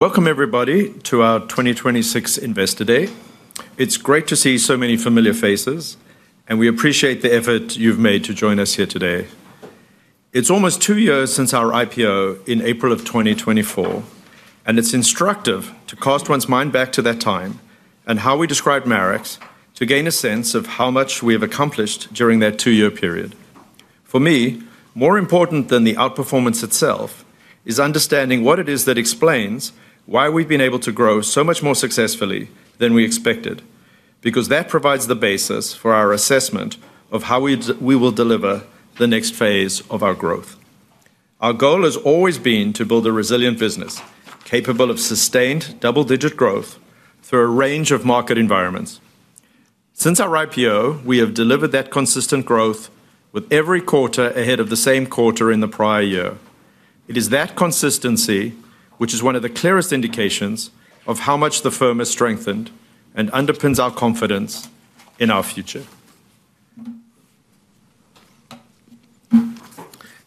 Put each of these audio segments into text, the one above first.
Welcome everybody to our 2026 Investor Day. It's great to see so many familiar faces, and we appreciate the effort you've made to join us here today. It's almost two years since our IPO in April 2024, and it's instructive to cast one's mind back to that time and how we describe Marex to gain a sense of how much we have accomplished during that two-year period. For me, more important than the outperformance itself is understanding what it is that explains why we've been able to grow so much more successfully than we expected, because that provides the basis for our assessment of how we will deliver the next phase of our growth. Our goal has always been to build a resilient business, capable of sustained double-digit growth through a range of market environments. Since our IPO, we have delivered that consistent growth with every quarter ahead of the same quarter in the prior year. It is that consistency, which is one of the clearest indications of how much the firm has strengthened and underpins our confidence in our future.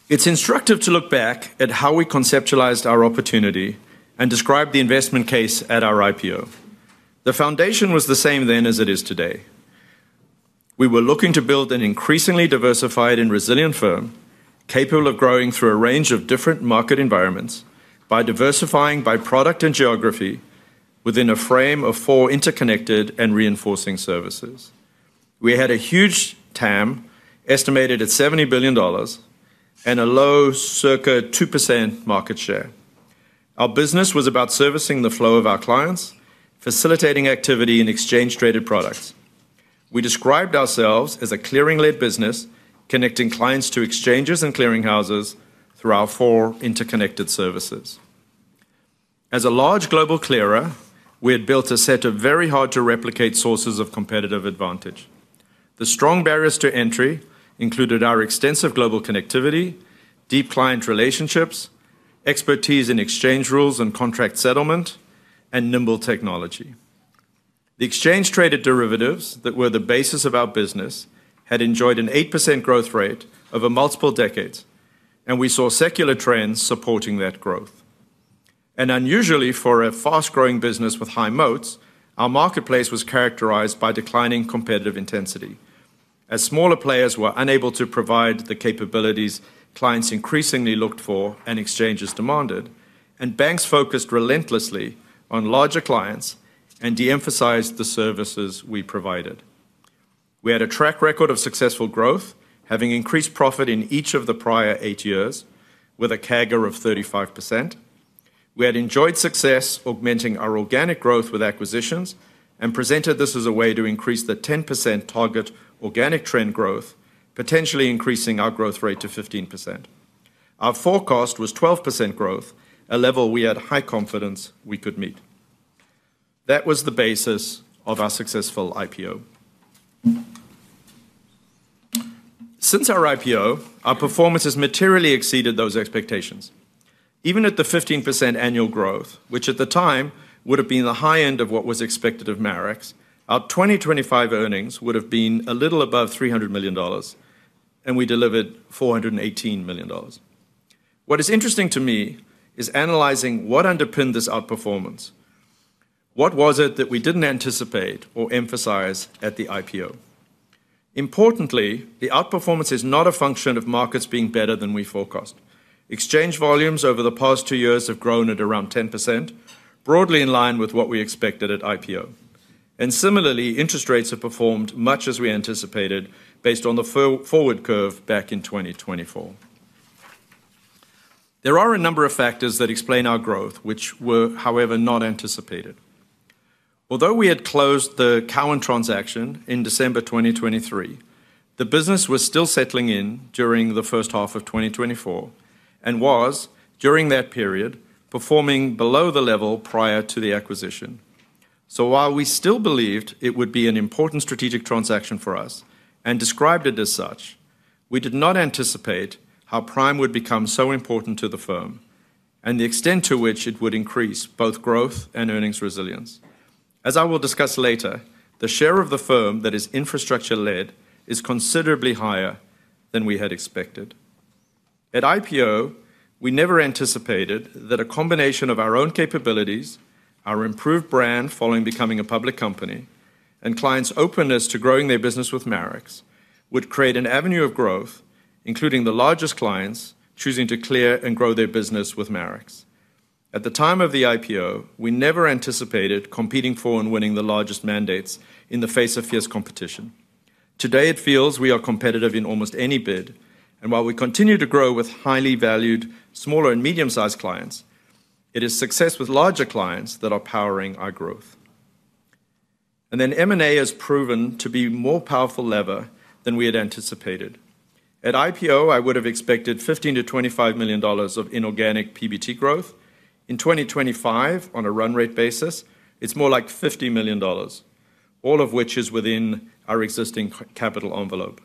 It's instructive to look back at how we conceptualized our opportunity and described the investment case at our IPO. The foundation was the same then as it is today. We were looking to build an increasingly diversified and resilient firm, capable of growing through a range of different market environments by diversifying by product and geography within a frame of four interconnected and reinforcing services. We had a huge TAM, estimated at $70 billion and a low circa 2% market share. Our business was about servicing the flow of our clients, facilitating activity in exchange traded products. We described ourselves as a clearing-led business, connecting clients to exchanges and clearing houses through our four interconnected services. As a large global clearer, we had built a set of very hard to replicate sources of competitive advantage. The strong barriers to entry included our extensive global connectivity, deep client relationships, expertise in exchange rules and contract settlement, and nimble technology. The exchange traded derivatives that were the basis of our business had enjoyed an 8% growth rate over multiple decades, and we saw secular trends supporting that growth. Unusually for a fast-growing business with high moats, our marketplace was characterized by declining competitive intensity. As smaller players were unable to provide the capabilities clients increasingly looked for and exchanges demanded, and banks focused relentlessly on larger clients and de-emphasized the services we provided. We had a track record of successful growth, having increased profit in each of the prior eight years with a CAGR of 35%. We had enjoyed success augmenting our organic growth with acquisitions and presented this as a way to increase the 10% target organic trend growth, potentially increasing our growth rate to 15%. Our forecast was 12% growth, a level we had high confidence we could meet. That was the basis of our successful IPO. Since our IPO, our performance has materially exceeded those expectations. Even at the 15% annual growth, which at the time would have been the high end of what was expected of Marex, our 2025 earnings would have been a little above $300 million, and we delivered $418 million. What is interesting to me is analyzing what underpinned this outperformance. What was it that we didn't anticipate or emphasize at the IPO? Importantly, the outperformance is not a function of markets being better than we forecast. Exchange volumes over the past two years have grown at around 10%, broadly in line with what we expected at IPO. Similarly, interest rates have performed much as we anticipated based on the forward curve back in 2024. There are a number of factors that explain our growth, which were, however, not anticipated. Although we had closed the Cowen transaction in December 2023, the business was still settling in during the first half of 2024, and was, during that period, performing below the level prior to the acquisition. While we still believed it would be an important strategic transaction for us and described it as such, we did not anticipate how Prime would become so important to the firm and the extent to which it would increase both growth and earnings resilience. As I will discuss later, the share of the firm that is infrastructure-led is considerably higher than we had expected. At IPO, we never anticipated that a combination of our own capabilities, our improved brand following becoming a public company, and clients' openness to growing their business with Marex would create an avenue of growth, including the largest clients choosing to clear and grow their business with Marex. At the time of the IPO, we never anticipated competing for and winning the largest mandates in the face of fierce competition. Today, it feels we are competitive in almost any bid, and while we continue to grow with highly valued smaller and medium-sized clients, it is success with larger clients that are powering our growth. M&A has proven to be more powerful lever than we had anticipated. At IPO, I would have expected $15 million-$25 million of inorganic PBT growth. In 2025, on a run rate basis, it's more like $50 million. All of which is within our existing capital envelope.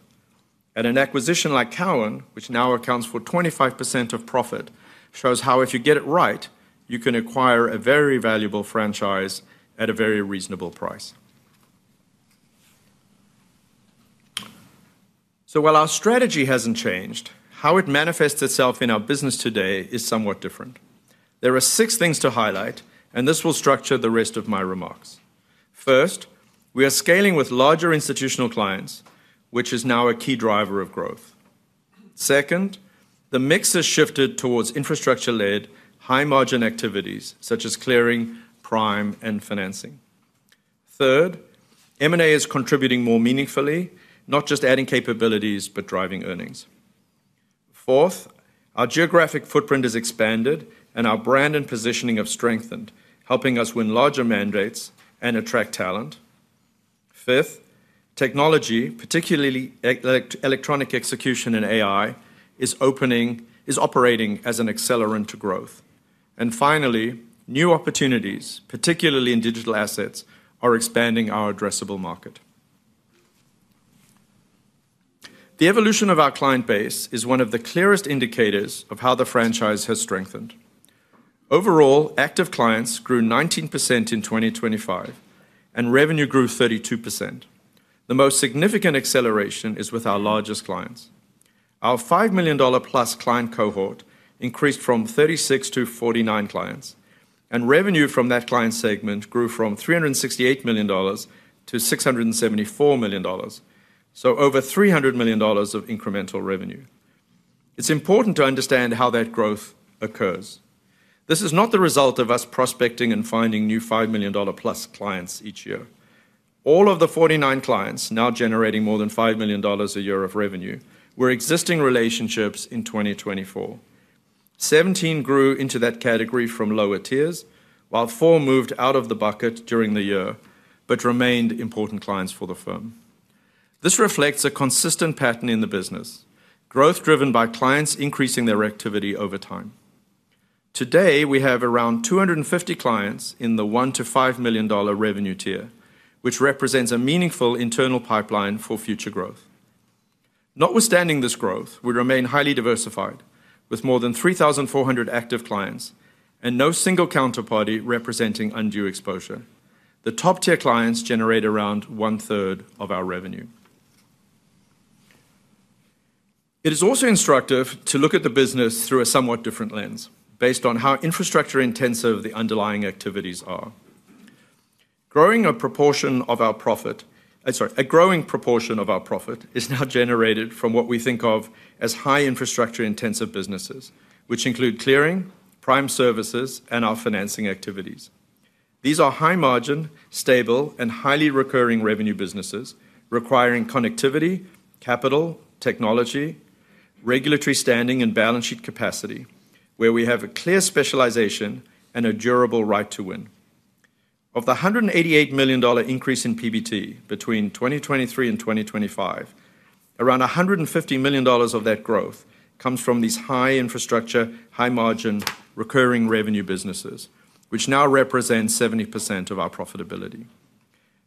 At an acquisition like Cowen, which now accounts for 25% of profit, shows how if you get it right, you can acquire a very valuable franchise at a very reasonable price. While our strategy hasn't changed, how it manifests itself in our business today is somewhat different. There are six things to highlight, and this will structure the rest of my remarks. First, we are scaling with larger institutional clients, which is now a key driver of growth. Second, the mix has shifted towards infrastructure-led high margin activities such as clearing, prime, and financing. Third, M&A is contributing more meaningfully, not just adding capabilities, but driving earnings. Fourth, our geographic footprint has expanded and our brand and positioning have strengthened, helping us win larger mandates and attract talent. Fifth, technology, particularly electronic execution and AI, is operating as an accelerant to growth. Finally, new opportunities, particularly in digital assets, are expanding our addressable market. The evolution of our client base is one of the clearest indicators of how the franchise has strengthened. Overall, active clients grew 19% in 2025, and revenue grew 32%. The most significant acceleration is with our largest clients. Our $5 million+ client cohort increased from 36-49 clients, and revenue from that client segment grew from $368 million to $674 million, so over $300 million of incremental revenue. It's important to understand how that growth occurs. This is not the result of us prospecting and finding new $5 million+ clients each year. All of the 49 clients now generating more than $5 million a year of revenue were existing relationships in 2024. Seventeen grew into that category from lower tiers, while four moved out of the bucket during the year but remained important clients for the firm. This reflects a consistent pattern in the business, growth driven by clients increasing their activity over time. Today, we have around 250 clients in the $1 million-$5 million revenue tier, which represents a meaningful internal pipeline for future growth. Notwithstanding this growth, we remain highly diversified with more than 3,400 active clients and no single counterparty representing undue exposure. The top-tier clients generate around one-third of our revenue. It is also instructive to look at the business through a somewhat different lens based on how infrastructure-intensive the underlying activities are. A growing proportion of our profit is now generated from what we think of as high infrastructure-intensive businesses, which include clearing, prime services, and our financing activities. These are high margin, stable, and highly recurring revenue businesses requiring connectivity, capital, technology, regulatory standing, and balance sheet capacity where we have a clear specialization and a durable right to win. Of the $188 million increase in PBT between 2023 and 2025, around $150 million of that growth comes from these high infrastructure, high margin recurring revenue businesses, which now represent 70% of our profitability.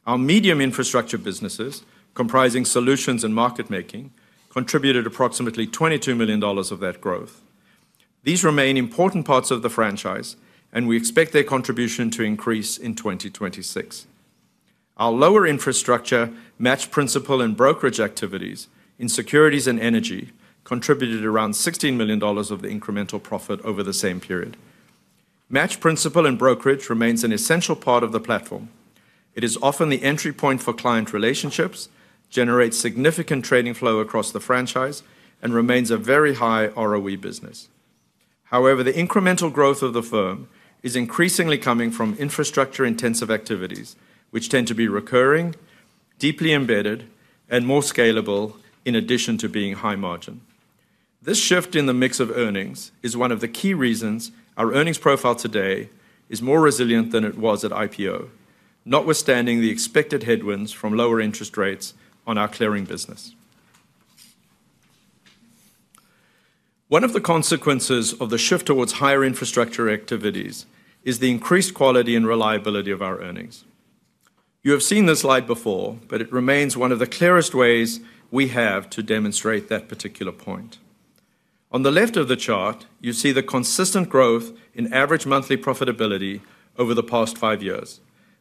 Our medium infrastructure businesses, comprising solutions and market making, contributed approximately $22 million of that growth. These remain important parts of the franchise, and we expect their contribution to increase in 2026. Our lower infrastructure matched principal and brokerage activities in securities and energy contributed around $16 million of the incremental profit over the same period. Matched principal and brokerage remains an essential part of the platform. It is often the entry point for client relationships, generates significant trading flow across the franchise, and remains a very high ROE business. However, the incremental growth of the firm is increasingly coming from infrastructure-intensive activities, which tend to be recurring, deeply embedded, and more scalable in addition to being high margin. This shift in the mix of earnings is one of the key reasons our earnings profile today is more resilient than it was at IPO, notwithstanding the expected headwinds from lower interest rates on our clearing business. One of the consequences of the shift towards higher infrastructure activities is the increased quality and reliability of our earnings. You have seen this slide before, but it remains one of the clearest ways we have to demonstrate that particular point. On the left of the chart, you see the consistent growth in average monthly profitability over the past five years,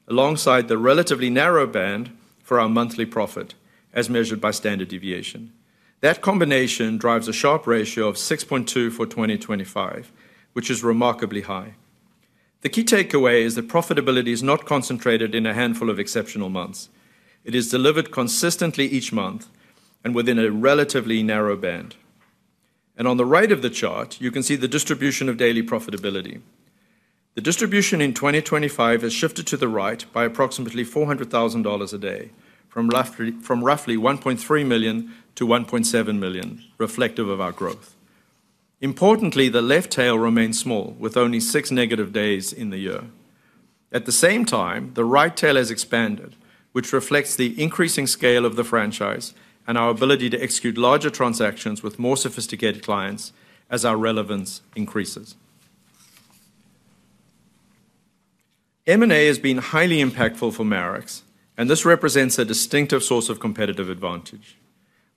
alongside the relatively narrow band for our monthly profit as measured by standard deviation. That combination drives a Sharpe ratio of 6.2 for 2025, which is remarkably high. The key takeaway is that profitability is not concentrated in a handful of exceptional months. It is delivered consistently each month and within a relatively narrow band. On the right of the chart, you can see the distribution of daily profitability. The distribution in 2025 has shifted to the right by approximately $400,000 a day from roughly $1.3 million-$1.7 million, reflective of our growth. Importantly, the left tail remains small with only six negative days in the year. At the same time, the right tail has expanded, which reflects the increasing scale of the franchise and our ability to execute larger transactions with more sophisticated clients as our relevance increases. M&A has been highly impactful for Marex, and this represents a distinctive source of competitive advantage.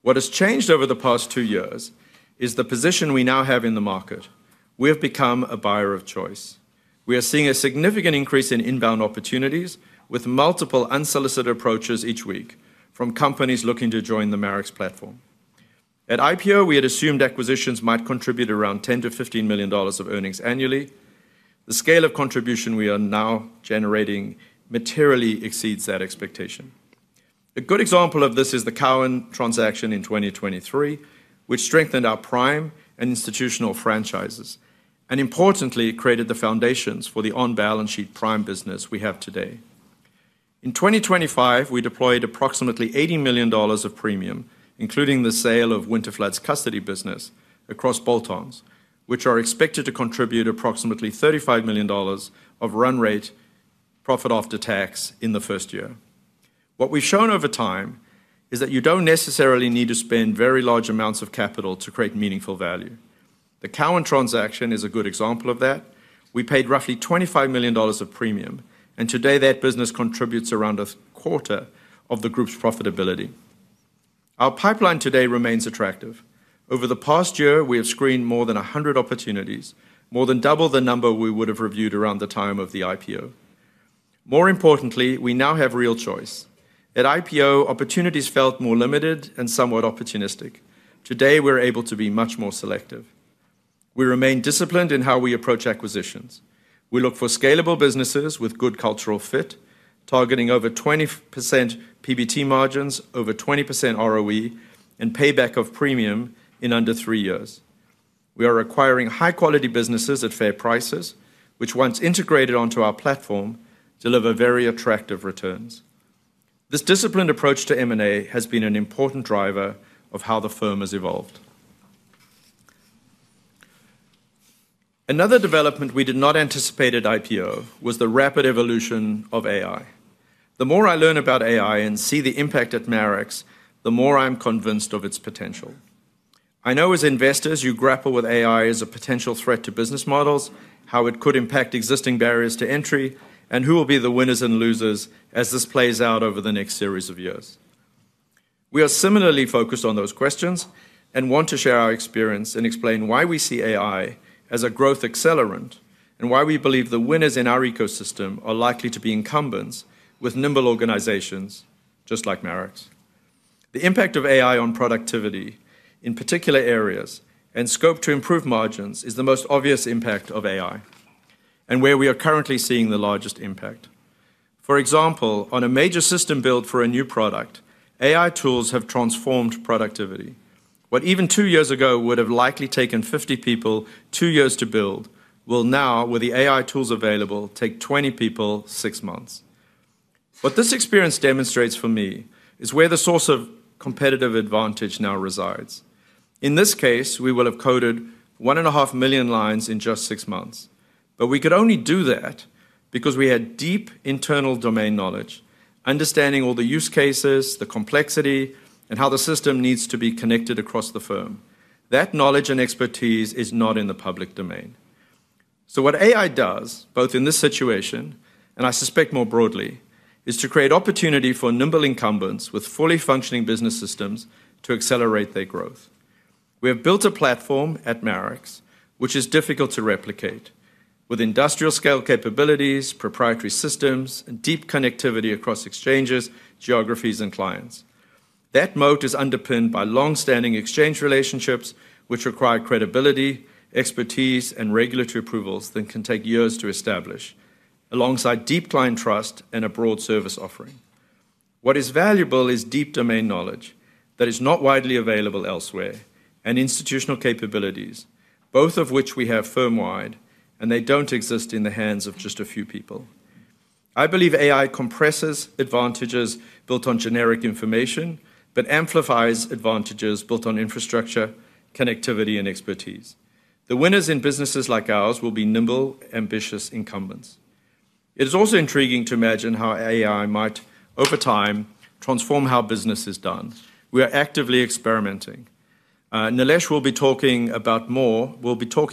What has changed over the past two years is the position we now have in the market. We have become a buyer of choice. We are seeing a significant increase in inbound opportunities with multiple unsolicited approaches each week from companies looking to join the Marex platform. At IPO, we had assumed acquisitions might contribute around $10 million-$15 million of earnings annually. The scale of contribution we are now generating materially exceeds that expectation. A good example of this is the Cowen transaction in 2023, which strengthened our prime and institutional franchises, and importantly, created the foundations for the on-balance sheet prime business we have today. In 2025, we deployed approximately $80 million of premium, including the sale of Winterflood's custody business across bolt-ons, which are expected to contribute approximately $35 million of run rate profit after tax in the first year. What we've shown over time is that you don't necessarily need to spend very large amounts of capital to create meaningful value. The Cowen transaction is a good example of that. We paid roughly $25 million of premium, and today that business contributes around a quarter of the group's profitability. Our pipeline today remains attractive. Over the past year, we have screened more than 100 opportunities, more than double the number we would have reviewed around the time of the IPO. More importantly, we now have real choice. At IPO, opportunities felt more limited and somewhat opportunistic. Today, we're able to be much more selective. We remain disciplined in how we approach acquisitions. We look for scalable businesses with good cultural fit, targeting over 20% PBT margins, over 20% ROE, and payback of premium in under three years. We are acquiring high-quality businesses at fair prices, which once integrated onto our platform, deliver very attractive returns. This disciplined approach to M&A has been an important driver of how the firm has evolved. Another development we did not anticipate at IPO was the rapid evolution of AI. The more I learn about AI and see the impact at Marex, the more I'm convinced of its potential. I know as investors, you grapple with AI as a potential threat to business models, how it could impact existing barriers to entry, and who will be the winners and losers as this plays out over the next series of years. We are similarly focused on those questions and want to share our experience and explain why we see AI as a growth accelerant and why we believe the winners in our ecosystem are likely to be incumbents with nimble organizations just like Marex. The impact of AI on productivity in particular areas and scope to improve margins is the most obvious impact of AI and where we are currently seeing the largest impact. For example, on a major system build for a new product, AI tools have transformed productivity. What even two years ago would have likely taken 50 people two years to build will now, with the AI tools available, take 20 people six months. What this experience demonstrates for me is where the source of competitive advantage now resides. In this case, we will have coded 1.5 million lines in just six months. We could only do that because we had deep internal domain knowledge, understanding all the use cases, the complexity, and how the system needs to be connected across the firm. That knowledge and expertise is not in the public domain. What AI does, both in this situation and I suspect more broadly, is to create opportunity for nimble incumbents with fully functioning business systems to accelerate their growth. We have built a platform at Marex, which is difficult to replicate, with industrial scale capabilities, proprietary systems, and deep connectivity across exchanges, geographies, and clients. That moat is underpinned by long-standing exchange relationships which require credibility, expertise, and regulatory approvals that can take years to establish, alongside deep client trust and a broad service offering. What is valuable is deep domain knowledge that is not widely available elsewhere and institutional capabilities, both of which we have firm-wide, and they don't exist in the hands of just a few people. I believe AI compresses advantages built on generic information but amplifies advantages built on infrastructure, connectivity, and expertise. The winners in businesses like ours will be nimble, ambitious incumbents. It is also intriguing to imagine how AI might, over time, transform how business is done. We are actively experimenting. Nilesh will be talking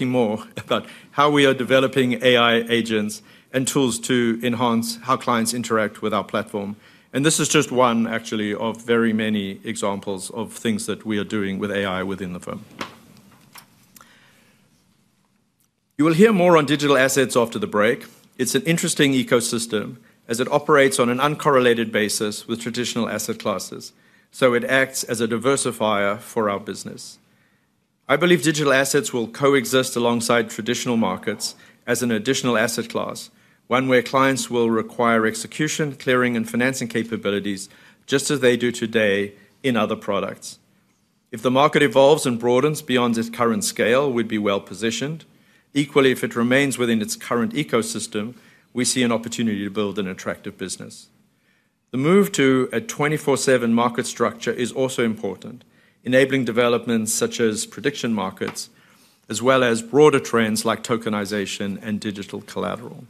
more about how we are developing AI agents and tools to enhance how clients interact with our platform. This is just one actually of very many examples of things that we are doing with AI within the firm. You will hear more on digital assets after the break. It's an interesting ecosystem as it operates on an uncorrelated basis with traditional asset classes, so it acts as a diversifier for our business. I believe digital assets will coexist alongside traditional markets as an additional asset class, one where clients will require execution, clearing, and financing capabilities, just as they do today in other products. If the market evolves and broadens beyond its current scale, we'd be well-positioned. Equally, if it remains within its current ecosystem, we see an opportunity to build an attractive business. The move to a 24/7 market structure is also important, enabling developments such as prediction markets, as well as broader trends like tokenization and digital collateral.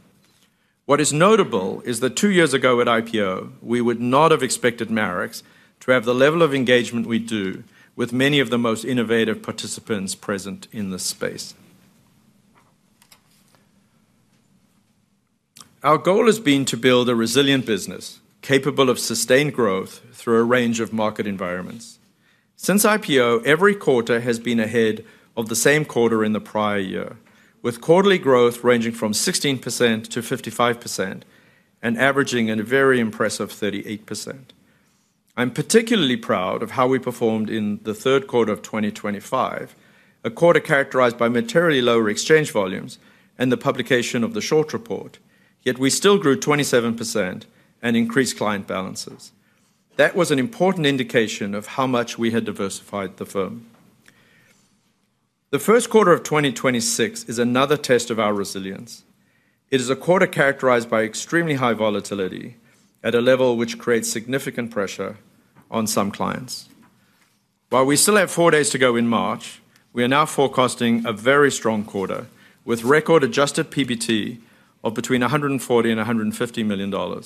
What is notable is that two years ago at IPO, we would not have expected Marex to have the level of engagement we do with many of the most innovative participants present in this space. Our goal has been to build a resilient business capable of sustained growth through a range of market environments. Since IPO, every quarter has been ahead of the same quarter in the prior year, with quarterly growth ranging from 16%-55% and averaging at a very impressive 38%. I'm particularly proud of how we performed in the third quarter of 2025, a quarter characterized by materially lower exchange volumes and the publication of the short report, yet we still grew 27% and increased client balances. That was an important indication of how much we had diversified the firm. The first quarter of 2026 is another test of our resilience. It is a quarter characterized by extremely high volatility at a level which creates significant pressure on some clients. While we still have four days to go in March, we are now forecasting a very strong quarter with record adjusted PBT of between $140 million and $150 million,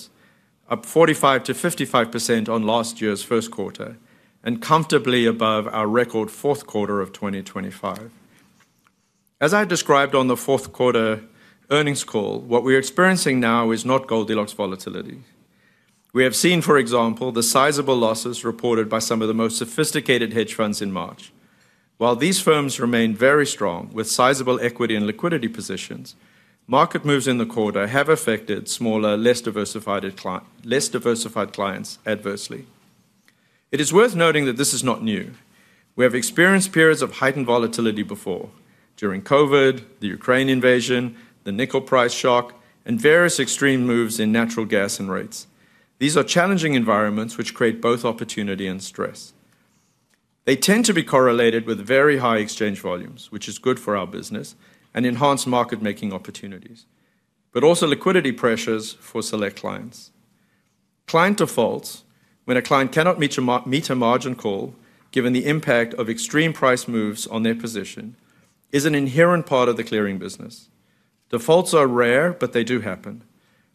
up 45%-55% on last year's first quarter and comfortably above our record fourth quarter of 2025. As I described on the fourth quarter earnings call, what we're experiencing now is not Goldilocks volatility. We have seen, for example, the sizable losses reported by some of the most sophisticated hedge funds in March. While these firms remain very strong with sizable equity and liquidity positions, market moves in the quarter have affected smaller, less diversified clients adversely. It is worth noting that this is not new. We have experienced periods of heightened volatility before, during COVID, the Ukraine invasion, the nickel price shock, and various extreme moves in natural gas and rates. These are challenging environments which create both opportunity and stress. They tend to be correlated with very high exchange volumes, which is good for our business and enhance market making opportunities, but also liquidity pressures for select clients. Client defaults, when a client cannot meet a margin call, given the impact of extreme price moves on their position, is an inherent part of the clearing business. Defaults are rare, but they do happen.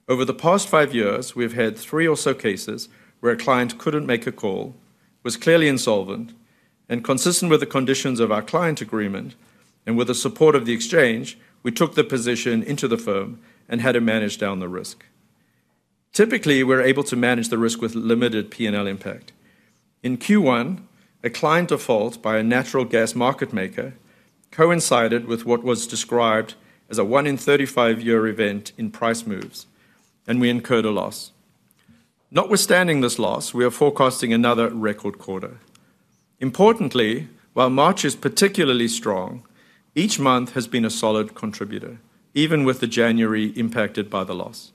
Over the past five years, we've had three or so cases where a client couldn't make a call, was clearly insolvent, and consistent with the conditions of our client agreement, and with the support of the exchange, we took the position into the firm and had to manage down the risk. Typically, we're able to manage the risk with limited P&L impact. In Q1, a client default by a natural gas market maker coincided with what was described as a one 1 in 35-year event in price moves, and we incurred a loss. Notwithstanding this loss, we are forecasting another record quarter. Importantly, while March is particularly strong, each month has been a solid contributor, even with the January impacted by the loss.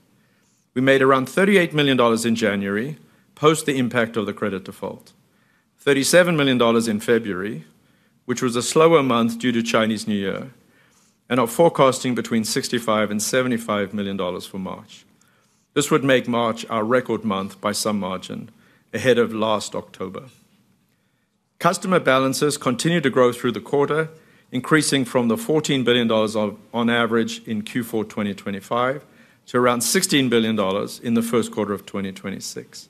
We made around $38 million in January post the impact of the credit default. $37 million in February, which was a slower month due to Chinese New Year, and are forecasting between $65 million and $75 million for March. This would make March our record month by some margin ahead of last October. Customer balances continued to grow through the quarter, increasing from the $14 billion on average in Q4 2025 to around $16 billion in the first quarter of 2026.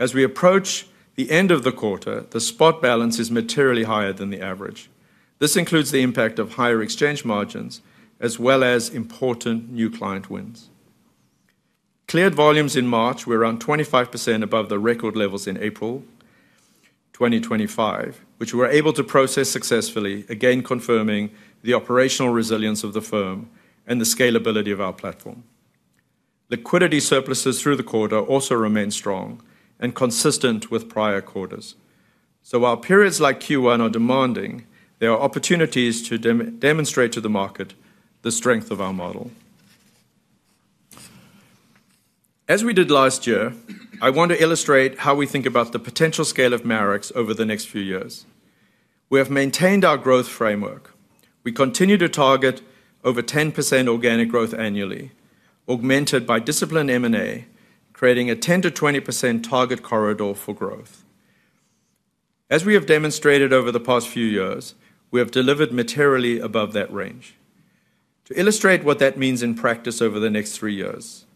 As we approach the end of the quarter, the spot balance is materially higher than the average. This includes the impact of higher exchange margins as well as important new client wins. Cleared volumes in March were around 25% above the record levels in April 2025, which we were able to process successfully, again confirming the operational resilience of the firm and the scalability of our platform. Liquidity surpluses through the quarter also remain strong and consistent with prior quarters. While periods like Q1 are demanding, there are opportunities to re-demonstrate to the market the strength of our model. As we did last year, I want to illustrate how we think about the potential scale of Marex over the next few years. We have maintained our growth framework. We continue to target over 10% organic growth annually, augmented by disciplined M&A, creating a 10%-20% target corridor for growth. As we have demonstrated over the past few years, we have delivered materially above that range. To illustrate what that means in practice over the next three years,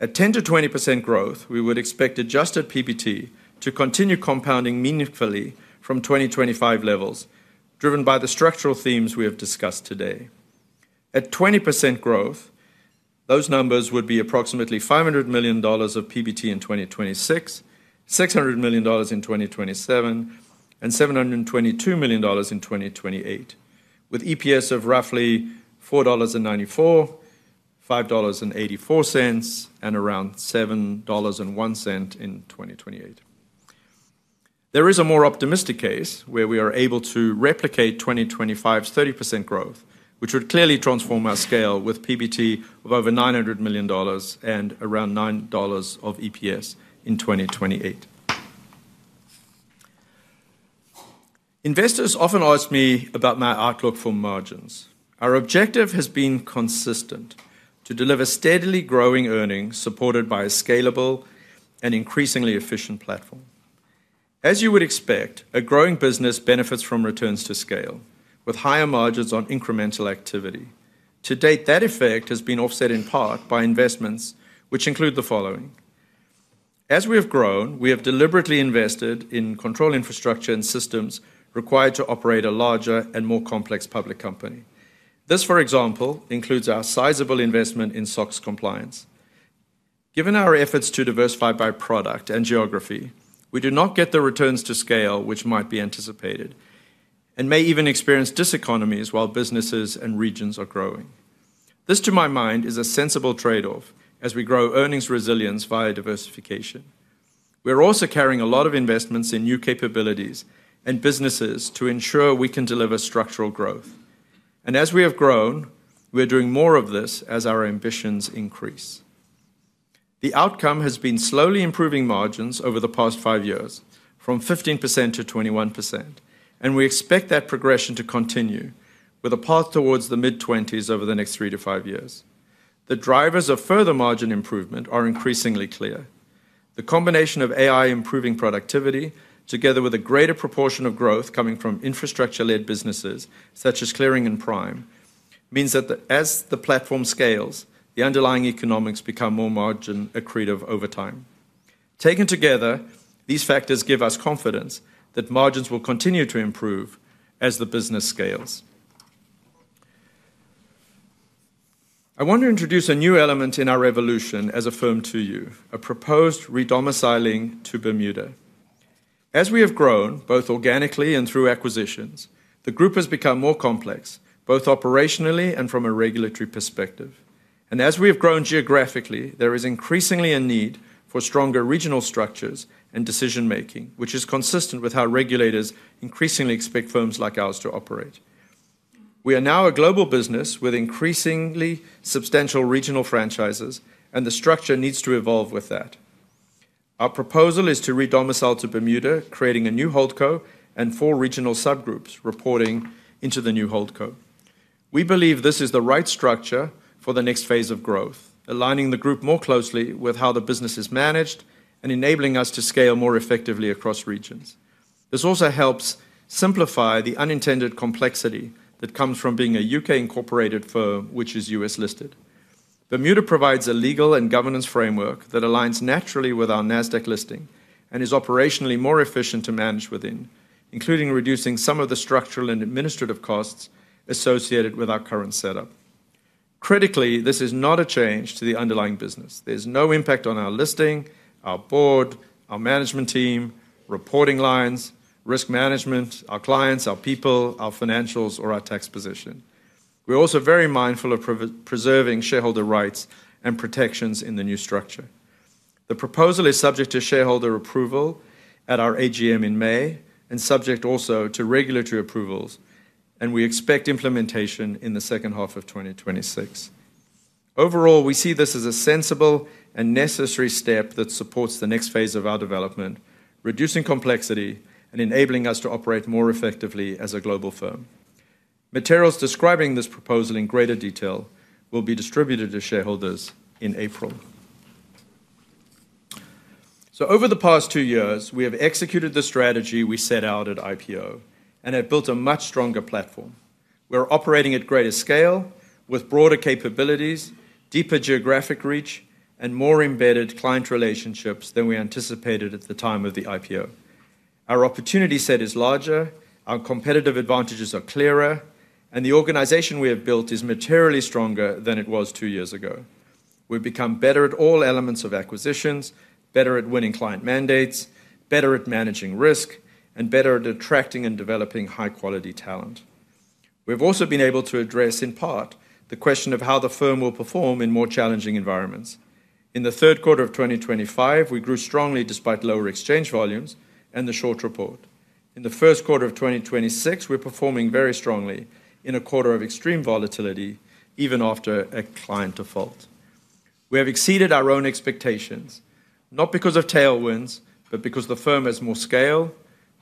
at 10%-20% growth, we would expect adjusted PBT to continue compounding meaningfully from 2025 levels driven by the structural themes we have discussed today. At 20% growth, those numbers would be approximately $500 million of PBT in 2026, $600 million in 2027, and $722 million in 2028, with EPS of roughly $4.94, $5.84, and around $7.01 in 2028. There is a more optimistic case where we are able to replicate 2025's 30% growth, which would clearly transform our scale with PBT of over $900 million and around $9 of EPS in 2028. Investors often ask me about my outlook for margins. Our objective has been consistent, to deliver steadily growing earnings supported by a scalable and increasingly efficient platform. As you would expect, a growing business benefits from returns to scale with higher margins on incremental activity. To date, that effect has been offset in part by investments which include the following. As we have grown, we have deliberately invested in control infrastructure and systems required to operate a larger and more complex public company. This, for example, includes our sizable investment in SOX compliance. Given our efforts to diversify by product and geography, we do not get the returns to scale which might be anticipated and may even experience diseconomies while businesses and regions are growing. This, to my mind, is a sensible trade-off as we grow earnings resilience via diversification. We're also carrying a lot of investments in new capabilities and businesses to ensure we can deliver structural growth. As we have grown, we're doing more of this as our ambitions increase. The outcome has been slowly improving margins over the past five years from 15% to 21%, and we expect that progression to continue with a path towards the mid-20s% over the next three to five years. The drivers of further margin improvement are increasingly clear. The combination of AI improving productivity, together with a greater proportion of growth coming from infrastructure-led businesses such as clearing and prime, means that as the platform scales, the underlying economics become more margin accretive over time. Taken together, these factors give us confidence that margins will continue to improve as the business scales. I want to introduce a new element in our evolution as a firm to you, a proposed re-domiciling to Bermuda. As we have grown, both organically and through acquisitions, the group has become more complex, both operationally and from a regulatory perspective. As we have grown geographically, there is increasingly a need for stronger regional structures and decision-making, which is consistent with how regulators increasingly expect firms like ours to operate. We are now a global business with increasingly substantial regional franchises, and the structure needs to evolve with that. Our proposal is to re-domicile to Bermuda, creating a new holdco and four regional subgroups reporting into the new holdco. We believe this is the right structure for the next phase of growth, aligning the group more closely with how the business is managed and enabling us to scale more effectively across regions. This also helps simplify the unintended complexity that comes from being a UK-incorporated firm which is U.S. listed. Bermuda provides a legal and governance framework that aligns naturally with our Nasdaq listing and is operationally more efficient to manage within, including reducing some of the structural and administrative costs associated with our current setup. Critically, this is not a change to the underlying business. There's no impact on our listing, our board, our management team, reporting lines, risk management, our clients, our people, our financials, or our tax position. We're also very mindful of preserving shareholder rights and protections in the new structure. The proposal is subject to shareholder approval at our AGM in May and subject also to regulatory approvals, and we expect implementation in the second half of 2026. Overall, we see this as a sensible and necessary step that supports the next phase of our development, reducing complexity and enabling us to operate more effectively as a global firm. Materials describing this proposal in greater detail will be distributed to shareholders in April. Over the past two years, we have executed the strategy we set out at IPO and have built a much stronger platform. We're operating at greater scale with broader capabilities, deeper geographic reach, and more embedded client relationships than we anticipated at the time of the IPO. Our opportunity set is larger, our competitive advantages are clearer, and the organization we have built is materially stronger than it was two years ago. We've become better at all elements of acquisitions, better at winning client mandates, better at managing risk, and better at attracting and developing high-quality talent. We've also been able to address, in part, the question of how the firm will perform in more challenging environments. In the third quarter of 2025, we grew strongly despite lower exchange volumes and the short report. In the first quarter of 2026, we're performing very strongly in a quarter of extreme volatility, even after a client default. We have exceeded our own expectations, not because of tailwinds, but because the firm has more scale,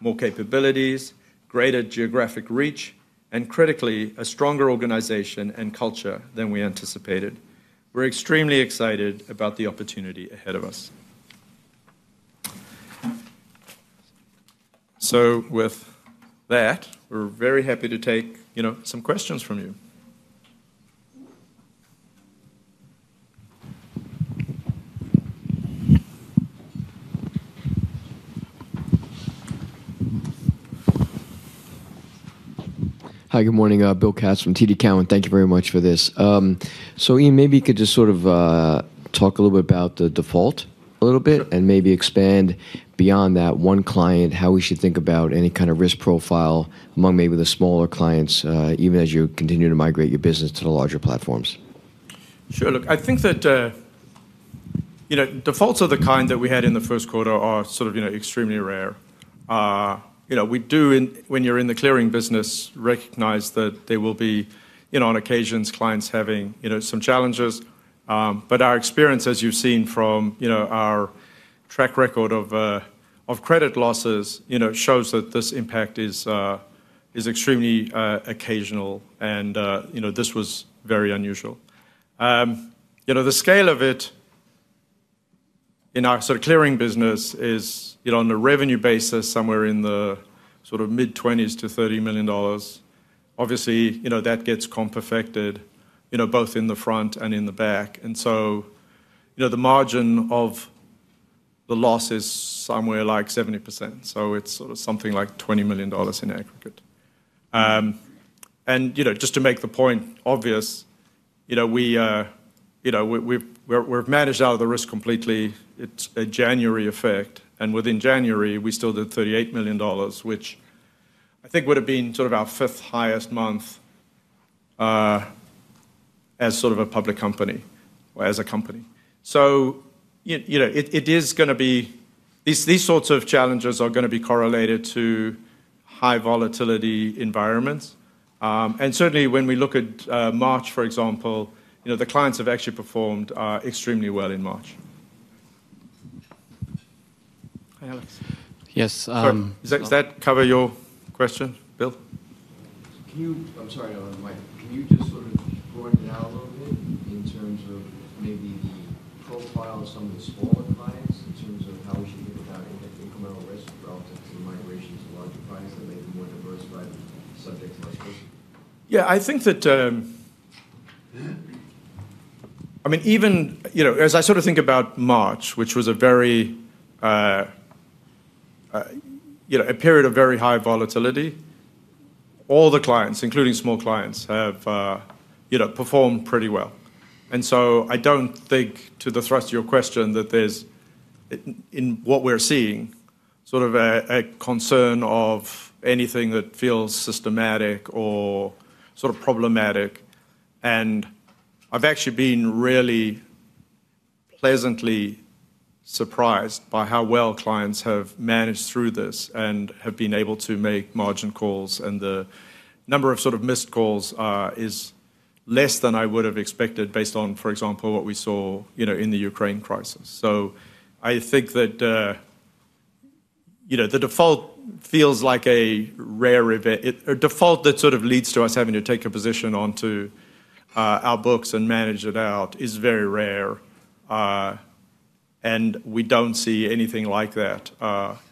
more capabilities, greater geographic reach, and critically, a stronger organization and culture than we anticipated. We're extremely excited about the opportunity ahead of us. With that, we're very happy to take, you know, some questions from you. Hi, good morning. Bill Katz from TD Cowen. Thank you very much for this. Ian, maybe you could just sort of talk a little bit about the default a little bit and maybe expand beyond that one client, how we should think about any kind of risk profile among maybe the smaller clients, even as you continue to migrate your business to the larger platforms. Sure. Look, I think that, you know, defaults of the kind that we had in the first quarter are sort of, you know, extremely rare. You know, we do, in the clearing business, recognize that there will be, you know, on occasions, clients having, you know, some challenges. Our experience, as you've seen from, you know, our track record of credit losses, you know, shows that this impact is extremely occasional and, you know, this was very unusual. You know, the scale of it in our sort of clearing business is, you know, on a revenue basis, somewhere in the sort of mid-$20 million to $30 million. Obviously, you know, that gets comp affected, you know, both in the front and in the back. You know, the margin of the loss is somewhere like 70%, so it's sort of something like $20 million in aggregate. You know, just to make the point obvious, you know, we're managed out of the risk completely. It's a January effect, and within January, we still did $38 million, which I think would've been sort of our fifth highest month as sort of a public company or as a company. You know, it is gonna be these sorts of challenges are gonna be correlated to high volatility environments. Certainly when we look at March, for example, you know, the clients have actually performed extremely well in March. Sorry. Does that cover your question, Bill? I'm sorry, I don't have a mic. Can you just sort of broaden it out a little bit in terms of maybe the profile of some of the smaller clients in terms of how we should think about incremental risk relative to migrations to larger clients that may be more diversified subject to migration? Yeah. I think that, I mean, even, you know, as I sort of think about March, which was a very, you know, a period of very high volatility, all the clients, including small clients, have, you know, performed pretty well. I don't think, to the thrust of your question, that there's in what we're seeing, sort of a concern of anything that feels systematic or sort of problematic. I've actually been really pleasantly surprised by how well clients have managed through this and have been able to make margin calls, and the number of sort of missed calls is less than I would've expected based on, for example, what we saw, you know, in the Ukraine crisis. I think that, you know, the default feels like a rare event. A default that sort of leads to us having to take a position onto our books and manage it out is very rare, and we don't see anything like that,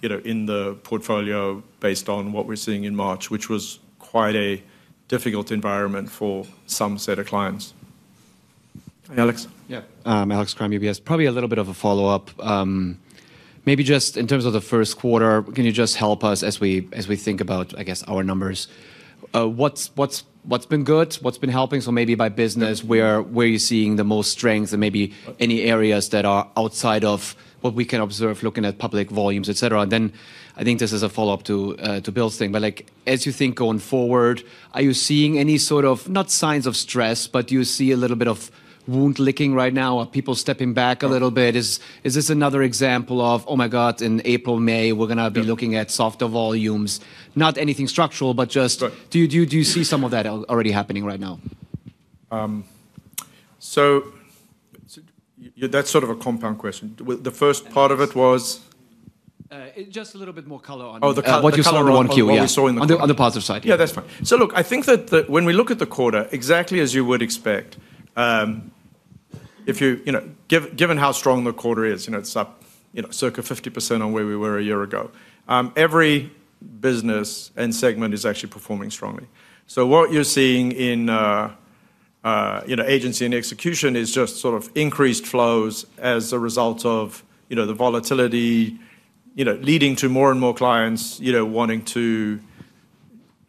you know, in the portfolio based on what we're seeing in March, which was quite a difficult environment for some set of clients. Hi, Alex. Yeah. Alex Kramm, UBS. Probably a little bit of a follow-up. Maybe just in terms of the first quarter, can you just help us as we think about, I guess, our numbers, what's been good? What's been helping? Maybe by business, where are you seeing the most strength and maybe any areas that are outside of what we can observe looking at public volumes, et cetera? I think this is a follow-up to Bill's thing, but, like, as you think going forward, are you seeing any sort of, not signs of stress, but do you see a little bit of wound licking right now? Are people stepping back a little bit? Is this another example of, "Oh my god, in April, May, we're gonna be looking at softer volumes"? Not anything structural, but just- Right. Do you see some of that already happening right now? That's sort of a compound question. Well, the first part of it was? Just a little bit more color on Oh, the color- What you saw on Q1, yeah. ...on what we saw in the quarter. On the positive side. Yeah, that's fine. Look, I think that when we look at the quarter, exactly as you would expect, if you know, given how strong the quarter is, you know, it's up, you know, circa 50% on where we were a year ago, every business and segment is actually performing strongly. What you're seeing in Agency and Execution is just sort of increased flows as a result of, you know, the volatility, you know, leading to more and more clients, you know, wanting to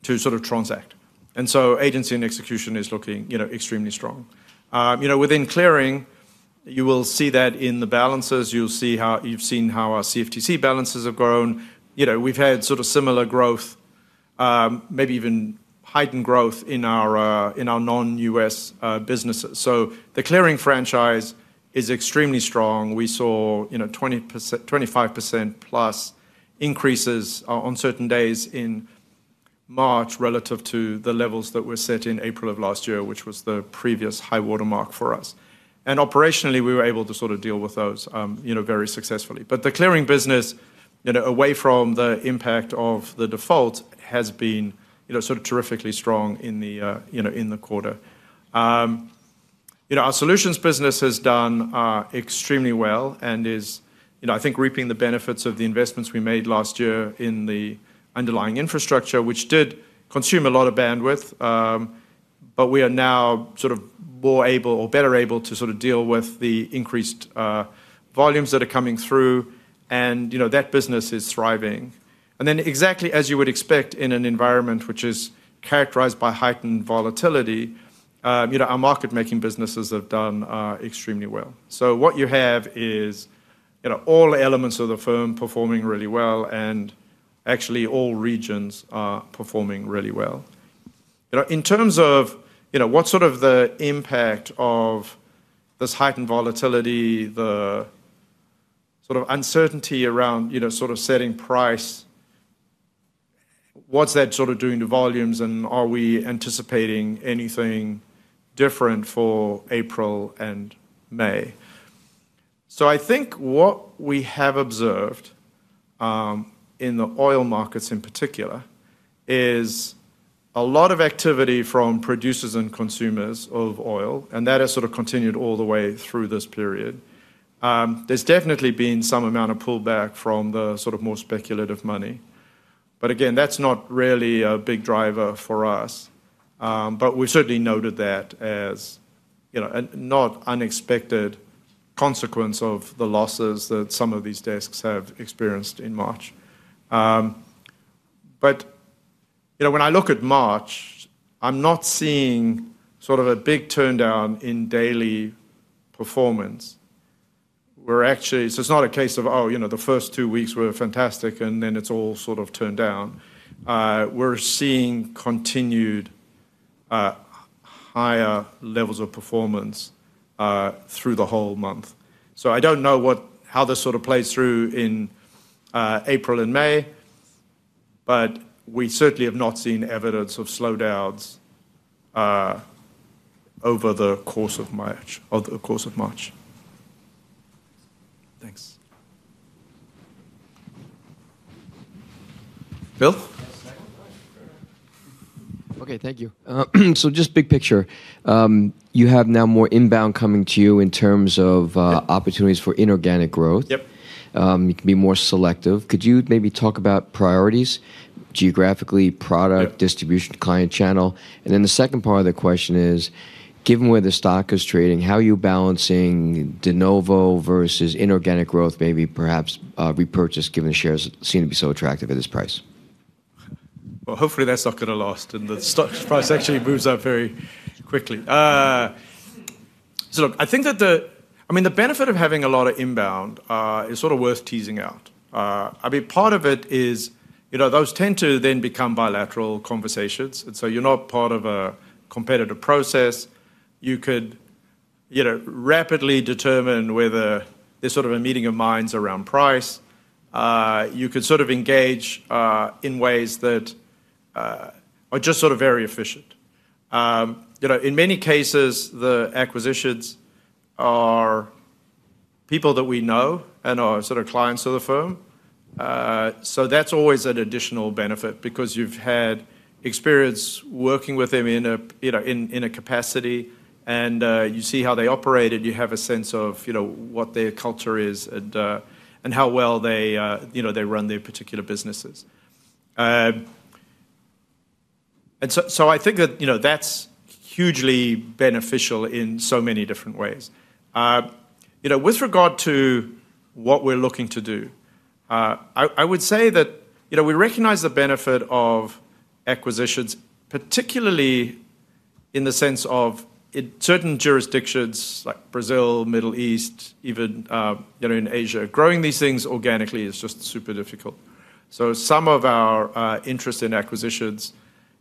sort of transact. Agency and Execution is looking, you know, extremely strong. Within clearing, you will see that in the balances. You'll see how. You've seen how our CFTC balances have grown. You know, we've had sort of similar growth, maybe even heightened growth in our, in our non-U.S., businesses. The clearing franchise is extremely strong. We saw, you know, 25%+ increases on certain days in March relative to the levels that were set in April of last year, which was the previous high watermark for us. Operationally, we were able to sort of deal with those, you know, very successfully. The clearing business, you know, away from the impact of the default has been, you know, sort of terrifically strong in the, you know, in the quarter. You know, our solutions business has done extremely well and is, you know, I think reaping the benefits of the investments we made last year in the underlying infrastructure, which did consume a lot of bandwidth, but we are now sort of more able or better able to sort of deal with the increased volumes that are coming through, and, you know, that business is thriving. Exactly as you would expect in an environment which is characterized by heightened volatility, you know, our market-making businesses have done extremely well. What you have is, you know, all elements of the firm performing really well, and actually all regions are performing really well. You know, in terms of, you know, what sort of the impact of this heightened volatility, the sort of uncertainty around, you know, sort of setting price, what's that sort of doing to volumes, and are we anticipating anything different for April and May? I think what we have observed, in the oil markets in particular, is a lot of activity from producers and consumers of oil, and that has sort of continued all the way through this period. There's definitely been some amount of pullback from the sort of more speculative money. Again, that's not really a big driver for us. You know, when I look at March, I'm not seeing sort of a big turndown in daily performance. It's not a case of, oh, you know, the first two weeks were fantastic, and then it's all sort of turned down. We're seeing continued higher levels of performance through the whole month. I don't know how this sort of plays through in April and May, but we certainly have not seen evidence of slowdowns over the course of March. Thanks. Bill? Yes, second one. All right. Okay, thank you. Just big picture. You have now more inbound coming to you in terms of, Yep. opportunities for inorganic growth. Yep. You can be more selective. Could you maybe talk about priorities geographically? Yep.... product distribution, client channel? Then the second part of the question is, given where the stock is trading, how are you balancing de novo versus inorganic growth, maybe perhaps, repurchase, given the shares seem to be so attractive at this price? Well, hopefully, that's not gonna last, and the stock price actually moves up very quickly. Look, I think that the benefit of having a lot of inbound is sort of worth teasing out. I mean, part of it is, you know, those tend to then become bilateral conversations. You're not part of a competitive process. You could, you know, rapidly determine whether there's sort of a meeting of minds around price. You could sort of engage in ways that are just sort of very efficient. You know, in many cases, the acquisitions are people that we know and are sort of clients of the firm. That's always an additional benefit because you've had experience working with them in a you know capacity, and you see how they operate, and you have a sense of you know what their culture is and how well they you know run their particular businesses. I think that you know that's hugely beneficial in so many different ways. You know with regard to what we're looking to do I would say that you know we recognize the benefit of acquisitions, particularly in the sense of certain jurisdictions like Brazil, Middle East, even you know in Asia, growing these things organically is just super difficult. Some of our interest in acquisitions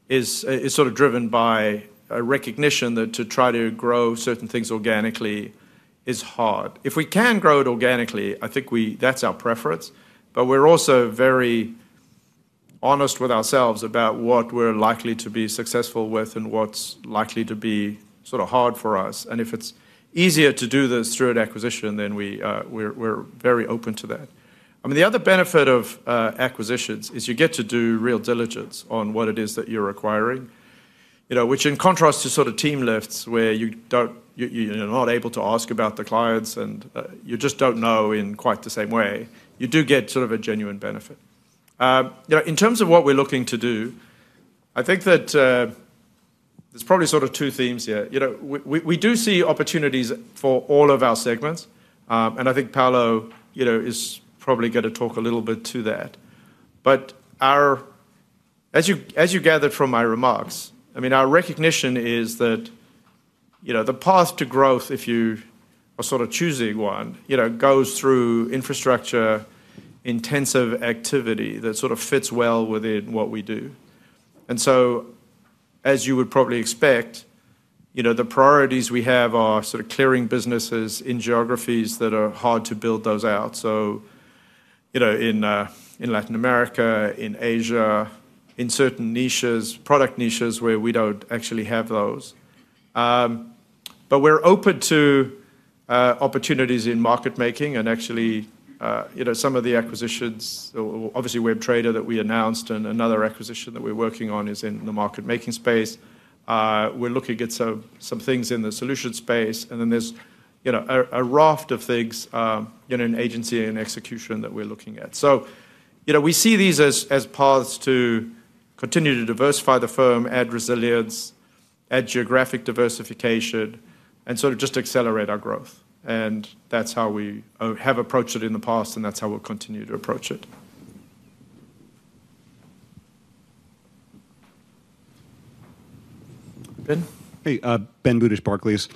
is sort of driven by a recognition that to try to grow certain things organically is hard. If we can grow it organically, I think that's our preference, but we're also very honest with ourselves about what we're likely to be successful with and what's likely to be sort of hard for us. If it's easier to do this through an acquisition, then we're very open to that. I mean, the other benefit of acquisitions is you get to do real diligence on what it is that you're acquiring, you know, which in contrast to sort of team lifts, where you don't. You're not able to ask about the clients and you just don't know in quite the same way. You do get sort of a genuine benefit. You know, in terms of what we're looking to do, I think that there's probably sort of two themes here. You know, we do see opportunities for all of our segments, and I think Paolo is probably gonna talk a little bit to that. As you gathered from my remarks, I mean, our recognition is that the path to growth, if you are sort of choosing one, goes through infrastructure-intensive activity that sort of fits well within what we do. As you would probably expect, the priorities we have are sort of clearing businesses in geographies that are hard to build those out. In Latin America, in Asia, in certain niches, product niches where we don't actually have those. We're open to opportunities in market making and actually you know some of the acquisitions or obviously Webb Traders that we announced and another acquisition that we're working on is in the market making space. We're looking at some things in the solution space, and then there's you know a raft of things in Agency and Execution that we're looking at. You know we see these as paths to continue to diversify the firm, add resilience, add geographic diversification, and sort of just accelerate our growth. That's how we have approached it in the past, and that's how we'll continue to approach it. Ben? Hey, Ben Budish, Barclays.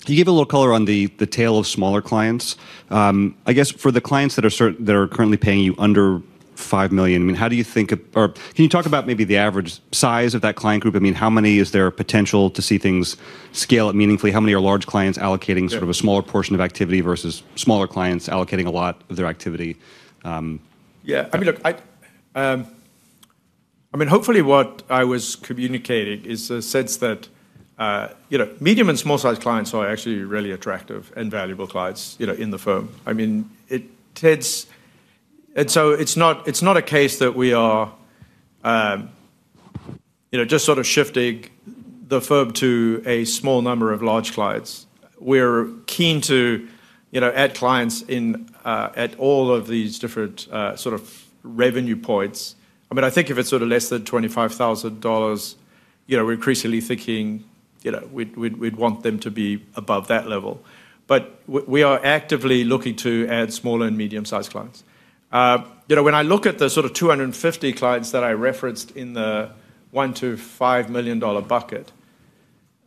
Can you give a little color on the tail of smaller clients? I guess for the clients that are currently paying you under $5 million, I mean, how do you think of. Can you talk about maybe the average size of that client group? I mean, how many is there a potential to see things scale up meaningfully? How many are large clients allocating- Yeah sort of a smaller portion of activity versus smaller clients allocating a lot of their activity. Yeah. I mean, look, I mean, hopefully, what I was communicating is a sense that, you know, medium and small-sized clients are actually really attractive and valuable clients, you know, in the firm. It's not a case that we are, you know, just sort of shifting the firm to a small number of large clients. We're keen to, you know, add clients in at all of these different sort of revenue points. I mean, I think if it's sort of less than $25,000, you know, we're increasingly thinking, you know, we'd want them to be above that level. We are actively looking to add small and medium-sized clients. You know, when I look at the sort of 250 clients that I referenced in the $1 million-$5 million bucket,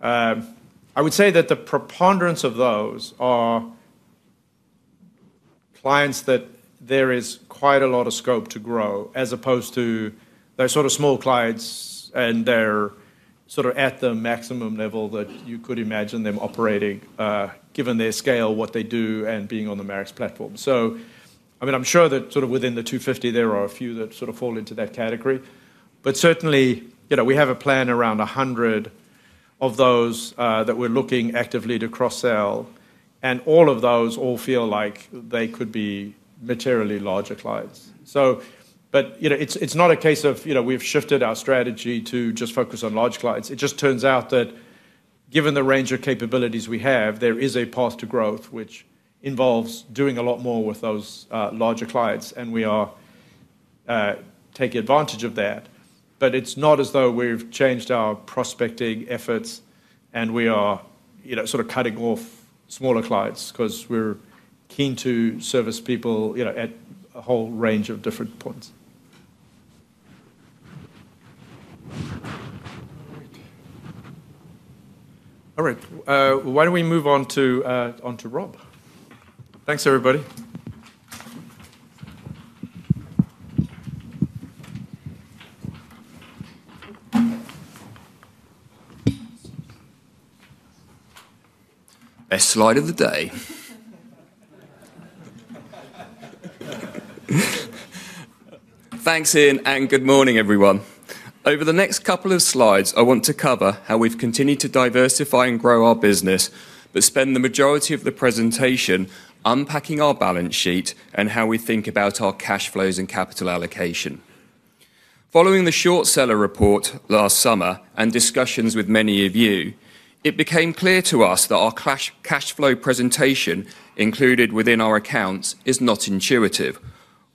I would say that the preponderance of those are clients that there is quite a lot of scope to grow, as opposed to those sort of small clients, and they're sort of at the maximum level that you could imagine them operating, given their scale, what they do, and being on the Marex platform. I mean, I'm sure that sort of within the 250 there are a few that sort of fall into that category. Certainly, you know, we have a plan around 100 of those, that we're looking actively to cross-sell, and all of those feel like they could be materially larger clients. It is not a case of, you know, we've shifted our strategy to just focus on large clients. It just turns out that given the range of capabilities we have, there is a path to growth which involves doing a lot more with those larger clients, and we are taking advantage of that. It is not as though we've changed our prospecting efforts and we are, you know, sort of cutting off smaller clients, 'cause we're keen to service people, you know, at a whole range of different points. All right. Why don't we move on to Rob. Thanks, everybody. Best slide of the day. Thanks, Ian, and good morning, everyone. Over the next couple of slides, I want to cover how we've continued to diversify and grow our business, but spend the majority of the presentation unpacking our balance sheet and how we think about our cash flows and capital allocation. Following the short seller report last summer and discussions with many of you, it became clear to us that our cash flow presentation included within our accounts is not intuitive.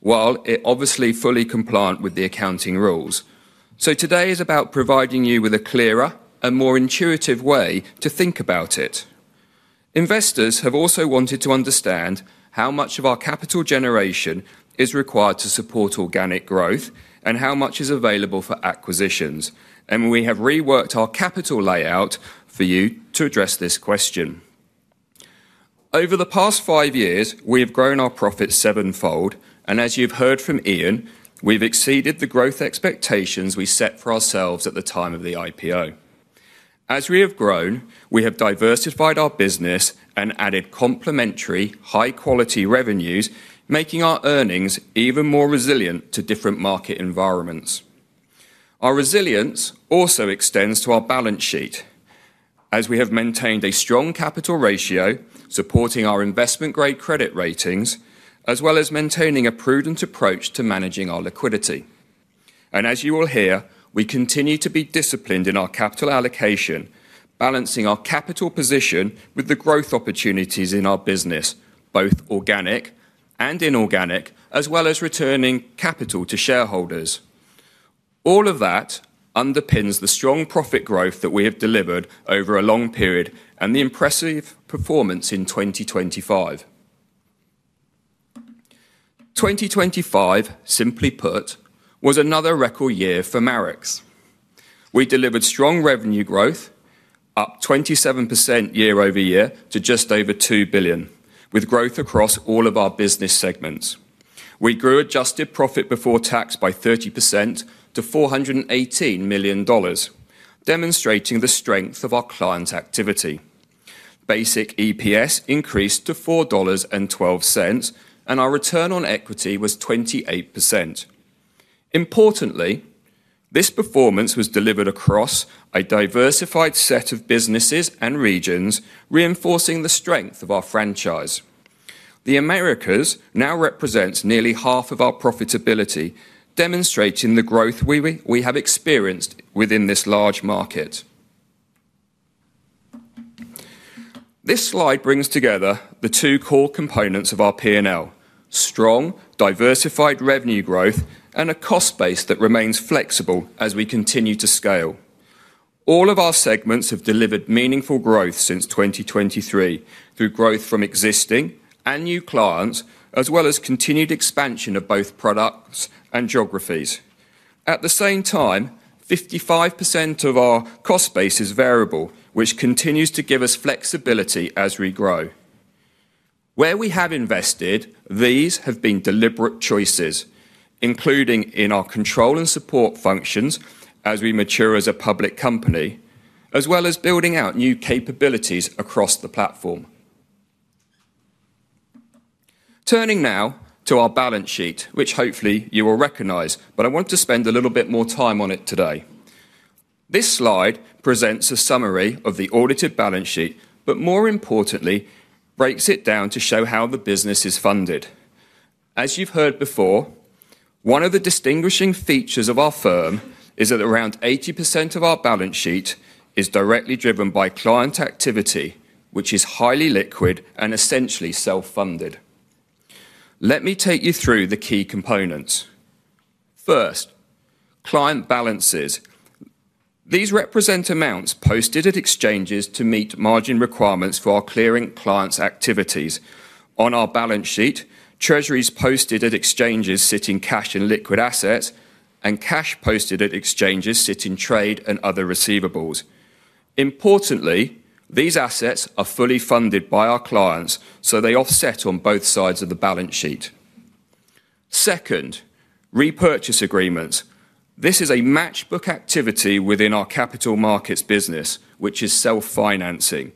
While it is obviously fully compliant with the accounting rules, today is about providing you with a clearer and more intuitive way to think about it. Investors have also wanted to understand how much of our capital generation is required to support organic growth and how much is available for acquisitions. We have reworked our capital allocation for you to address this question. Over the past five years, we have grown our profits sevenfold, and as you've heard from Ian, we've exceeded the growth expectations we set for ourselves at the time of the IPO. As we have grown, we have diversified our business and added complementary high quality revenues, making our earnings even more resilient to different market environments. Our resilience also extends to our balance sheet as we have maintained a strong capital ratio supporting our investment grade credit ratings, as well as maintaining a prudent approach to managing our liquidity. As you will hear, we continue to be disciplined in our capital allocation, balancing our capital position with the growth opportunities in our business, both organic and inorganic, as well as returning capital to shareholders. All of that underpins the strong profit growth that we have delivered over a long period and the impressive performance in 2025. 2025, simply put, was another record year for Marex. We delivered strong revenue growth, up 27% year-over-year to just over $2 billion, with growth across all of our business segments. We grew adjusted profit before tax by 30% to $418 million, demonstrating the strength of our client activity. Basic EPS increased to $4.12, and our return on equity was 28%. Importantly, this performance was delivered across a diversified set of businesses and regions, reinforcing the strength of our franchise. The Americas now represents nearly half of our profitability, demonstrating the growth we have experienced within this large market. This slide brings together the two core components of our P&L, strong, diversified revenue growth, and a cost base that remains flexible as we continue to scale. All of our segments have delivered meaningful growth since 2023 through growth from existing and new clients, as well as continued expansion of both products and geographies. At the same time, 55% of our cost base is variable, which continues to give us flexibility as we grow. Where we have invested, these have been deliberate choices, including in our control and support functions as we mature as a public company, as well as building out new capabilities across the platform. Turning now to our balance sheet, which hopefully you will recognize, but I want to spend a little bit more time on it today. This slide presents a summary of the audited balance sheet, but more importantly, breaks it down to show how the business is funded. As you've heard before, one of the distinguishing features of our firm is that around 80% of our balance sheet is directly driven by client activity, which is highly liquid and essentially self-funded. Let me take you through the key components. First, client balances. These represent amounts posted at exchanges to meet margin requirements for our clearing clients' activities. On our balance sheet, treasuries posted at exchanges sit in cash and liquid assets, and cash posted at exchanges sit in trade and other receivables. Importantly, these assets are fully funded by our clients, so they offset on both sides of the balance sheet. Second, repurchase agreements. This is a matchbook activity within our capital markets business, which is self-financing.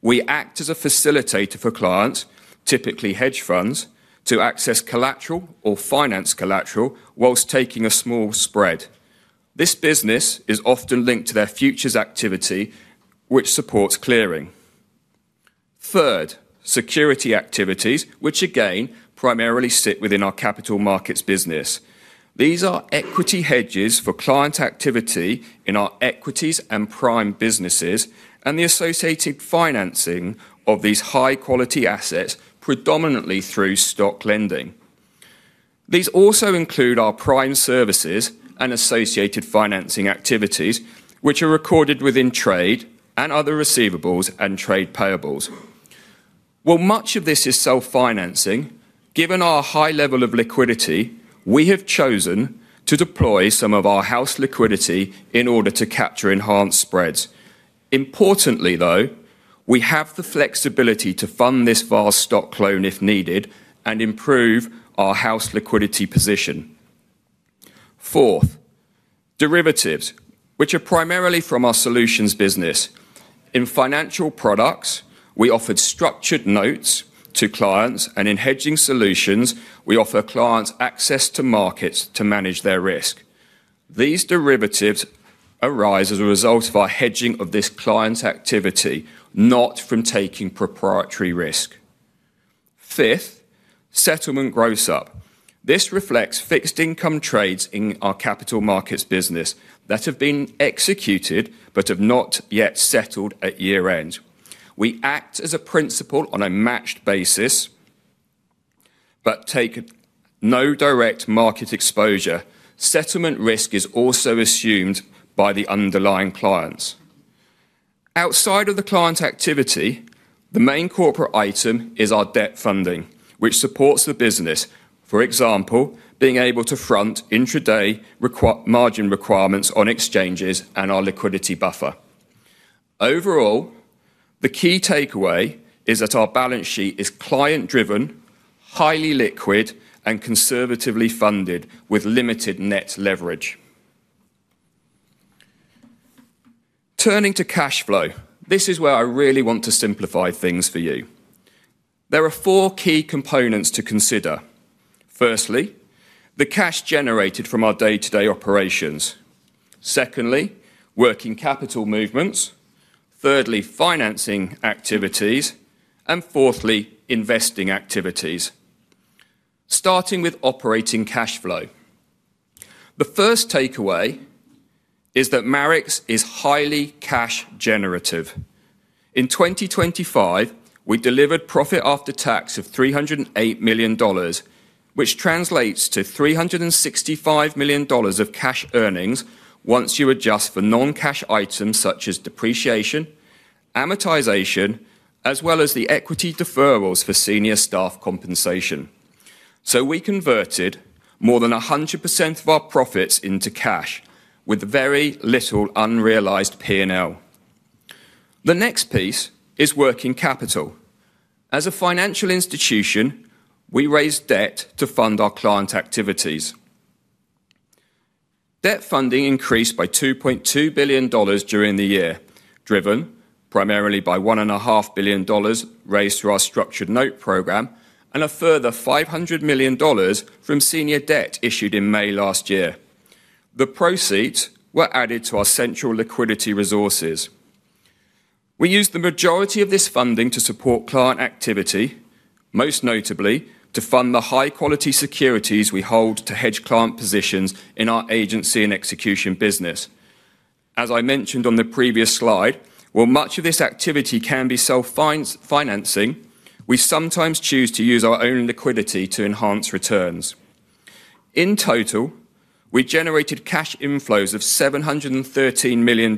We act as a facilitator for clients, typically hedge funds, to access collateral or finance collateral while taking a small spread. This business is often linked to their futures activity, which supports clearing. Third, securities activities, which again primarily sit within our capital markets business. These are equity hedges for client activity in our equities and prime businesses and the associated financing of these high-quality assets, predominantly through stock lending. These also include our prime services and associated financing activities, which are recorded within trade and other receivables and trade payables. While much of this is self-financing, given our high level of liquidity, we have chosen to deploy some of our house liquidity in order to capture enhanced spreads. Importantly, though, we have the flexibility to fund this via stock loan if needed and improve our house liquidity position. Fourth, derivatives, which are primarily from our solutions business. In financial products, we offered structured notes to clients, and in hedging solutions, we offer clients access to markets to manage their risk. These derivatives arise as a result of our hedging of this client activity, not from taking proprietary risk. Fifth, settlement gross up. This reflects fixed income trades in our capital markets business that have been executed but have not yet settled at year-end. We act as a principal on a matched basis but take no direct market exposure. Settlement risk is also assumed by the underlying clients. Outside of the client activity, the main corporate item is our debt funding, which supports the business, for example, being able to front intraday margin requirements on exchanges and our liquidity buffer. Overall, the key takeaway is that our balance sheet is client-driven, highly liquid, and conservatively funded with limited net leverage. Turning to cash flow, this is where I really want to simplify things for you. There are four key components to consider. Firstly, the cash generated from our day-to-day operations. Secondly, working capital movements. Thirdly, financing activities. Fourthly, investing activities. Starting with operating cash flow. The first takeaway is that Marex is highly cash generative. In 2025, we delivered profit after tax of $308 million, which translates to $365 million of cash earnings once you adjust for non-cash items such as depreciation, amortization, as well as the equity deferrals for senior staff compensation. We converted more than 100% of our profits into cash with very little unrealized P&L. The next piece is working capital. As a financial institution, we raise debt to fund our client activities. Debt funding increased by $2.2 billion during the year, driven primarily by $1.5 billion raised through our structured note program and a further $500 million from senior debt issued in May last year. The proceeds were added to our central liquidity resources. We used the majority of this funding to support client activity, most notably to fund the high-quality securities we hold to hedge client positions in our Agency and Execution business. As I mentioned on the previous slide, while much of this activity can be self-financing, we sometimes choose to use our own liquidity to enhance returns. In total, we generated cash inflows of $713 million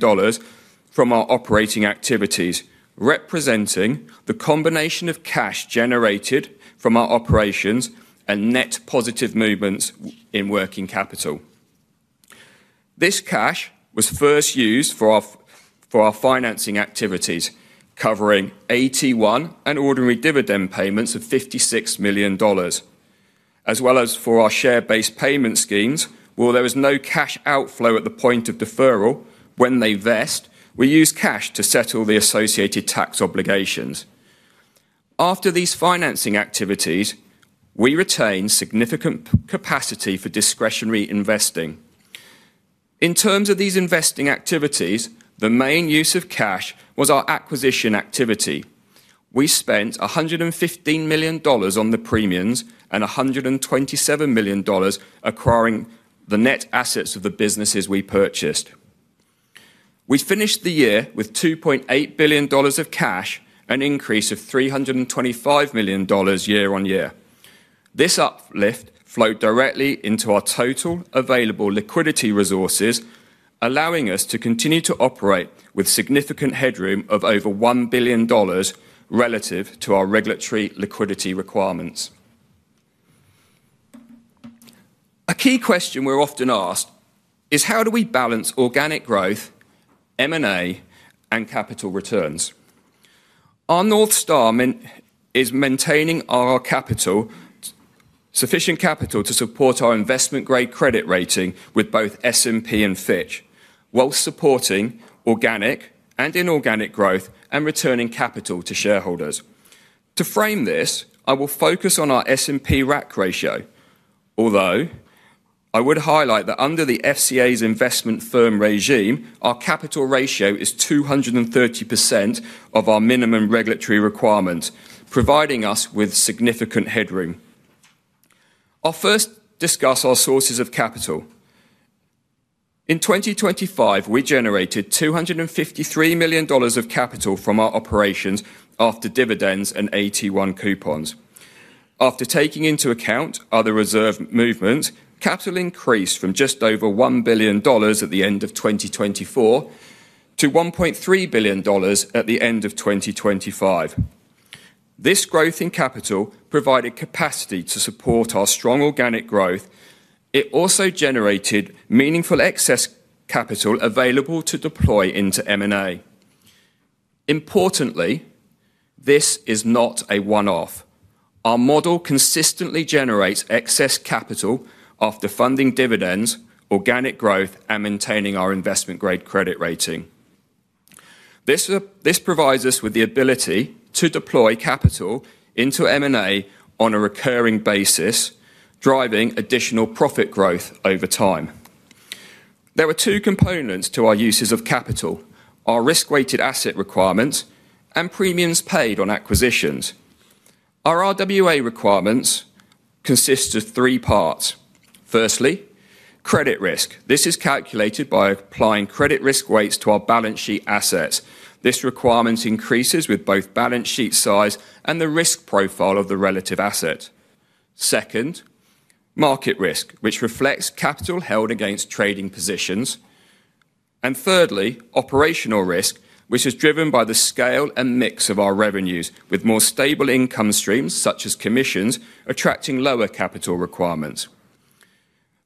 from our operating activities, representing the combination of cash generated from our operations and net positive movements in working capital. This cash was first used for our financing activities, covering $81 million and ordinary dividend payments of $56 million, as well as for our share-based payment schemes. While there was no cash outflow at the point of deferral, when they vest, we use cash to settle the associated tax obligations. After these financing activities, we retain significant capacity for discretionary investing. In terms of these investing activities, the main use of cash was our acquisition activity. We spent $115 million on the premiums and $127 million acquiring the net assets of the businesses we purchased. We finished the year with $2.8 billion of cash, an increase of $325 million year-over-year. This uplift flowed directly into our total available liquidity resources, allowing us to continue to operate with significant headroom of over $1 billion relative to our regulatory liquidity requirements. A key question we're often asked is how do we balance organic growth, M&A, and capital returns. Our North Star is maintaining sufficient capital to support our investment-grade credit rating with both S&P and Fitch, while supporting organic and inorganic growth and returning capital to shareholders. To frame this, I will focus on our S&P RAC ratio, although I would highlight that under the FCA's investment firm regime, our capital ratio is 230% of our minimum regulatory requirement, providing us with significant headroom. I'll first discuss our sources of capital. In 2025, we generated $253 million of capital from our operations after dividends and AT-1 coupons. After taking into account other reserve movement, capital increased from just over $1 billion at the end of 2024 to $1.3 billion at the end of 2025. This growth in capital provided capacity to support our strong organic growth. It also generated meaningful excess capital available to deploy into M&A. Importantly, this is not a one-off. Our model consistently generates excess capital after funding dividends, organic growth, and maintaining our investment-grade credit rating. This provides us with the ability to deploy capital into M&A on a recurring basis, driving additional profit growth over time. There are two components to our uses of capital: our risk-weighted asset requirements and premiums paid on acquisitions. Our RWA requirements consist of three parts. Firstly, credit risk. This is calculated by applying credit risk weights to our balance sheet assets. This requirement increases with both balance sheet size and the risk profile of the relative asset. Second, market risk, which reflects capital held against trading positions. Thirdly, operational risk, which is driven by the scale and mix of our revenues, with more stable income streams, such as commissions, attracting lower capital requirements.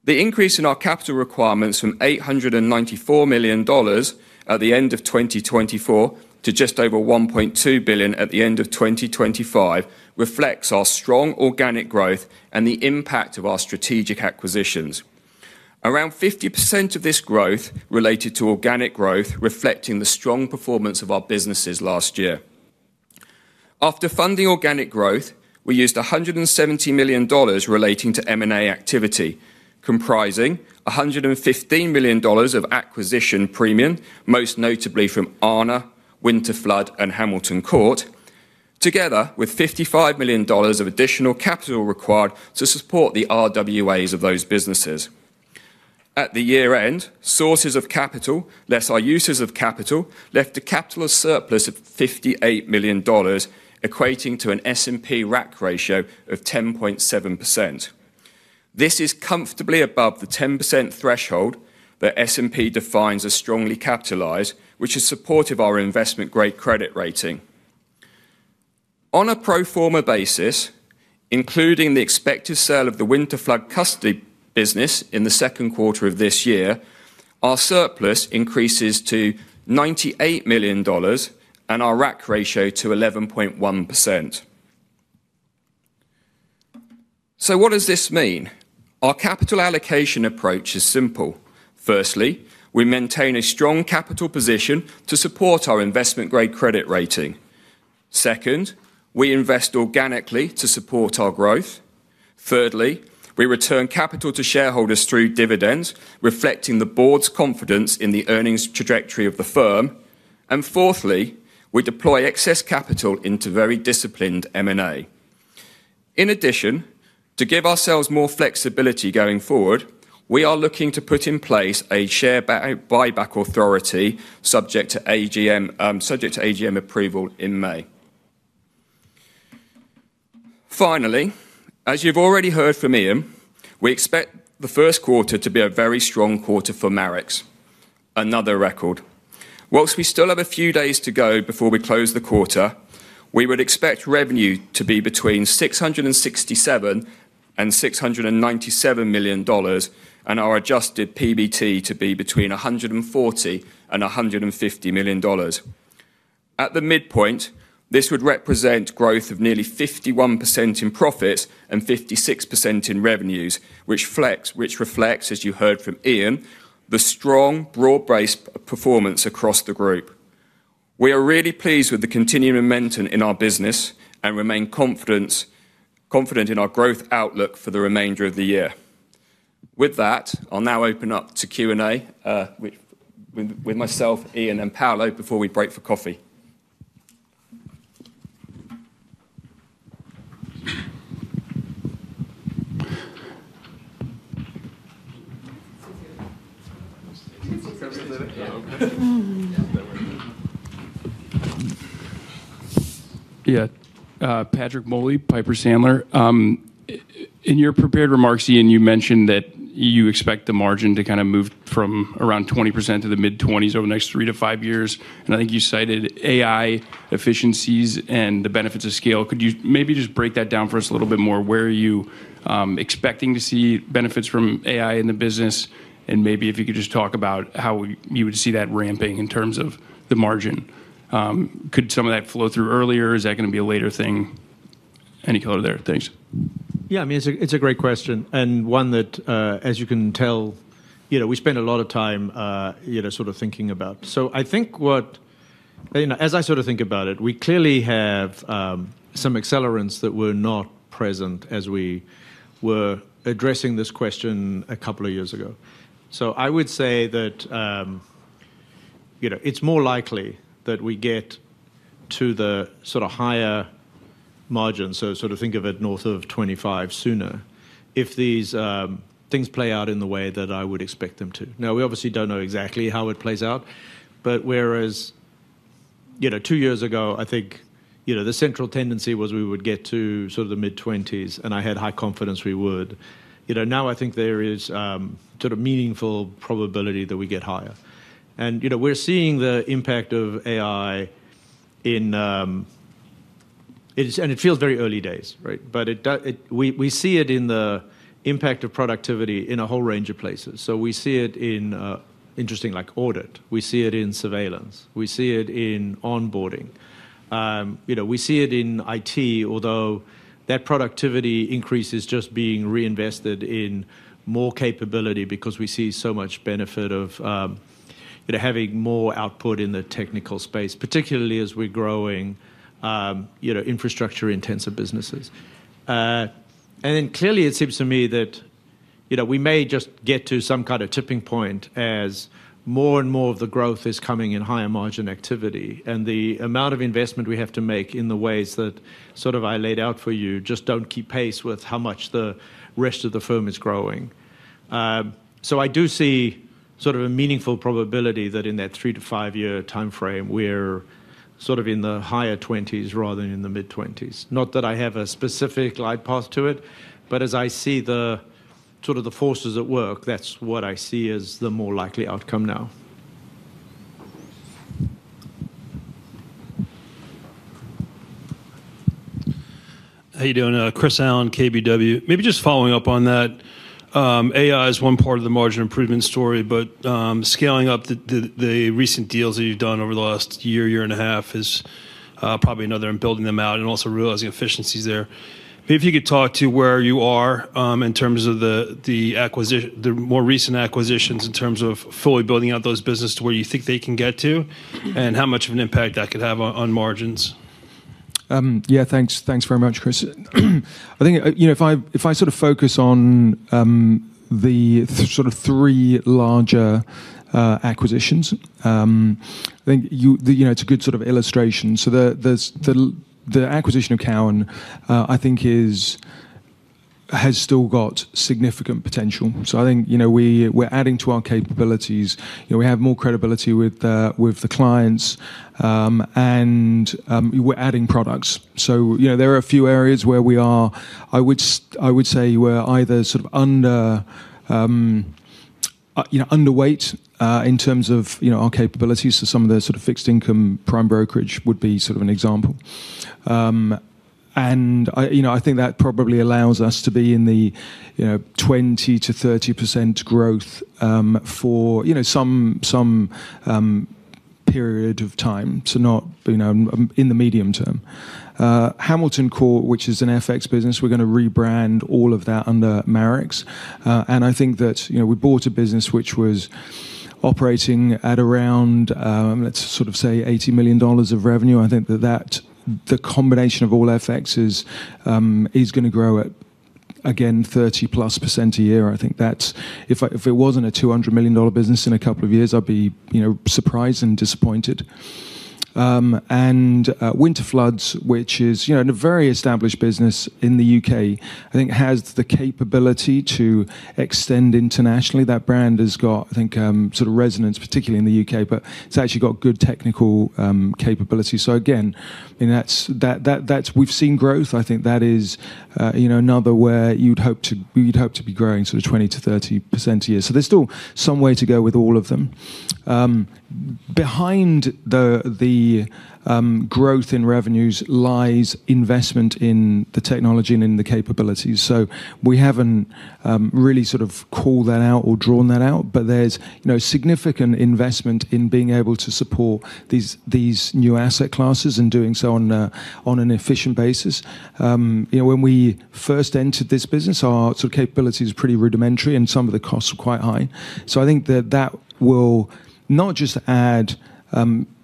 The increase in our capital requirements from $894 million at the end of 2024 to just over $1.2 billion at the end of 2025 reflects our strong organic growth and the impact of our strategic acquisitions. Around 50% of this growth related to organic growth reflecting the strong performance of our businesses last year. After funding organic growth, we used $170 million relating to M&A activity, comprising $115 million of acquisition premium, most notably from Aarna, Winterflood, and Hamilton Court, together with $55 million of additional capital required to support the RWAs of those businesses. At the year-end, sources of capital, less our uses of capital, left a capital surplus of $58 million, equating to an S&P RAC ratio of 10.7%. This is comfortably above the 10% threshold that S&P defines as strongly capitalized, which is supportive our investment-grade credit rating. On a pro forma basis, including the expected sale of the Winterflood custody business in the second quarter of this year, our surplus increases to $98 million and our RAC ratio to 11.1%. What does this mean? Our capital allocation approach is simple. Firstly, we maintain a strong capital position to support our investment-grade credit rating. Second, we invest organically to support our growth. Thirdly, we return capital to shareholders through dividends, reflecting the board's confidence in the earnings trajectory of the firm. Fourthly, we deploy excess capital into very disciplined M&A. In addition, to give ourselves more flexibility going forward, we are looking to put in place a share buyback authority subject to AGM approval in May. Finally, as you've already heard from Ian, we expect the first quarter to be a very strong quarter for Marex, another record. While we still have a few days to go before we close the quarter, we would expect revenue to be between $667 million and $697 million and our adjusted PBT to be between $140 million and $150 million. At the midpoint, this would represent growth of nearly 51% in profits and 56% in revenues, which reflects, as you heard from Ian, the strong, broad-based performance across the group. We are really pleased with the continuing momentum in our business and remain confident in our growth outlook for the remainder of the year. With that, I'll now open up to Q&A with myself, Ian, and Paolo before we break for coffee. Yeah. Patrick Moley, Piper Sandler. In your prepared remarks, Ian, you mentioned that you expect the margin to kinda move from around 20% to the mid-20% over the next three-five years. I think you cited AI efficiencies and the benefits of scale. Could you maybe just break that down for us a little bit more? Where are you expecting to see benefits from AI in the business? Maybe if you could just talk about how you would see that ramping in terms of the margin. Could some of that flow through earlier? Is that gonna be a later thing? Any color there? Thanks. Yeah. I mean, it's a great question, and one that, as you can tell, you know, we spend a lot of time, you know, sort of thinking about. I think, you know, as I sort of think about it, we clearly have some accelerants that were not present as we were addressing this question a couple of years ago. I would say that, you know, it's more likely that we get to the sort of higher margin, so sort of think of it north of 25% sooner, if these things play out in the way that I would expect them to. Now, we obviously don't know exactly how it plays out, but whereas, you know, two years ago, I think, you know, the central tendency was we would get to sort of the mid-20s, and I had high confidence we would. You know, now I think there is sort of meaningful probability that we get higher. You know, we're seeing the impact of AI. It feels very early days, right? We see it in the impact of productivity in a whole range of places. We see it in interesting, like audit. We see it in surveillance. We see it in onboarding. You know, we see it in IT, although that productivity increase is just being reinvested in more capability because we see so much benefit of, you know, having more output in the technical space, particularly as we're growing, you know, infrastructure-intensive businesses. Clearly it seems to me that, you know, we may just get to some kind of tipping point as more and more of the growth is coming in higher margin activity. The amount of investment we have to make in the ways that sort of I laid out for you just don't keep pace with how much the rest of the firm is growing. I do see sort of a meaningful probability that in that three-five-year timeframe, we're sort of in the higher 20% rather than in the mid-20%. Not that I have a specific glide path to it, but as I see the sort of the forces at work, that's what I see as the more likely outcome now. How you doing? Chris Allen, KBW. Maybe just following up on that. AI is one part of the margin improvement story, but scaling up the recent deals that you've done over the last year and a half is probably another in building them out and also realizing efficiencies there. Maybe if you could talk to where you are in terms of the more recent acquisitions in terms of fully building out those businesses to where you think they can get to and how much of an impact that could have on margins. Yeah, thanks. Thanks very much, Chris. I think, you know, if I sort of focus on the sort of three larger acquisitions, I think you know, it's a good sort of illustration. The acquisition of Cowen, I think, has still got significant potential. I think, you know, we're adding to our capabilities. You know, we have more credibility with the clients, and we're adding products. You know, there are a few areas where we are, I would say we're either sort of underweight in terms of our capabilities. Some of the sort of fixed income prime brokerage would be sort of an example. I think that probably allows us to be in the 20%-30% growth for some period of time. Not in the medium term. Hamilton Court, which is an FX business, we're gonna rebrand all of that under Marex. I think that we bought a business which was operating at around, let's sort of say $80 million of revenue. I think that the combination of all FXs is gonna grow at, again, 30%+ a year. I think that's. If it wasn't a $200 million business in a couple of years, I'd be surprised and disappointed. Winterflood, which is, you know, in a very established business in the U.K., I think has the capability to extend internationally. That brand has got, I think, sort of resonance, particularly in the U.K., but it's actually got good technical capability. Again, I mean, that's. We've seen growth. I think that is, you know, another where you'd hope to be growing sort of 20%-30% a year. There's still some way to go with all of them. Behind the growth in revenues lies investment in the technology and in the capabilities. We haven't really sort of called that out or drawn that out, but there's, you know, significant investment in being able to support these new asset classes and doing so on an efficient basis. You know, when we first entered this business, our sort of capabilities were pretty rudimentary, and some of the costs were quite high. I think that will not just add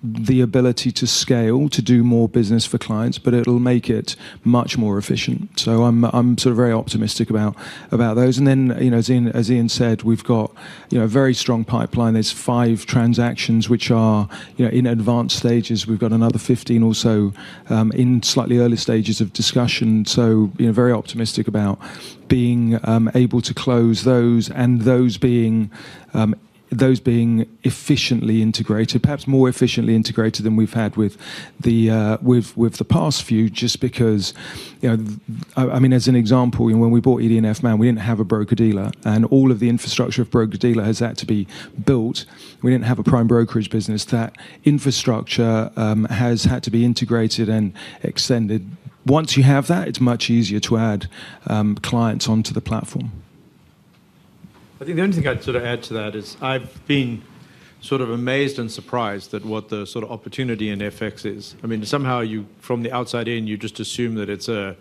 the ability to scale, to do more business for clients, but it'll make it much more efficient. I'm sort of very optimistic about about those. You know, as Ian said, we've got a very strong pipeline. There's five transactions which are in advanced stages. We've got another 15 or so in slightly early stages of discussion, so you know, very optimistic about being able to close those and those being efficiently integrated, perhaps more efficiently integrated than we've had with the past few just because you know. I mean, as an example, you know, when we bought ED&F Man, we didn't have a broker-dealer, and all of the infrastructure of broker-dealer has had to be built. We didn't have a prime brokerage business. That infrastructure has had to be integrated and extended. Once you have that, it's much easier to add clients onto the platform. I think the only thing I'd sort of add to that is I've been sort of amazed and surprised at what the sort of opportunity in FX is. I mean, somehow you, from the outside in, you just assume that it's an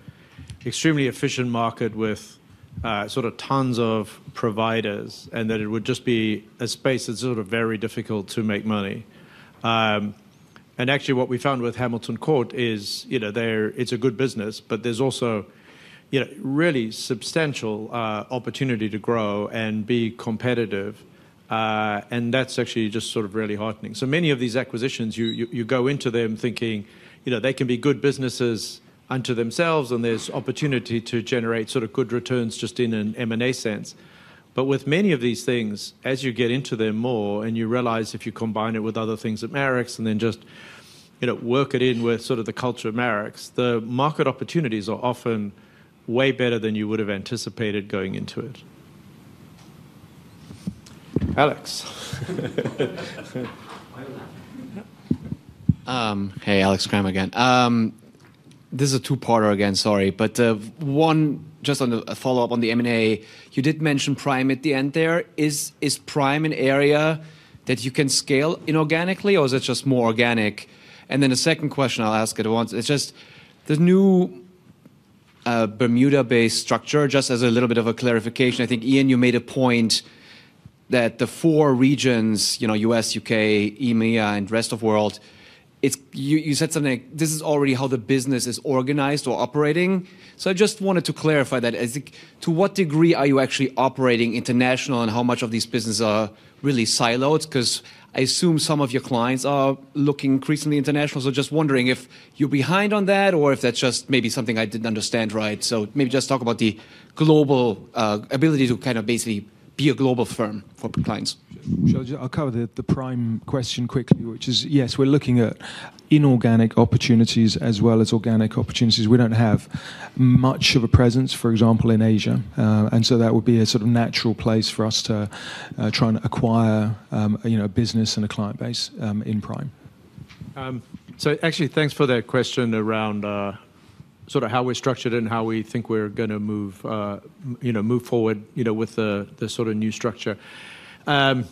extremely efficient market with sort of tons of providers and that it would just be a space that's sort of very difficult to make money. And actually, what we found with Hamilton Court is, you know, they're it's a good business, but there's also, you know, really substantial opportunity to grow and be competitive, and that's actually just sort of really heartening. Many of these acquisitions, you go into them thinking, you know, they can be good businesses unto themselves, and there's opportunity to generate sort of good returns just in an M&A sense. With many of these things, as you get into them more and you realize if you combine it with other things at Marex and then just, you know, work it in with sort of the culture of Marex, the market opportunities are often way better than you would've anticipated going into it. Alex. Hey, Alex Kramm again. This is a two-parter again, sorry. One, just a follow-up on the M&A, you did mention prime at the end there. Is prime an area that you can scale inorganically, or is it just more organic? Then a second question I'll ask at once. It's just the new Bermuda-based structure, just as a little bit of a clarification. I think, Ian, you made a point that the four regions, you know, U.S., U.K., EMEA, and rest of world, it's. You said something like this is already how the business is organized or operating. So I just wanted to clarify that. To what degree are you actually operating international, and how much of these business are really siloed? 'Cause I assume some of your clients are looking increasingly international, so just wondering if you're behind on that or if that's just maybe something I didn't understand right. Maybe just talk about the global ability to kind of basically be a global firm for clients. Sure. I'll cover the prime question quickly, which is, yes, we're looking at inorganic opportunities as well as organic opportunities. We don't have much of a presence, for example, in Asia, and so that would be a sort of natural place for us to try and acquire, you know, a business and a client base, in prime. Actually, thanks for that question around, sort of how we're structured and how we think we're gonna, you know, move forward, you know, with the the sort of new structure. Look,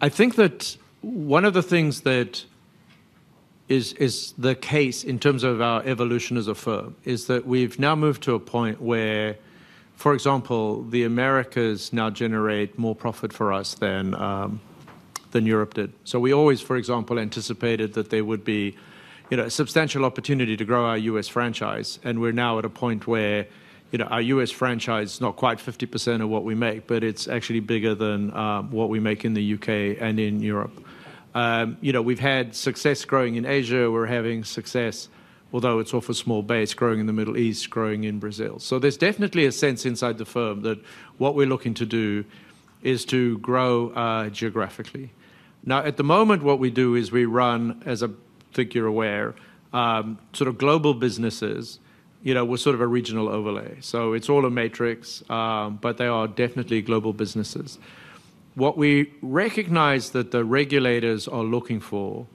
I think that one of the things that is the case in terms of our evolution as a firm is that we've now moved to a point where, for example, the Americas now generate more profit for us than Europe did. We always, for example, anticipated that there would be, you know, substantial opportunity to grow our U.S. franchise, and we're now at a point where, you know, our U.S. franchise is not quite 50% of what we make, but it's actually bigger than what we make in the U.K. and in Europe. You know, we've had success growing in Asia. We're having success, although it's off a small base, growing in the Middle East, growing in Brazil. There's definitely a sense inside the firm that what we're looking to do is to grow geographically. Now, at the moment, what we do is we run, as I think you're aware, sort of global businesses, you know, with sort of a regional overlay. It's all a matrix, but they are definitely global businesses. What we recognize that the regulators are looking for,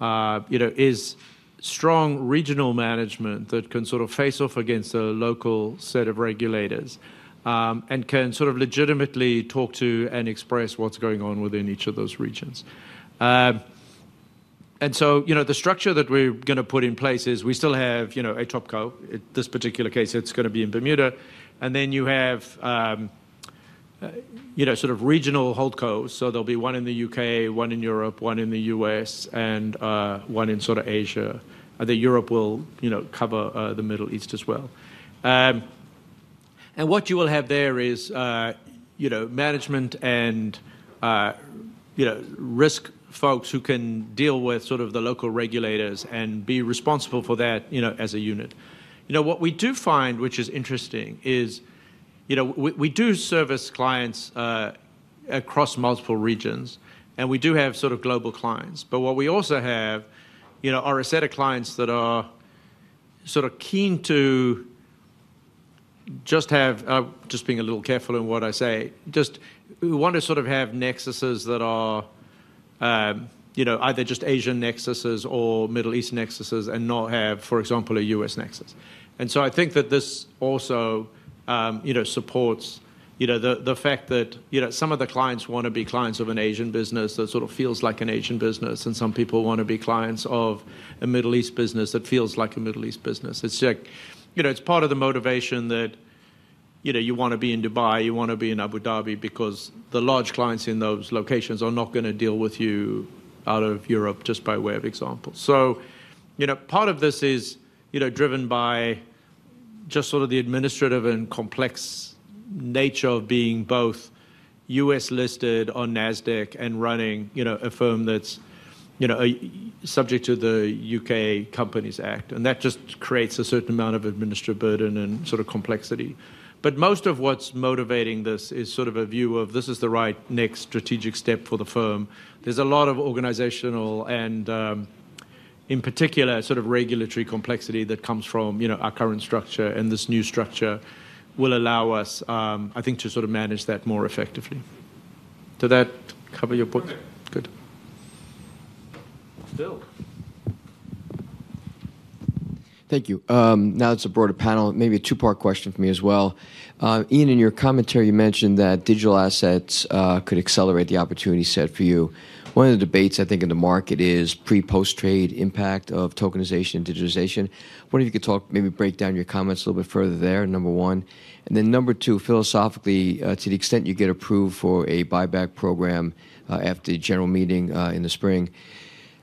you know, is strong regional management that can sort of face off against a local set of regulators, and can sort of legitimately talk to and express what's going on within each of those regions. You know, the structure that we're gonna put in place is we still have, you know, a top co. In this particular case, it's gonna be in Bermuda. You have, you know, sort of regional hold cos. There'll be one in the U.K., one in Europe, one in the U.S., and one in sort of Asia. I think Europe will, you know, cover the Middle East as well. What you will have there is, you know, management and, you know, risk folks who can deal with sort of the local regulators and be responsible for that, you know, as a unit. You know, what we do find, which is interesting, is, you know, we do service clients across multiple regions, and we do have sort of global clients. What we also have, you know, are a set of clients that are sort of keen to just have, just being a little careful in what I say. Just, we want to sort of have nexuses that are, you know, either just Asian nexuses or Middle East nexuses and not have, for example, a U.S. nexus. I think that this also, you know, supports, you know, the fact that, you know, some of the clients wanna be clients of an Asian business that sort of feels like an Asian business, and some people wanna be clients of a Middle East business that feels like a Middle East business. It's like, you know, it's part of the motivation that, you know, you wanna be in Dubai, you wanna be in Abu Dhabi because the large clients in those locations are not gonna deal with you out of Europe, just by way of example. You know, part of this is, you know, driven by just sort of the administrative and complex nature of being both U.S. listed on Nasdaq and running, you know, a firm that's, you know, subject to the Companies Act 2006. That just creates a certain amount of administrative burden and sort of complexity. Most of what's motivating this is sort of a view of this is the right next strategic step for the firm. There's a lot of organizational and, in particular, sort of regulatory complexity that comes from, you know, our current structure, and this new structure will allow us, I think, to sort of manage that more effectively. Did that cover your point? Perfect. Good. Bill. Thank you. Now it's a broader panel, maybe a two-part question for me as well. Ian, in your commentary, you mentioned that digital assets could accelerate the opportunity set for you. One of the debates, I think, in the market is pre-post trade impact of tokenization and digitization. Wondering if you could talk, maybe break down your comments a little bit further there, number one. Then number two, philosophically, to the extent you get approved for a buyback program at the general meeting in the spring,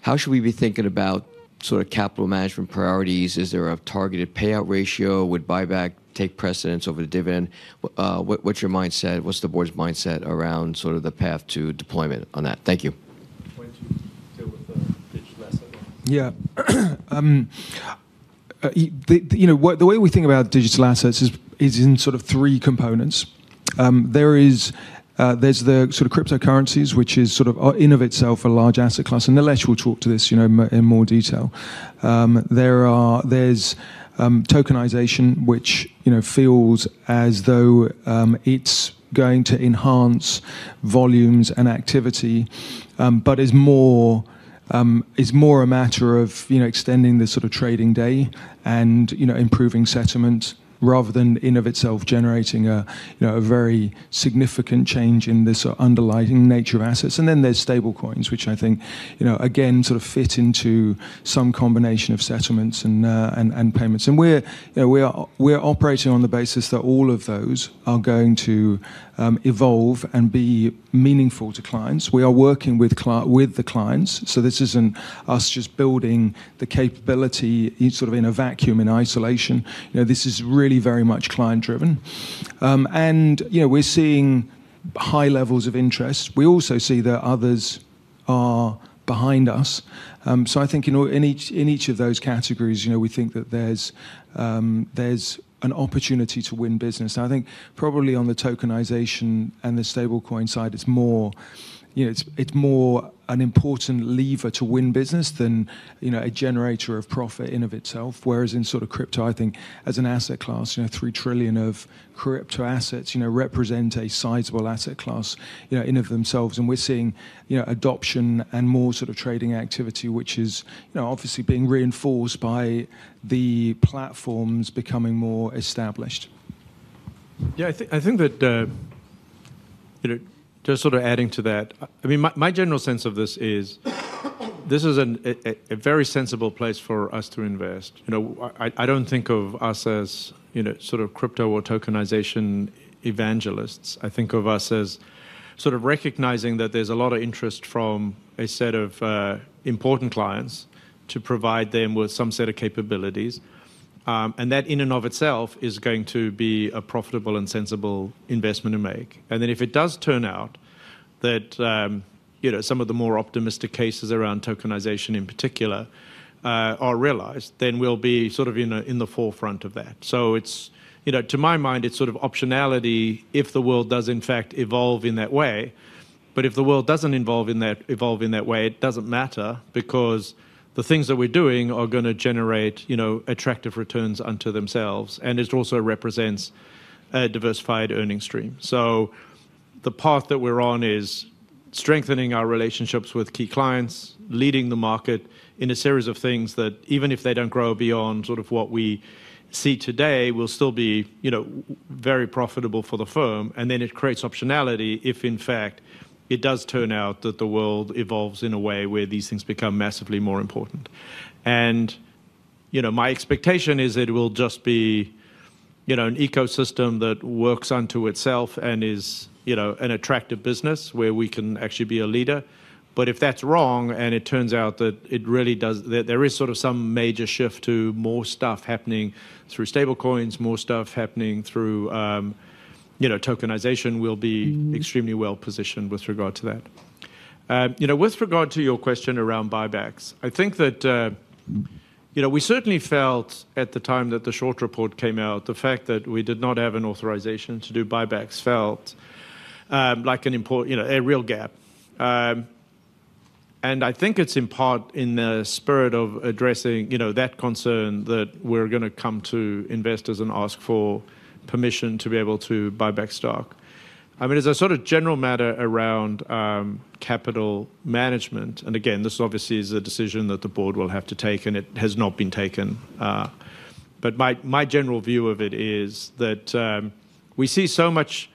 how should we be thinking about sort of capital management priorities? Is there a targeted payout ratio? Would buyback take precedence over the dividend? What's your mindset? What's the board's mindset around sort of the path to deployment on that? Thank you. Why don't you deal with the digital asset one? Yeah. You know what, the way we think about digital assets is in sort of three components. There is the sort of cryptocurrencies, which is sort of in of itself a large asset class, and Nilesh will talk to this, you know, in more detail. There are tokenization, which, you know, feels as though it's going to enhance volumes and activity, but is more a matter of, you know, extending the sort of trading day and, you know, improving settlement rather than in of itself generating a, you know, a very significant change in the sort of underlying nature of assets. There's stablecoins, which I think, you know, again, sort of fit into some combination of settlements and payments. We're operating on the basis that all of those are going to evolve and be meaningful to clients. We are working with the clients, so this isn't us just building the capability sort of in a vacuum, in isolation. You know, this is really very much client-driven. You know, we're seeing high levels of interest. We also see that others are behind us. I think, you know, in each of those categories, you know, we think that there's an opportunity to win business. I think probably on the tokenization and the stablecoin side, it's more an important lever to win business than a generator of profit in and of itself. Whereas in sort of crypto, I think as an asset class, you know, $3 trillion of crypto assets, you know, represent a sizable asset class, you know, in and of themselves. We're seeing, you know, adoption and more sort of trading activity, which is, you know, obviously being reinforced by the platforms becoming more established. Yeah, I think that you know, just sort of adding to that. I mean, my general sense of this is this is a very sensible place for us to invest. You know, I don't think of us as you know, sort of crypto or tokenization evangelists. I think of us as sort of recognizing that there's a lot of interest from a set of important clients to provide them with some set of capabilities. That in and of itself is going to be a profitable and sensible investment to make. If it does turn out that you know, some of the more optimistic cases around tokenization in particular are realized, then we'll be sort of in the forefront of that. It's, you know, to my mind, it's sort of optionality if the world does in fact evolve in that way. If the world doesn't evolve in that way, it doesn't matter because the things that we're doing are gonna generate, you know, attractive returns unto themselves, and it also represents a diversified earning stream. The path that we're on is strengthening our relationships with key clients, leading the market in a series of things that even if they don't grow beyond sort of what we see today, will still be, you know, very profitable for the firm, and then it creates optionality if in fact it does turn out that the world evolves in a way where these things become massively more important. You know, my expectation is it will just be, you know, an ecosystem that works unto itself and is, you know, an attractive business where we can actually be a leader. If that's wrong and it turns out that it really does, that there is sort of some major shift to more stuff happening through stablecoins, more stuff happening through, you know, tokenization, we'll be extremely well positioned with regard to that. You know, with regard to your question around buybacks, I think that, you know, we certainly felt at the time that the short report came out, the fact that we did not have an authorization to do buybacks felt, like an important, you know, a real gap. I think it's in part in the spirit of addressing, you know, that concern that we're gonna come to investors and ask for permission to be able to buy back stock. I mean, as a sort of general matter around capital management, and again, this obviously is a decision that the board will have to take, and it has not been taken, but my general view of it is that we see so much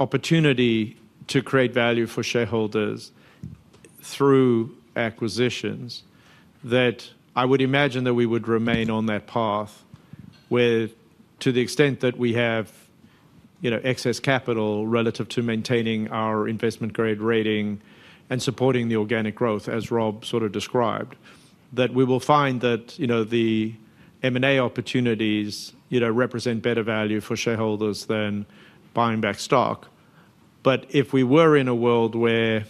opportunity to create value for shareholders through acquisitions that I would imagine that we would remain on that path where to the extent that we have, you know, excess capital relative to maintaining our investment grade rating and supporting the organic growth, as Rob sort of described, that we will find that, you know, the M&A opportunities, you know, represent better value for shareholders than buying back stock. If we were in a world where,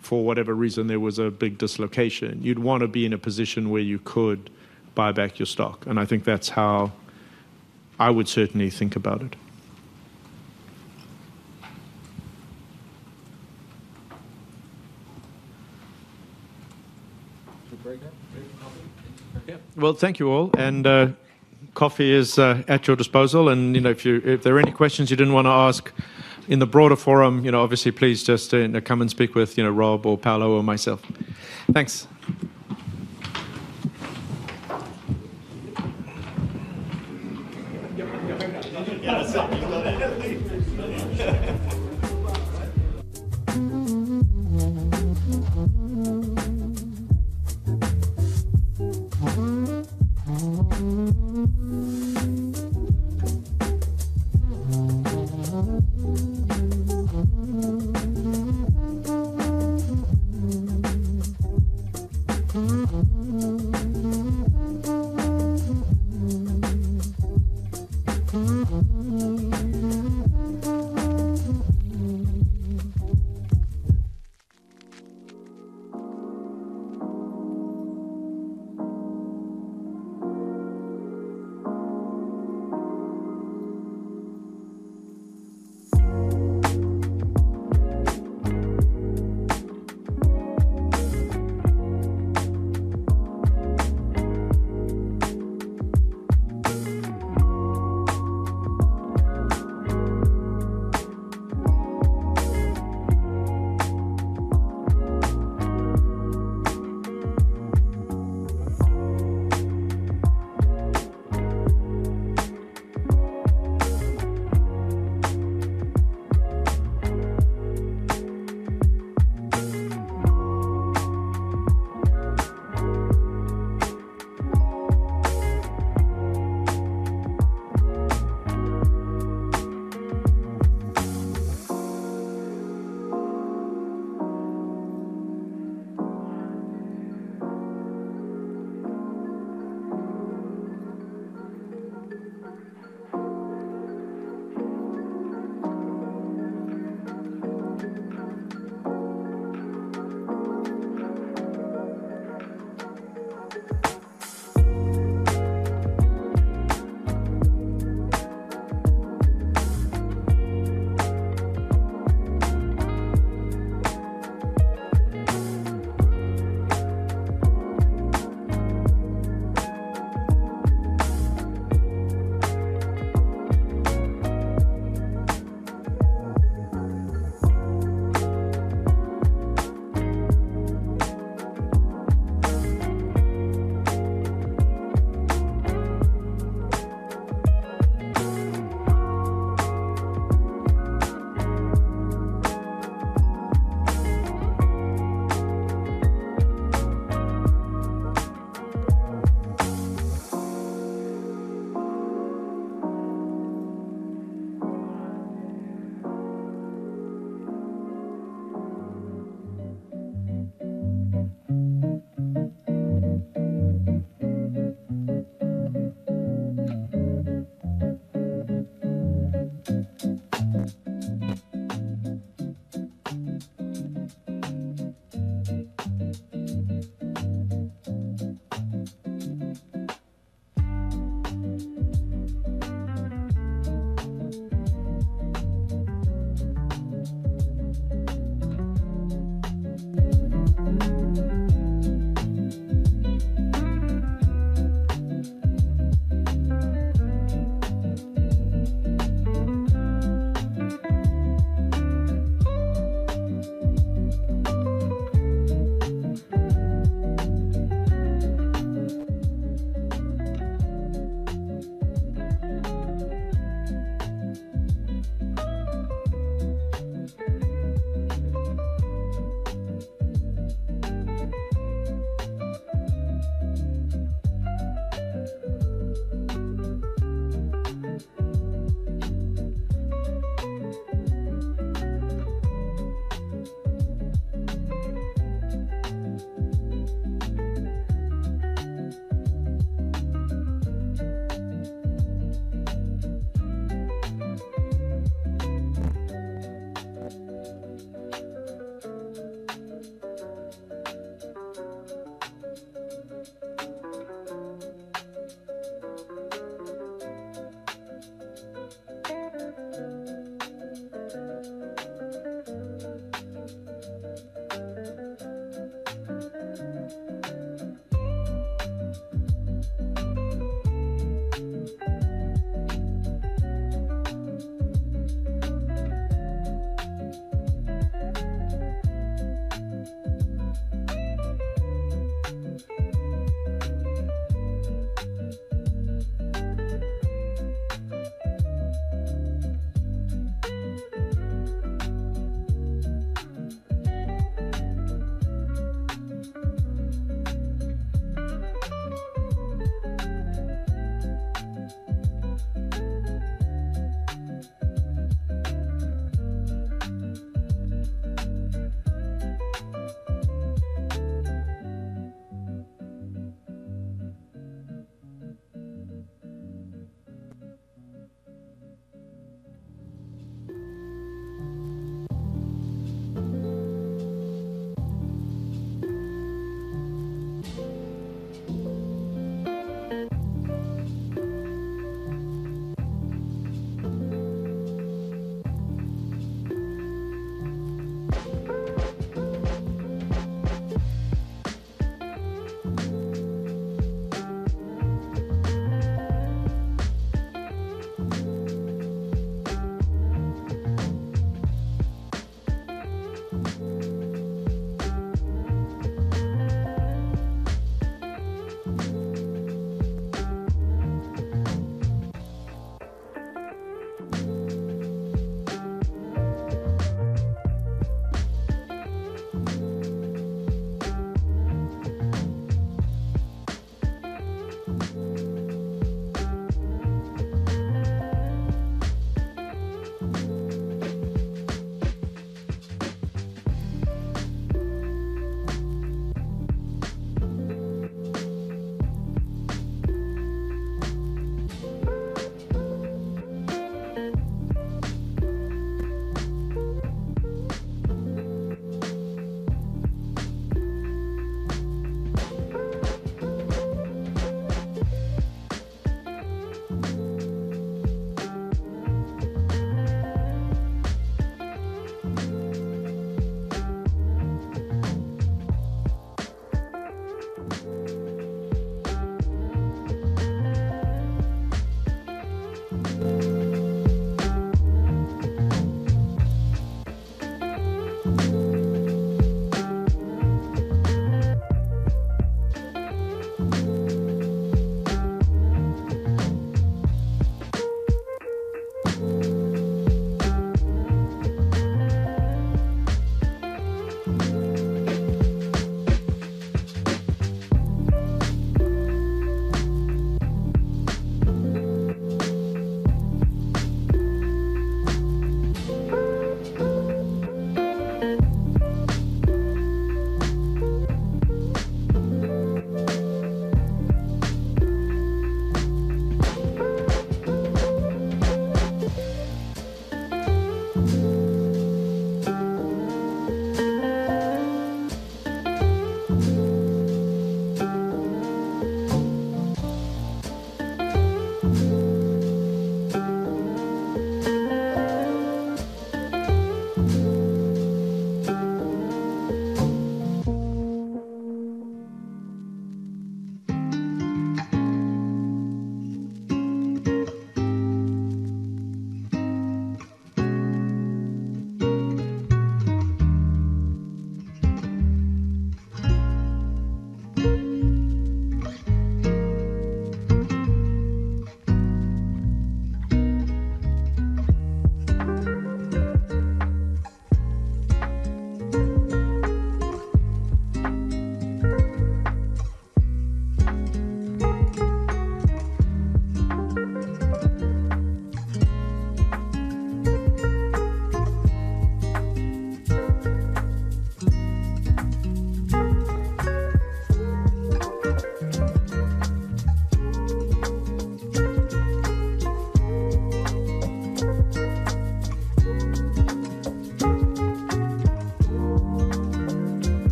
for whatever reason, there was a big dislocation, you'd wanna be in a position where you could buy back your stock. I think that's how I would certainly think about it. Should we break now? Yeah. Well, thank you all, and coffee is at your disposal. You know, if there are any questions you didn't wanna ask in the broader forum, you know, obviously, please just come and speak with, you know, Rob or Paolo or myself. Thanks.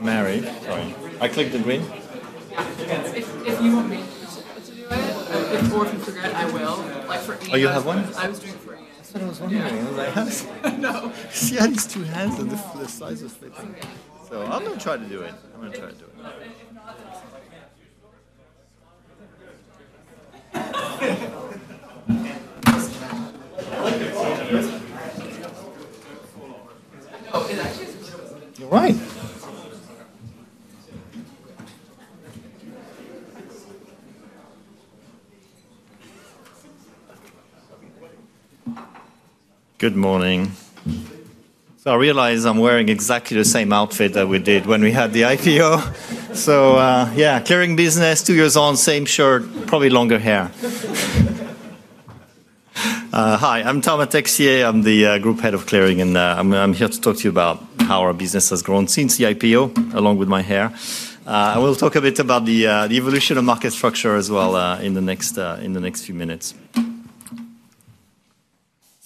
Mary, sorry, I click the green? If you want me to do it, if the board can figure it, I will. Oh, you have one? I was doing three. That's what I was wondering. Yeah. No. She had these two hands and they're the size of plates. Okay. I'm gonna try to do it. It's not at all. All right. Good morning. I realize I'm wearing exactly the same outfit that we did when we had the IPO. Yeah, clearing business, two years on, same shirt, probably longer hair. Hi, I'm Thomas Texier. I'm the group Head of Clearing, and I'm here to talk to you about how our business has grown since the IPO, along with my hair. I will talk a bit about the evolution of market structure as well, in the next few minutes.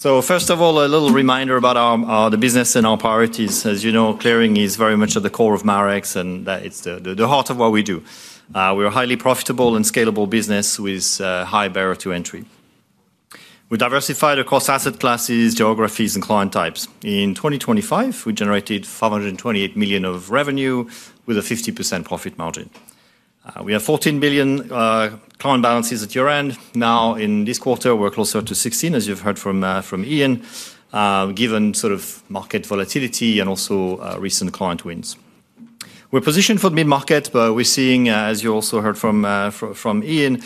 First of all, a little reminder about our business and our priorities. As you know, clearing is very much at the core of Marex, and that it's the heart of what we do. We're a highly profitable and scalable business with high barrier to entry. We're diversified across asset classes, geographies, and client types. In 2025, we generated $528 million of revenue with a 50% profit margin. We have $14 billion client balances at year-end. Now, in this quarter, we're closer to $16 billion, as you've heard from Ian, given sort of market volatility and also recent client wins. We're positioned for mid-market, but we're seeing, as you also heard from Ian,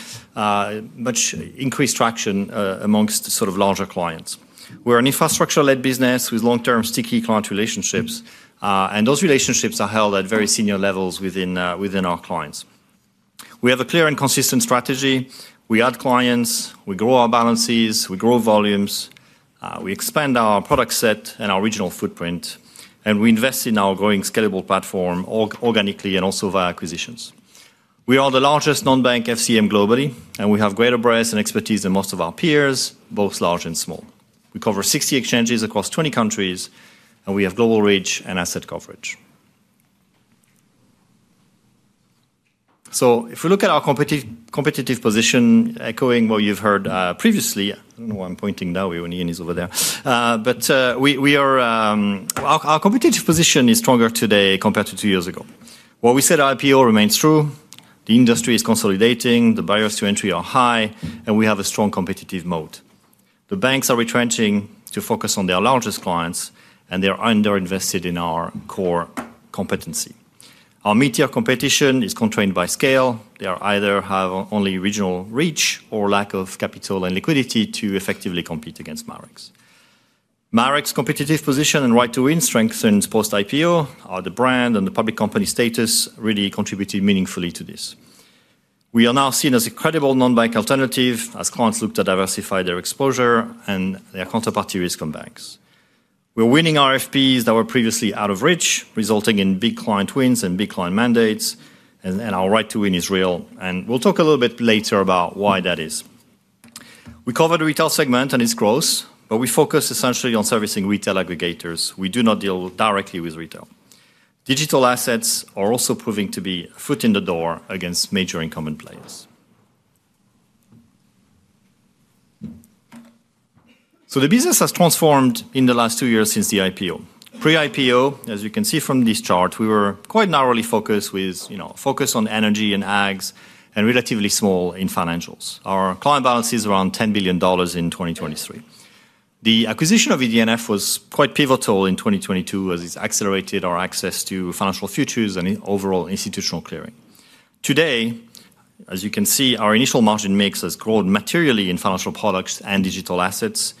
much increased traction among sort of larger clients. We're an infrastructure-led business with long-term sticky client relationships, and those relationships are held at very senior levels within our clients. We have a clear and consistent strategy. We add clients. We grow our balances. We grow volumes. We expand our product set and our regional footprint, and we invest in our growing scalable platform organically and also via acquisitions. We are the largest non-bank FCM globally, and we have greater breadth and expertise than most of our peers, both large and small. We cover 60 exchanges across 20 countries, and we have global reach and asset coverage. If we look at our competitive position echoing what you've heard previously. I don't know why I'm pointing that way when Ian is over there. Our competitive position is stronger today compared to two years ago. What we said at IPO remains true. The industry is consolidating, the barriers to entry are high, and we have a strong competitive moat. The banks are retrenching to focus on their largest clients, and they are underinvested in our core competency. Our mid-tier competition is constrained by scale. They either have only regional reach or lack of capital and liquidity to effectively compete against Marex. Marex's competitive position and right to win strengthens post-IPO. The brand and the public company status really contributed meaningfully to this. We are now seen as a credible non-bank alternative as clients look to diversify their exposure and their counterparty risk on banks. We're winning RFPs that were previously out of reach, resulting in big client wins and big client mandates and our right to win is real, and we'll talk a little bit later about why that is. We cover the retail segment and its growth, but we focus essentially on servicing retail aggregators. We do not deal directly with retail. Digital assets are also proving to be a foot in the door against major incumbent players. The business has transformed in the last two years since the IPO. Pre-IPO, as you can see from this chart, we were quite narrowly focused with, you know, focus on energy and ags and relatively small in financials. Our client balance is around $10 billion in 2023. The acquisition of ED&F was quite pivotal in 2022 as it's accelerated our access to financial futures and overall institutional clearing. Today, as you can see, our initial margin mix has grown materially in financial products and digital assets,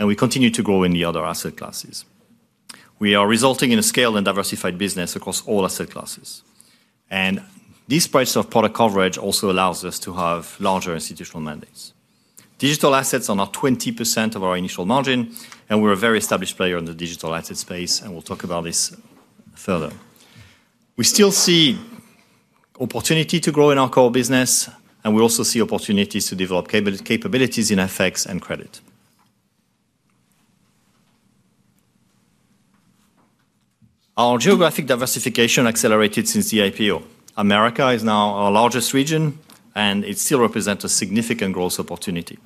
and we continue to grow in the other asset classes. This results in a scaled and diversified business across all asset classes. This breadth of product coverage also allows us to have larger institutional mandates. Digital assets are now 20% of our initial margin, and we're a very established player in the digital asset space, and we'll talk about this further. We still see opportunity to grow in our core business, and we also see opportunities to develop capabilities in FX and credit. Our geographic diversification accelerated since the IPO. America is now our largest region, and it still represents a significant growth opportunity.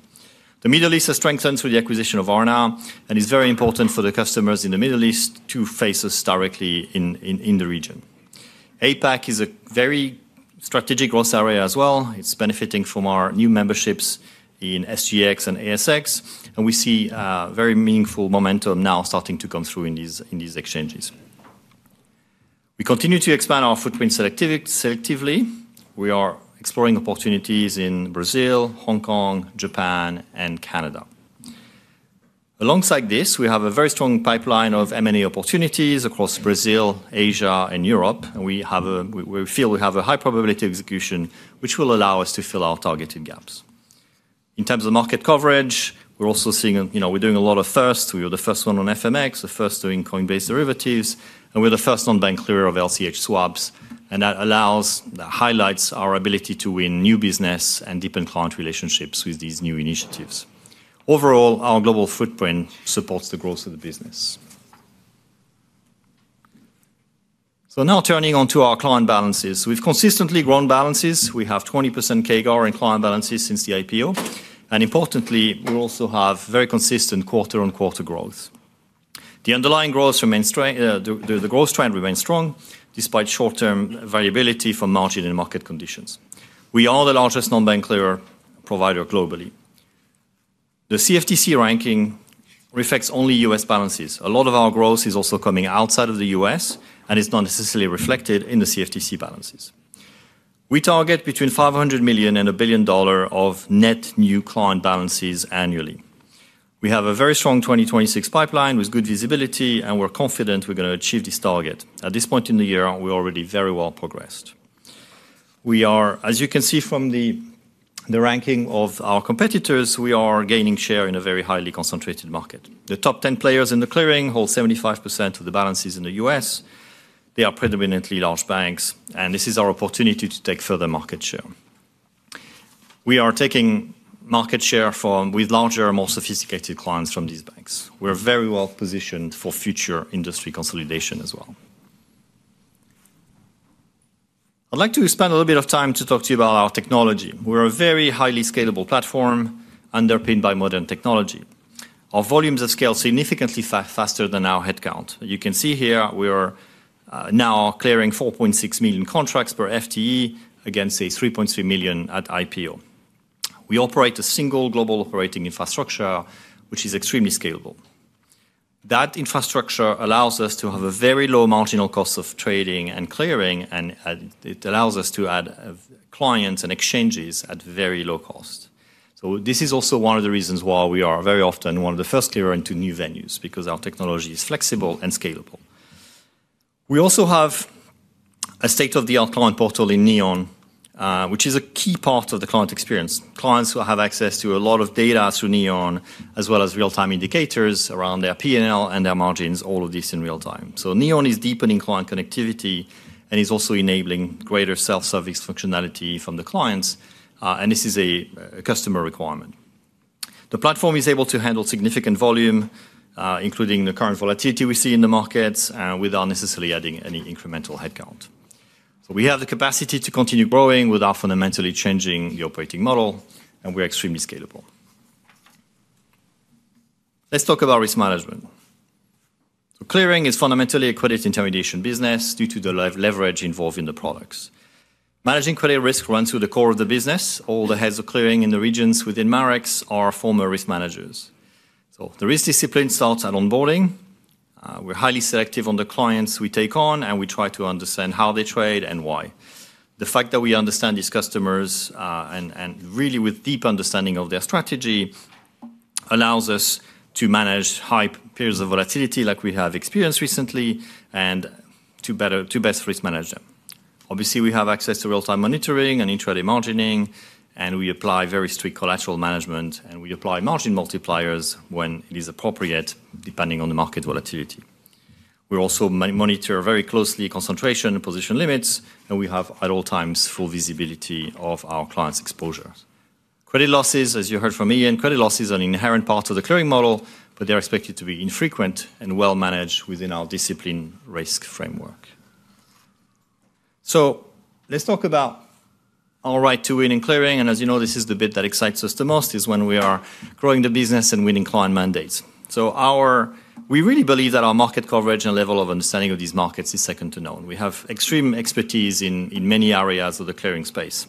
The Middle East has strengthened through the acquisition of Aarna, and it's very important for the customers in the Middle East to face us directly in the region. APAC is a very strategic growth area as well. It's benefiting from our new memberships in SGX and ASX, and we see very meaningful momentum now starting to come through in these exchanges. We continue to expand our footprint selectively. We are exploring opportunities in Brazil, Hong Kong, Japan, and Canada. Alongside this, we have a very strong pipeline of M&A opportunities across Brazil, Asia, and Europe, and we feel we have a high probability of execution, which will allow us to fill our targeted gaps. In terms of market coverage, we're also seeing, you know, we're doing a lot of first. We were the first one on FMX, the first doing Coinbase derivatives, and we're the first non-bank clearer of LCH swaps, and that highlights our ability to win new business and deepen client relationships with these new initiatives. Overall, our global footprint supports the growth of the business. Now turning to our client balances. We've consistently grown balances. We have 20% CAGR in client balances since the IPO, and importantly, we also have very consistent quarter-on-quarter growth. The underlying growth remains strong. The growth trend remains strong despite short-term variability from margin and market conditions. We are the largest non-bank clearer provider globally. The CFTC ranking reflects only U.S. balances. A lot of our growth is also coming outside of the U.S., and it's not necessarily reflected in the CFTC balances. We target between $500 million and $1 billion of net new client balances annually. We have a very strong 2026 pipeline with good visibility, and we're confident we're gonna achieve this target. At this point in the year, we're already very well progressed. As you can see from the ranking of our competitors, we are gaining share in a very highly concentrated market. The top 10 players in the clearing hold 75% of the balances in the U.S. They are predominantly large banks, and this is our opportunity to take further market share. We are taking market share from with larger, more sophisticated clients from these banks. We're very well positioned for future industry consolidation as well. I'd like to spend a little bit of time to talk to you about our technology. We're a very highly scalable platform underpinned by modern technology. Our volumes have scaled significantly faster than our headcount. You can see here we are now clearing 4.6 million contracts per FTE against a 3.3 million at IPO. We operate a single global operating infrastructure, which is extremely scalable. That infrastructure allows us to have a very low marginal cost of trading and clearing, and it allows us to add clients and exchanges at very low cost. This is also one of the reasons why we are very often one of the first clearing to new venues, because our technology is flexible and scalable. We also have a state-of-the-art client portal in Neon, which is a key part of the client experience. Clients will have access to a lot of data through Neon, as well as real-time indicators around their P&L and their margins, all of this in real time. Neon is deepening client connectivity and is also enabling greater self-service functionality from the clients, and this is a customer requirement. The platform is able to handle significant volume, including the current volatility we see in the markets, without necessarily adding any incremental headcount. We have the capacity to continue growing without fundamentally changing the operating model, and we're extremely scalable. Let's talk about risk management. Clearing is fundamentally a credit intermediation business due to the leverage involved in the products. Managing credit risk runs through the core of the business. All the heads of clearing in the regions within Marex are former risk managers. The risk discipline starts at onboarding. We're highly selective on the clients we take on, and we try to understand how they trade and why. The fact that we understand these customers and really with deep understanding of their strategy allows us to manage high periods of volatility like we have experienced recently and to best risk manage them. Obviously, we have access to real-time monitoring and intraday margining, and we apply very strict collateral management, and we apply margin multipliers when it is appropriate, depending on the market volatility. We also monitor very closely concentration and position limits, and we have at all times full visibility of our clients' exposures. Credit losses, as you heard from Ian, are an inherent part of the clearing model, but they're expected to be infrequent and well managed within our disciplined risk framework. Let's talk about our right to win in clearing, and as you know, this is the bit that excites us the most, is when we are growing the business and winning client mandates. We really believe that our market coverage and level of understanding of these markets is second to none. We have extreme expertise in many areas of the clearing space,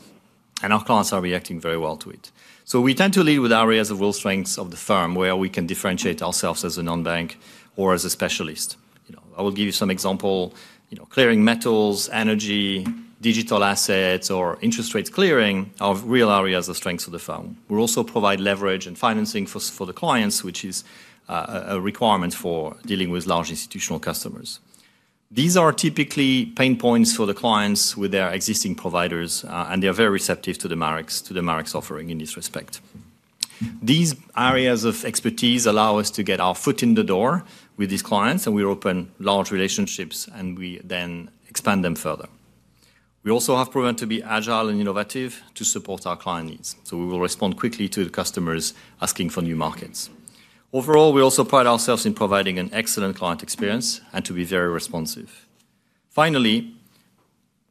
and our clients are reacting very well to it. We tend to lead with areas of real strengths of the firm, where we can differentiate ourselves as a non-bank or as a specialist. You know, I will give you some example. You know, clearing metals, energy, digital assets, or interest rates clearing are real areas of strengths of the firm. We also provide leverage and financing for the clients, which is a requirement for dealing with large institutional customers. These are typically pain points for the clients with their existing providers, and they're very receptive to the Marex offering in this respect. These areas of expertise allow us to get our foot in the door with these clients, and we open large relationships, and we then expand them further. We also have proven to be agile and innovative to support our client needs, so we will respond quickly to the customers asking for new markets. Overall, we also pride ourselves in providing an excellent client experience and to be very responsive. Finally,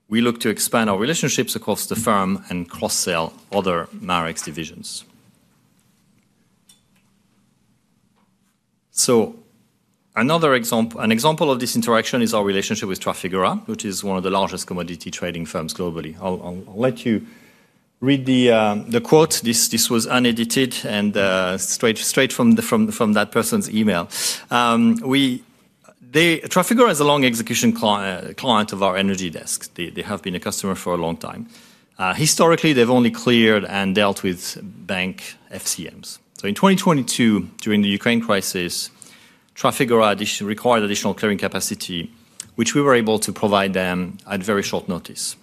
we look to expand our relationships across the firm and cross-sell other Marex divisions. An example of this interaction is our relationship with Trafigura, which is one of the largest commodity trading firms globally. I'll let you read the quote. This was unedited and straight from that person's email. Trafigura is a long execution client of our energy desk. They have been a customer for a long time. Historically, they've only cleared and dealt with bank FCMs. In 2022, during the Ukraine crisis, Trafigura required additional clearing capacity, which we were able to provide them at very short notice.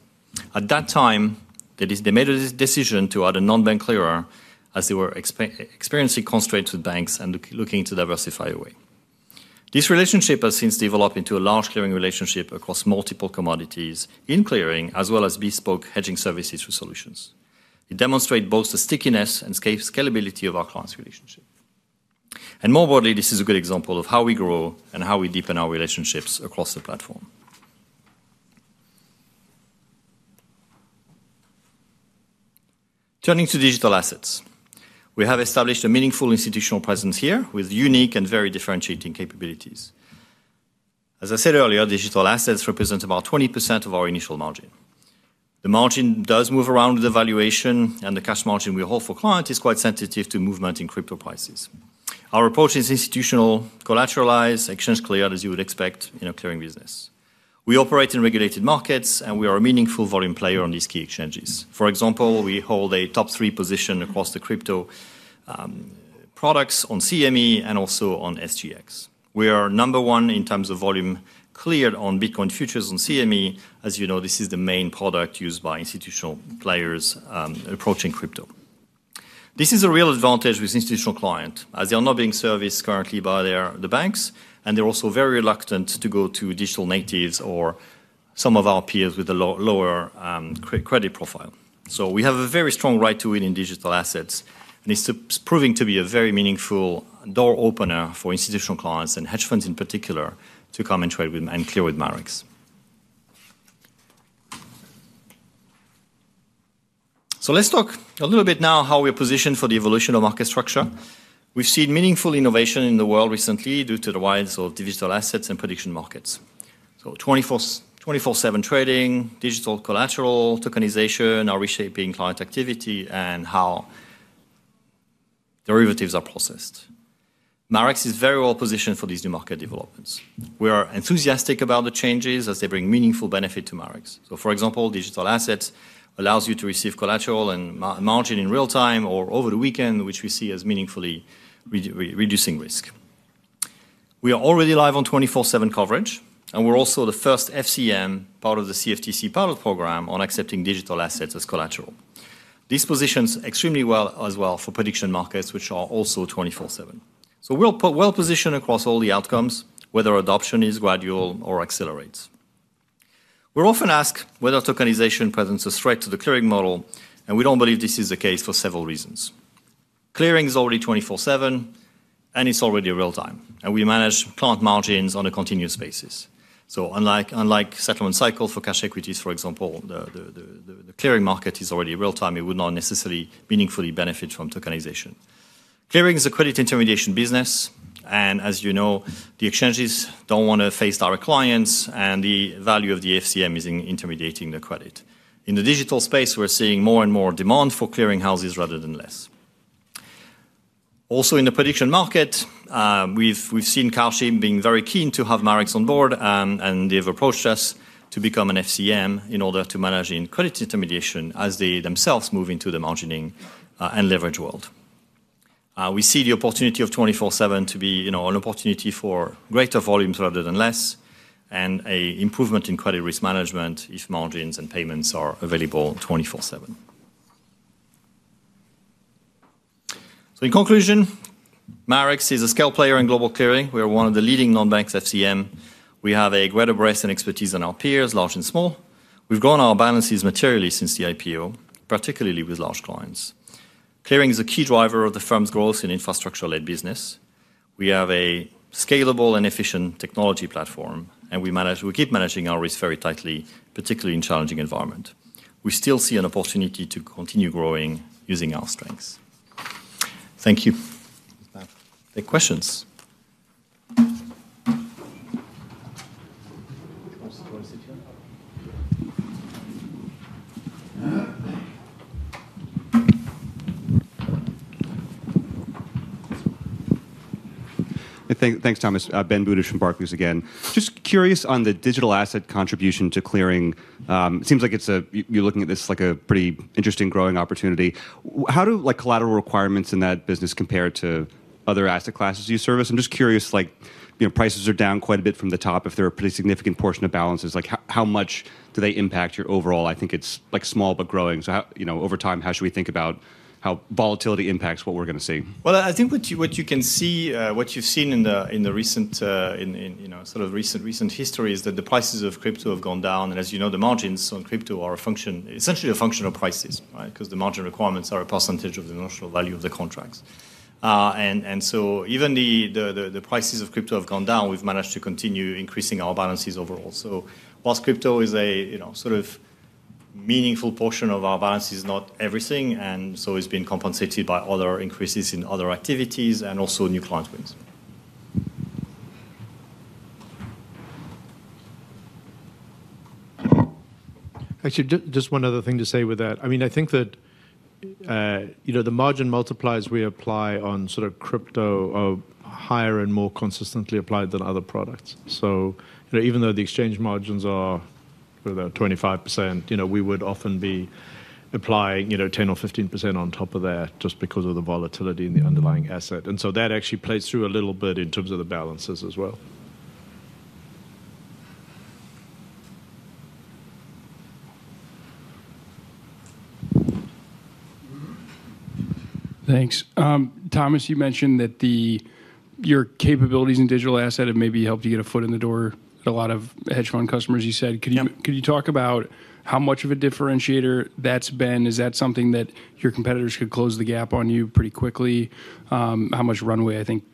At that time, they made a decision to add a non-bank clearer as they were experiencing constraints with banks and looking to diversify away. This relationship has since developed into a large clearing relationship across multiple commodities in clearing, as well as bespoke hedging services through Solutions. It demonstrate both the stickiness and scalability of our clients' relationship. More broadly, this is a good example of how we grow and how we deepen our relationships across the platform. Turning to digital assets. We have established a meaningful institutional presence here with unique and very differentiating capabilities. As I said earlier, digital assets represent about 20% of our initial margin. The margin does move around with the valuation, and the cash margin we hold for client is quite sensitive to movement in crypto prices. Our approach is institutional collateralized, exchange cleared, as you would expect in a clearing business. We operate in regulated markets, and we are a meaningful volume player on these key exchanges. For example, we hold a top three position across the crypto products on CME and also on SGX. We are number one in terms of volume cleared on Bitcoin futures on CME. As you know, this is the main product used by institutional players approaching crypto. This is a real advantage with institutional client, as they are not being serviced currently by the banks, and they're also very reluctant to go to digital natives or some of our peers with a lower credit profile. We have a very strong right to win in digital assets, and it's proving to be a very meaningful door opener for institutional clients and hedge funds in particular to come and trade with and clear with Marex. Let's talk a little bit now how we're positioned for the evolution of market structure. We've seen meaningful innovation in the world recently due to the rise of digital assets and prediction markets. 24/7 trading, digital collateral, tokenization are reshaping client activity and how derivatives are processed. Marex is very well positioned for these new market developments. We are enthusiastic about the changes as they bring meaningful benefit to Marex. For example, digital assets allows you to receive collateral and margin in real time or over the weekend, which we see as meaningfully reducing risk. We are already live on 24/7 coverage, and we're also the first FCM, part of the CFTC pilot program, on accepting digital assets as collateral. This positions extremely well as well for prediction markets, which are also 24/7. We're well-positioned across all the outcomes, whether adoption is gradual or accelerates. We're often asked whether tokenization presents a threat to the clearing model, and we don't believe this is the case for several reasons. Clearing is already 24/7, and it's already real time, and we manage client margins on a continuous basis. Unlike settlement cycle for cash equities, for example, the clearing market is already real time. It would not necessarily meaningfully benefit from tokenization. Clearing is a credit intermediation business, and as you know, the exchanges don't want to face our clients, and the value of the FCM is in intermediating the credit. In the digital space, we're seeing more and more demand for clearing houses rather than less. Also, in the prediction market, we've seen Kalshi being very keen to have Marex on board, and they've approached us to become an FCM in order to manage the credit intermediation as they themselves move into the margining and leverage world. We see the opportunity of 24/7 to be, you know, an opportunity for greater volumes rather than less and an improvement in credit risk management if margins and payments are available 24/7. In conclusion, Marex is a scale player in global clearing. We are one of the leading non-banks FCM. We have a greater breadth and expertise than our peers, large and small. We've grown our balances materially since the IPO, particularly with large clients. Clearing is a key driver of the firm's growth in infrastructure-led business. We have a scalable and efficient technology platform, and we keep managing our risk very tightly, particularly in challenging environment. We still see an opportunity to continue growing using our strengths. Thank you. Take questions. Thanks, Thomas. Ben Budish from Barclays again. Just curious on the digital asset contribution to clearing. It seems like you're looking at this like a pretty interesting growing opportunity. How do, like, collateral requirements in that business compare to other asset classes you service? I'm just curious, like, you know, prices are down quite a bit from the top. If they're a pretty significant portion of balances, like how much do they impact your overall? I think it's like small but growing. How, you know, over time, how should we think about how volatility impacts what we're going to see? Well, I think what you can see, what you've seen in the recent, you know, sort of recent history is that the prices of crypto have gone down. As you know, the margins on crypto are a function, essentially, of prices, right? 'Cause the margin requirements are a percentage of the notional value of the contracts. Even the prices of crypto have gone down. We've managed to continue increasing our balances overall. While crypto is a, you know, sort of meaningful portion of our balance, it is not everything, and so it's been compensated by other increases in other activities and also new client wins. Actually, just one other thing to say with that. I mean, I think that, you know, the margin multipliers we apply on sort of crypto are higher and more consistently applied than other products. You know, even though the exchange margins are about 25%, you know, we would often be applying, you know, 10% or 15% on top of that just because of the volatility in the underlying asset. That actually plays through a little bit in terms of the balances as well. Thanks. Thomas, you mentioned that your capabilities in digital asset have maybe helped you get a foot in the door with a lot of hedge fund customers, you said. Yep. Could you talk about how much of a differentiator that's been? Is that something that your competitors could close the gap on you pretty quickly? How much runway I think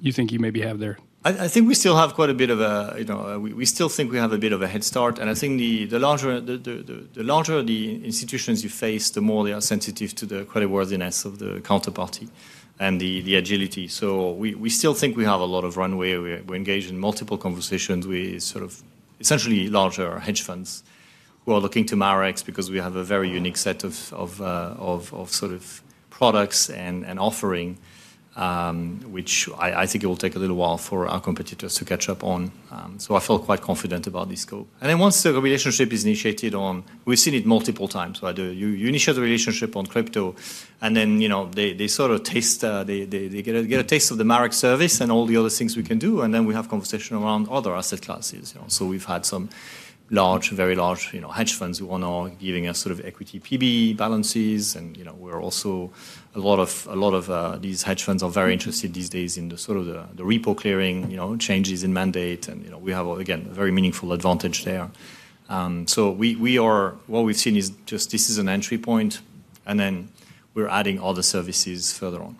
you think you maybe have there? I think we still have quite a bit of a head start, you know. We still think we have a bit of a head start, and I think the larger the institutions you face, the more they are sensitive to the creditworthiness of the counterparty and the agility. So we still think we have a lot of runway. We're engaged in multiple conversations with sort of essentially larger hedge funds who are looking to Marex because we have a very unique set of sort of products and offering, which I think it will take a little while for our competitors to catch up on. So I feel quite confident about this scope. Then once the relationship is initiated, we've seen it multiple times, right? You initiate the relationship on crypto, and then, you know, they sort of get a taste of the Marex service and all the other things we can do, and then we have conversation around other asset classes, you know. We've had some large, very large, you know, hedge funds who want to give us sort of equity PB balances and, you know, we're also a lot of these hedge funds are very interested these days in the sort of repo clearing, you know, changes in mandate and, you know, we have, again, a very meaningful advantage there. What we've seen is just this is an entry point, and then we're adding all the services further on.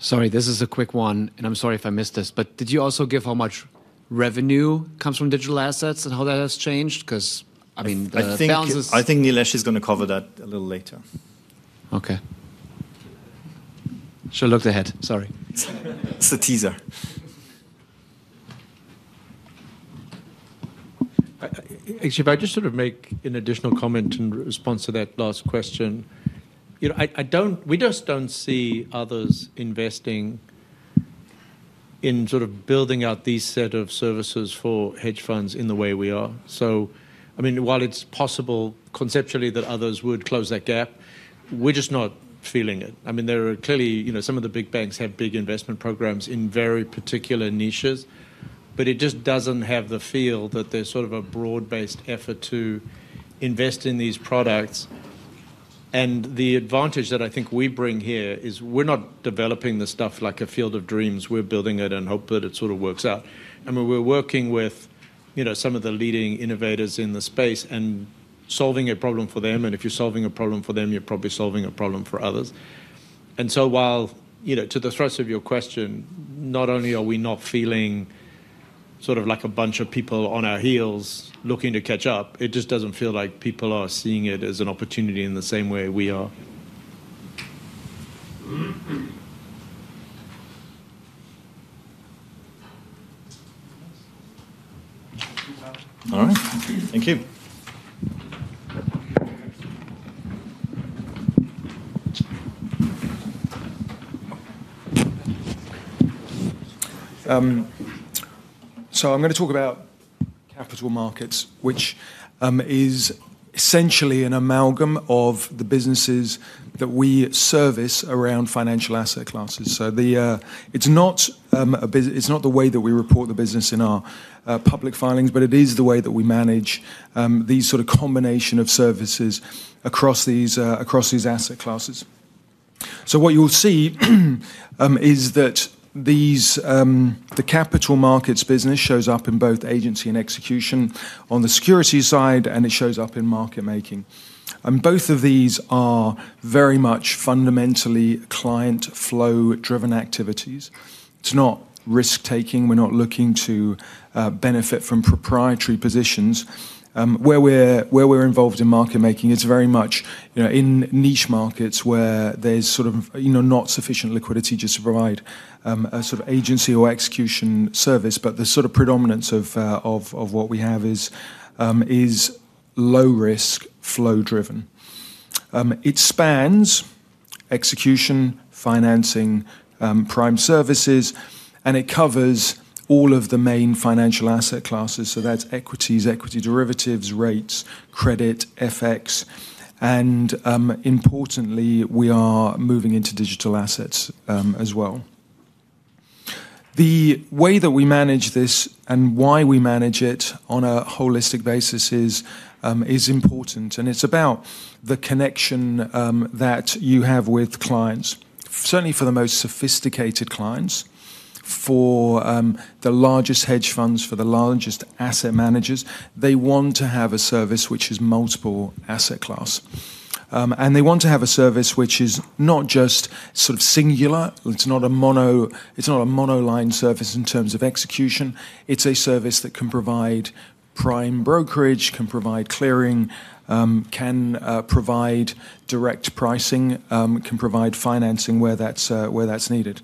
Sorry, this is a quick one, and I'm sorry if I missed this, but did you also give how much revenue comes from digital assets and how that has changed? 'Cause I mean, the balances- I think Nilesh is gonna cover that a little later. Okay. Should've looked ahead, sorry. It's a teaser. Actually, if I just sort of make an additional comment in response to that last question. You know, I don't. We just don't see others investing in sort of building out these set of services for hedge funds in the way we are. I mean, while it's possible conceptually that others would close that gap, we're just not feeling it. I mean, there are clearly, you know, some of the big banks have big investment programs in very particular niches, but it just doesn't have the feel that there's sort of a broad-based effort to invest in these products. The advantage that I think we bring here is we're not developing the stuff like a field of dreams. We're building it and hope that it sort of works out. I mean, we're working with, you know, some of the leading innovators in the space and solving a problem for them, and if you're solving a problem for them, you're probably solving a problem for others. While, you know, to the thrust of your question, not only are we not feeling sort of like a bunch of people on our heels looking to catch up, it just doesn't feel like people are seeing it as an opportunity in the same way we are. All right. Thank you. I'm gonna talk about capital markets, which is essentially an amalgam of the businesses that we service around financial asset classes. It's not the way that we report the business in our public filings, but it is the way that we manage these sort of combination of services across these asset classes. What you'll see is that the capital markets business shows up in both Agency and Execution on the securities side, and it shows up in Market Making. Both of these are very much fundamentally client flow driven activities. It's not risk-taking. We're not looking to benefit from proprietary positions. Where we're involved in market making, it's very much, you know, in niche markets where there's sort of, you know, not sufficient liquidity just to provide a sort of agency or execution service. The sort of predominance of what we have is low risk flow driven. It spans execution, financing, prime services, and it covers all of the main financial asset classes. That's equities, equity derivatives, rates, credit, FX, and importantly, we are moving into digital assets as well. The way that we manage this and why we manage it on a holistic basis is important, and it's about the connection that you have with clients. Certainly for the most sophisticated clients. For the largest hedge funds, for the largest asset managers, they want to have a service which is multiple asset class. They want to have a service which is not just sort of singular. It's not a monoline service in terms of execution. It's a service that can provide prime brokerage, can provide clearing, can provide direct pricing, can provide financing where that's needed.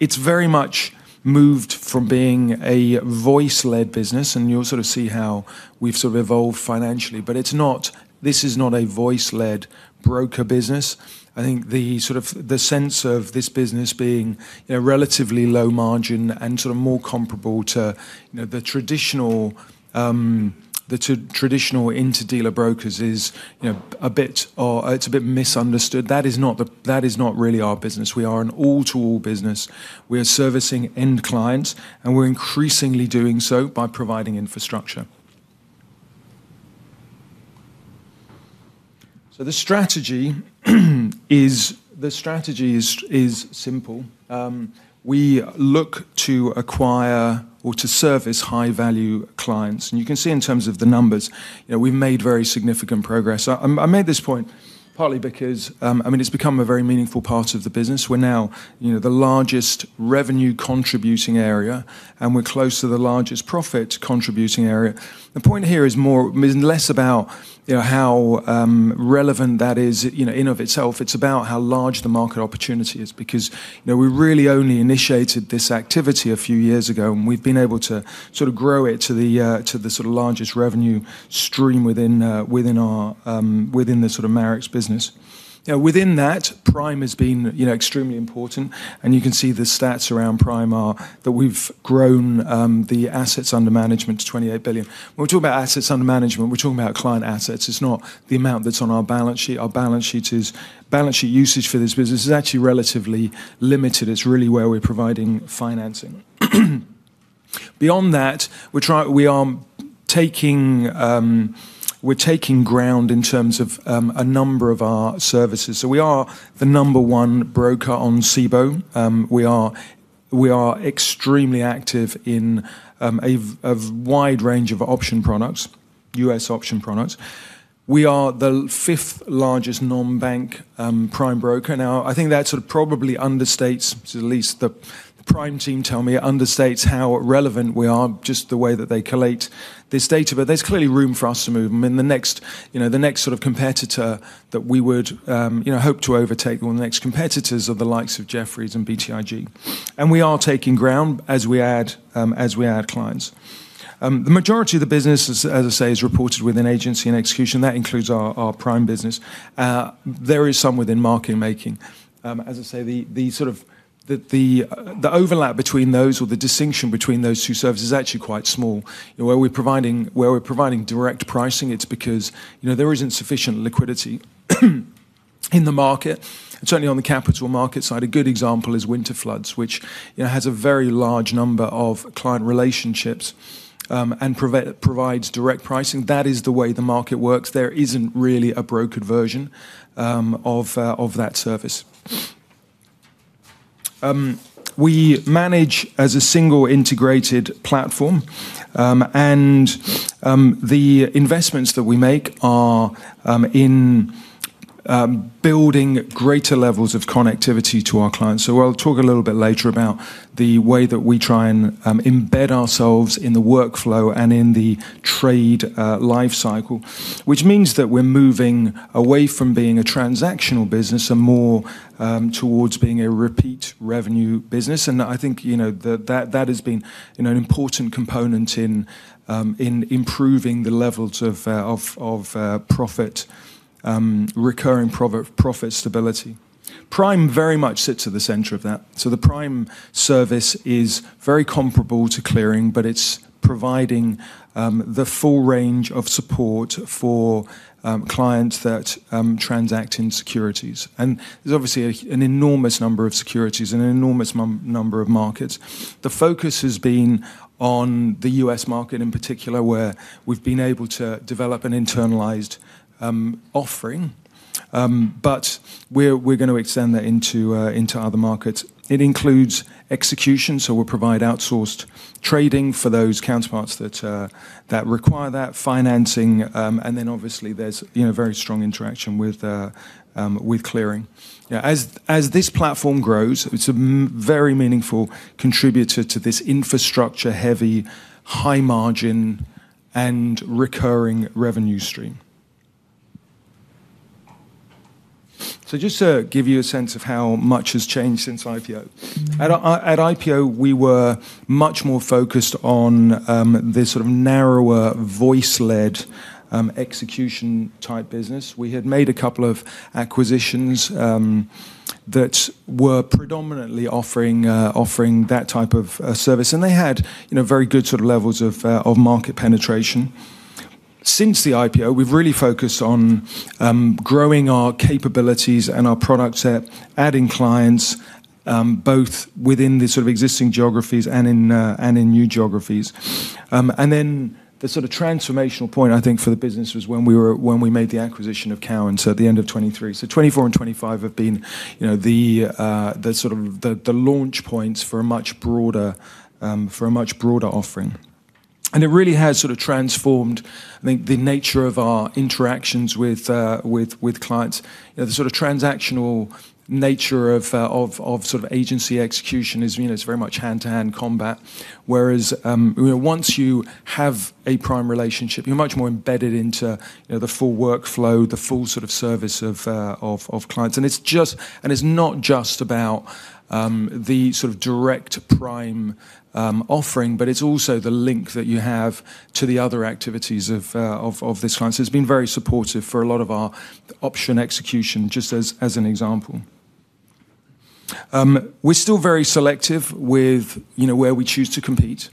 It's very much moved from being a voice-led business, and you'll sort of see how we've sort of evolved financially. This is not a voice-led broker business. I think the sort of the sense of this business being, you know, relatively low margin and sort of more comparable to, you know, the traditional interdealer brokers is, you know, a bit, or it's a bit misunderstood. That is not really our business. We are an all-to-all business. We are servicing end clients, and we're increasingly doing so by providing infrastructure. The strategy is simple. We look to acquire or to service high-value clients. You can see in terms of the numbers, you know, we've made very significant progress. I made this point partly because I mean, it's become a very meaningful part of the business. We're now, you know, the largest revenue contributing area, and we're close to the largest profit contributing area. The point here is less about, you know, how relevant that is, you know, in and of itself. It's about how large the market opportunity is because, you know, we really only initiated this activity a few years ago, and we've been able to sort of grow it to the sort of largest revenue stream within our the sort of Marex business. You know, within that, prime has been, you know, extremely important, and you can see the stats around prime are that we've grown the assets under management to $28 billion. When we talk about assets under management, we're talking about client assets. It's not the amount that's on our balance sheet. Our balance sheet usage for this business is actually relatively limited. It's really where we're providing financing. Beyond that, we are taking ground in terms of a number of our services. We are the No. 1 broker on Cboe. We are extremely active in a wide range of option products, U.S. option products. We are the fifth largest non-bank prime broker. Now, I think that sort of probably understates, at least the prime team tell me, understates how relevant we are, just the way that they collate this data. There's clearly room for us to move. I mean, the next you know sort of competitor that we would hope to overtake or the next competitors are the likes of Jefferies and BTIG. We are taking ground as we add clients. The majority of the business is, as I say, reported within Agency and Execution. That includes our prime business. There is some within Market Making. As I say, the sort of overlap between those or the distinction between those two services is actually quite small. You know, where we're providing direct pricing, it's because, you know, there isn't sufficient liquidity in the market, certainly on the capital market side. A good example is Winterflood, which, you know, has a very large number of client relationships and provides direct pricing. That is the way the market works. There isn't really a brokered version of that service. We manage as a single integrated platform, and the investments that we make are in building greater levels of connectivity to our clients. I'll talk a little bit later about the way that we try and embed ourselves in the workflow and in the trade life cycle, which means that we're moving away from being a transactional business and more towards being a repeat revenue business. I think, you know, that has been, you know, an important component in improving the levels of profit recurring profit stability. Prime very much sits at the center of that. The prime service is very comparable to clearing, but it's providing the full range of support for clients that transact in securities. There's obviously an enormous number of securities and an enormous number of markets. The focus has been on the U.S. market in particular, where we've been able to develop an internalized offering. We're gonna extend that into other markets. It includes execution, so we'll provide outsourced trading for those counterparties that require that financing. Then obviously, there's you know, very strong interaction with clearing. You know, as this platform grows, it's a very meaningful contributor to this infrastructure heavy, high margin, and recurring revenue stream. Just to give you a sense of how much has changed since IPO. At IPO, we were much more focused on this sort of narrower voice-led execution type business. We had made a couple of acquisitions that were predominantly offering that type of service, and they had you know, very good sort of levels of market penetration. Since the IPO, we've really focused on growing our capabilities and our product set, adding clients both within the sort of existing geographies and in and in new geographies. The transformational point, I think, for the business was when we made the acquisition of Cowen, so at the end of 2023. 2024 and 2025 have been, you know, the sort of the launch points for a much broader offering. It really has sort of transformed, I think, the nature of our interactions with with clients. You know, the sort of transactional nature of of sort of agency execution is, you know, it's very much hand-to-hand combat. Whereas, you know, once you have a prime relationship, you're much more embedded into, you know, the full workflow, the full sort of service of clients. It's not just about the sort of direct prime offering, but it's also the link that you have to the other activities of this client. It's been very supportive for a lot of our option execution, just as an example. We're still very selective with, you know, where we choose to compete.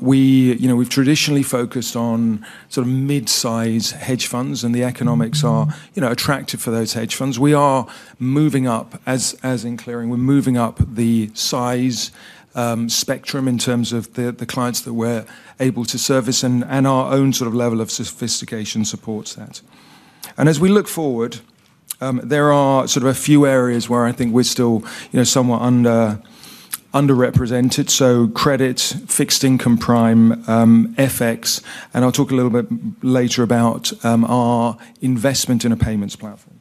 We, you know, we've traditionally focused on sort of mid-size hedge funds, and the economics are, you know, attractive for those hedge funds. We are moving up, as in clearing, we're moving up the size spectrum in terms of the clients that we're able to service and our own sort of level of sophistication supports that. As we look forward, there are sort of a few areas where I think we're still, you know, somewhat underrepresented, so credit, fixed income prime, FX, and I'll talk a little bit later about our investment in a payments platform.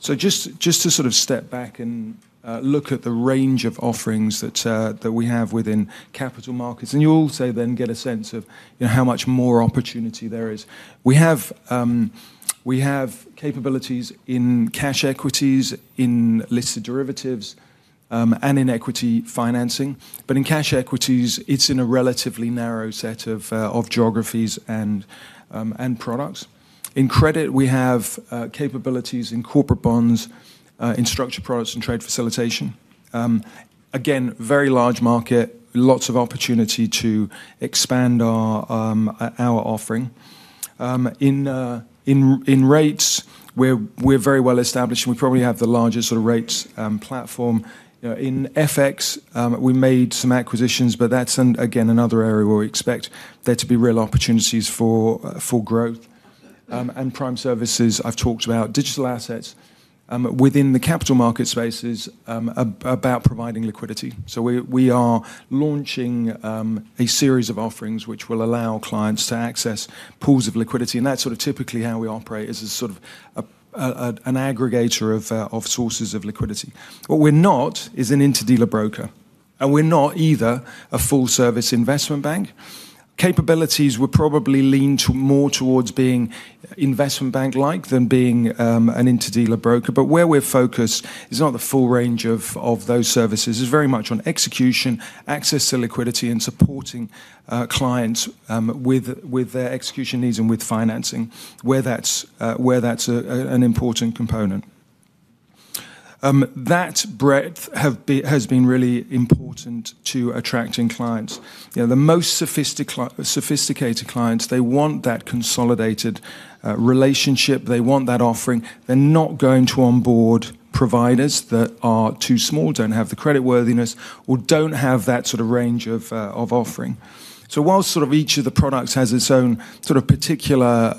Just to sort of step back and look at the range of offerings that we have within capital markets, and you'll also then get a sense of, you know, how much more opportunity there is. We have capabilities in cash equities, in listed derivatives, and in equity financing. In cash equities, it's in a relatively narrow set of geographies and products. In credit, we have capabilities in corporate bonds in structured products and trade facilitation. Again, very large market, lots of opportunity to expand our offering. In rates, we're very well established, and we probably have the largest sort of rates platform. You know, in FX, we made some acquisitions, but that's an, again, another area where we expect there to be real opportunities for growth. Prime services, I've talked about digital assets within the capital market spaces about providing liquidity. We are launching a series of offerings which will allow clients to access pools of liquidity, and that's sort of typically how we operate, as a sort of an aggregator of sources of liquidity. What we're not is an interdealer broker, and we're not either a full service investment bank. Capabilities will probably lean to more towards being investment bank-like than being an interdealer broker. Where we're focused is not the full range of those services. It's very much on execution, access to liquidity, and supporting clients with their execution needs and with financing, where that's an important component. That breadth has been really important to attracting clients. You know, the most sophisticated clients, they want that consolidated relationship. They want that offering. They're not going to onboard providers that are too small, don't have the creditworthiness, or don't have that sort of range of offering. While sort of each of the products has its own sort of particular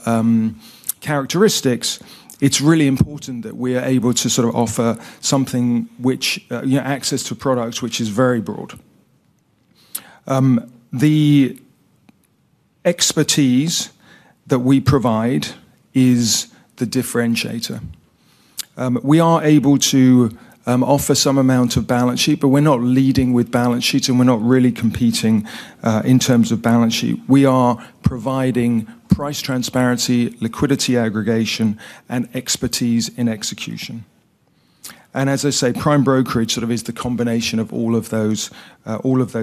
characteristics, it's really important that we are able to sort of offer something which you know, access to products which is very broad. The expertise that we provide is the differentiator. We are able to offer some amount of balance sheet, but we're not leading with balance sheet, and we're not really competing in terms of balance sheet. We are providing price transparency, liquidity aggregation, and expertise in execution. As I say, prime brokerage sort of is the combination of all of those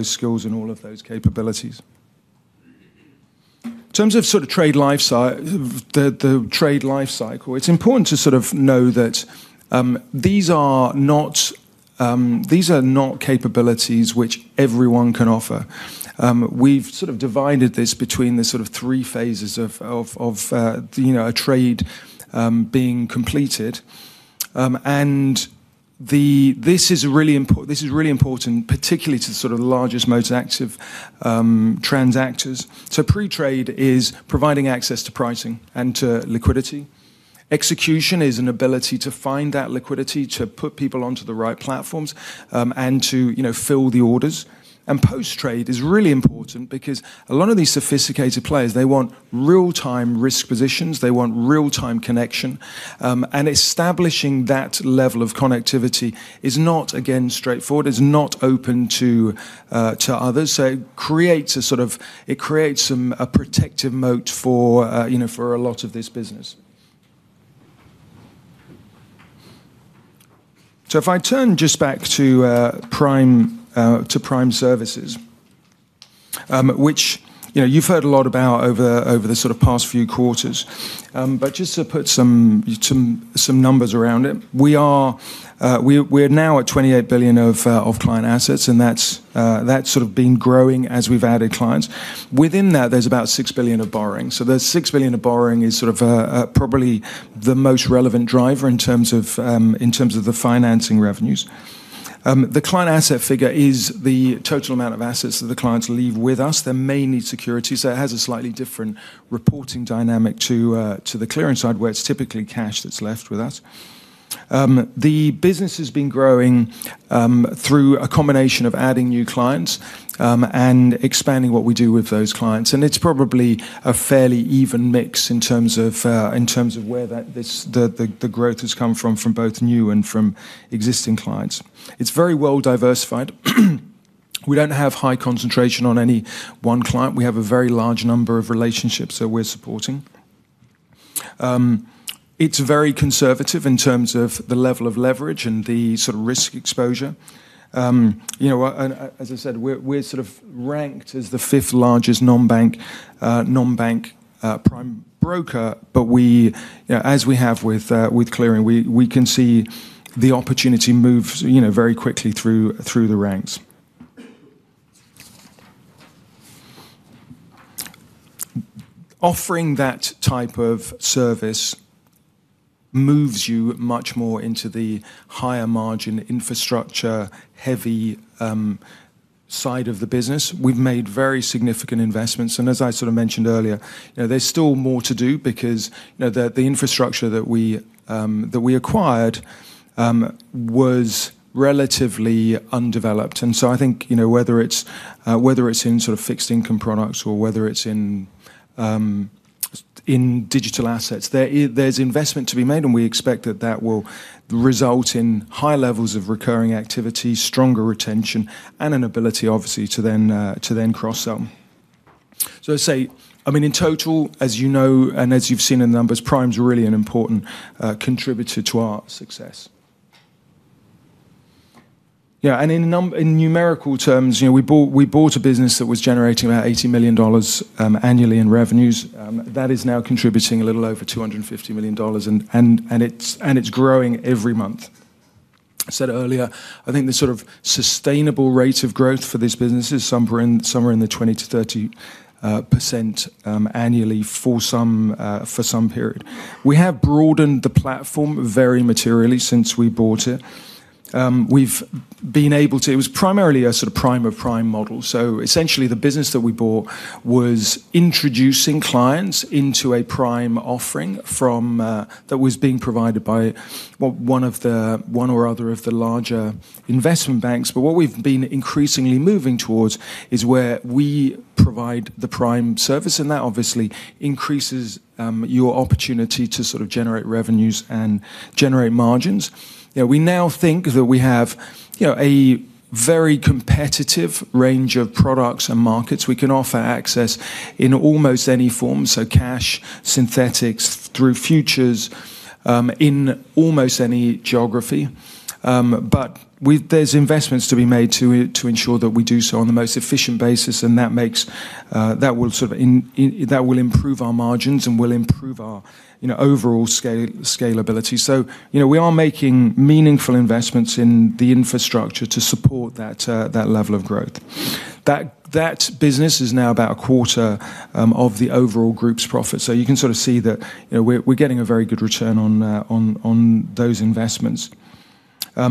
skills and all of those capabilities. In terms of sort of the trade life cycle, it's important to sort of know that these are not capabilities which everyone can offer. We've sort of divided this between the sort of three phases of a trade being completed. This is really important, particularly to the sort of largest, most active transactors. Pre-trade is providing access to pricing and to liquidity. Execution is an ability to find that liquidity, to put people onto the right platforms, and to fill the orders. Post-trade is really important because a lot of these sophisticated players, they want real-time risk positions. They want real-time connection, and establishing that level of connectivity is not, again, straightforward, is not open to others. It creates a sort of a protective moat for, you know, for a lot of this business. If I turn just back to prime services, which, you know, you've heard a lot about over the sort of past few quarters, but just to put some numbers around it. We're now at $28 billion of client assets, and that's sort of been growing as we've added clients. Within that, there's about $6 billion of borrowing. The $6 billion of borrowing is sort of probably the most relevant driver in terms of the financing revenues. The client asset figure is the total amount of assets that the clients leave with us. They may need security, so it has a slightly different reporting dynamic to the clearing side, where it's typically cash that's left with us. The business has been growing through a combination of adding new clients and expanding what we do with those clients. It's probably a fairly even mix in terms of where the growth has come from both new and from existing clients. It's very well diversified. We don't have high concentration on any one client. We have a very large number of relationships that we're supporting. It's very conservative in terms of the level of leverage and the sort of risk exposure. You know, and as I said, we're sort of ranked as the fifth largest non-bank prime broker. We, you know, as we have with clearing, we can see the opportunity move, you know, very quickly through the ranks. Offering that type of service moves you much more into the higher margin infrastructure-heavy side of the business. We've made very significant investments, and as I sort of mentioned earlier, you know, there's still more to do because, you know, the infrastructure that we acquired was relatively undeveloped. I think, you know, whether it's in sort of fixed income products or whether it's in digital assets, there's investment to be made, and we expect that will result in high levels of recurring activity, stronger retention, and an ability, obviously, to then cross-sell. Let's say, I mean, in total, as you know, and as you've seen in the numbers, prime's really an important contributor to our success. Yeah, and in numerical terms, you know, we bought a business that was generating about $80 million annually in revenues, that is now contributing a little over $250 million, and it's growing every month. I said earlier, I think the sort of sustainable rate of growth for this business is somewhere in the 20%-30% annually for some period. We have broadened the platform very materially since we bought it. We've been able to. It was primarily a sort of prime of prime model. Essentially, the business that we bought was introducing clients into a prime offering from, that was being provided by one or other of the larger investment banks. What we've been increasingly moving towards is where we provide the prime service, and that obviously increases your opportunity to sort of generate revenues and generate margins. You know, we now think that we have, you know, a very competitive range of products and markets. We can offer access in almost any form, so cash, synthetics, through futures, in almost any geography. There's investments to be made to ensure that we do so on the most efficient basis, and that will sort of improve our margins and will improve our, you know, overall scalability. You know, we are making meaningful investments in the infrastructure to support that level of growth. That business is now about a quarter of the overall group's profit. You can sort of see that, you know, we're getting a very good return on those investments. While,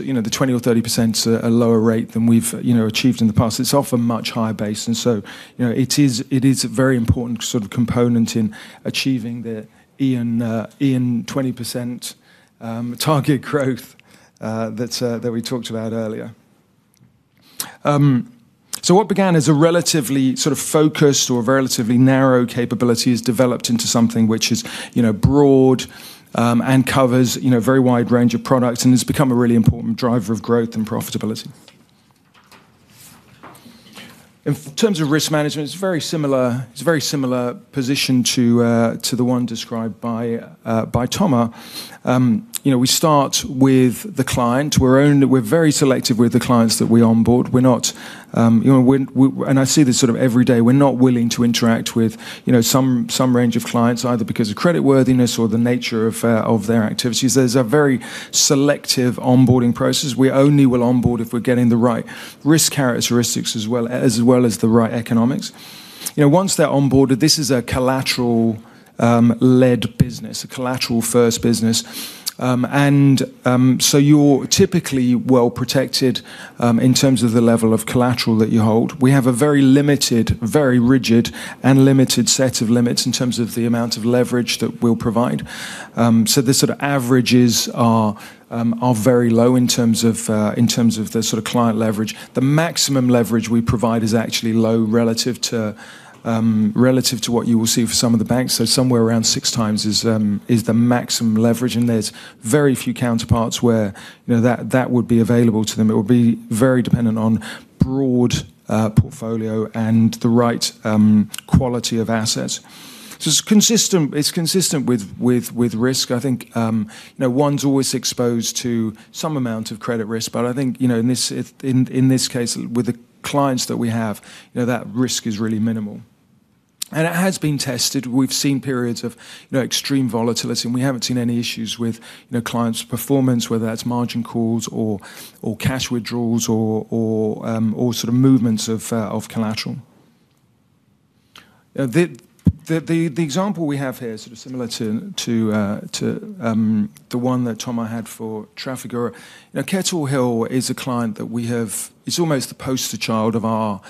you know, the 20% or 30% is a lower rate than we've, you know, achieved in the past, it's off a much higher base. You know, it is a very important sort of component in achieving the Ian 20% target growth that we talked about earlier. What began as a relatively sort of focused or relatively narrow capability has developed into something which is, you know, broad, and covers, you know, a very wide range of products, and it's become a really important driver of growth and profitability. In terms of risk management, it's very similar, it's a very similar position to the one described by Thomas Texier. You know, we start with the client. We're very selective with the clients that we onboard. We're not, you know, I see this sort of every day. We're not willing to interact with, you know, some range of clients, either because of creditworthiness or the nature of their activities. There's a very selective onboarding process. We only will onboard if we're getting the right risk characteristics as well as the right economics. You know, once they're onboarded, this is a collateral led business, a collateral first business. You're typically well protected in terms of the level of collateral that you hold. We have a very limited, very rigid and limited set of limits in terms of the amount of leverage that we'll provide. The sort of averages are very low in terms of the sort of client leverage. The maximum leverage we provide is actually low relative to what you will see for some of the banks. Somewhere around 6x is the maximum leverage, and there's very few counterparties where, you know, that would be available to them. It would be very dependent on broad portfolio and the right quality of assets. It's consistent with risk. I think you know, one's always exposed to some amount of credit risk. But I think you know, in this case, with the clients that we have, you know, that risk is really minimal. And it has been tested. We've seen periods of you know, extreme volatility, and we haven't seen any issues with you know, clients' performance, whether that's margin calls or cash withdrawals or sort of movements of collateral. The example we have here is sort of similar to the one that Thomas Texier had for Trafigura. You know, Kettle Hill is a client that we have... It's almost the poster child of our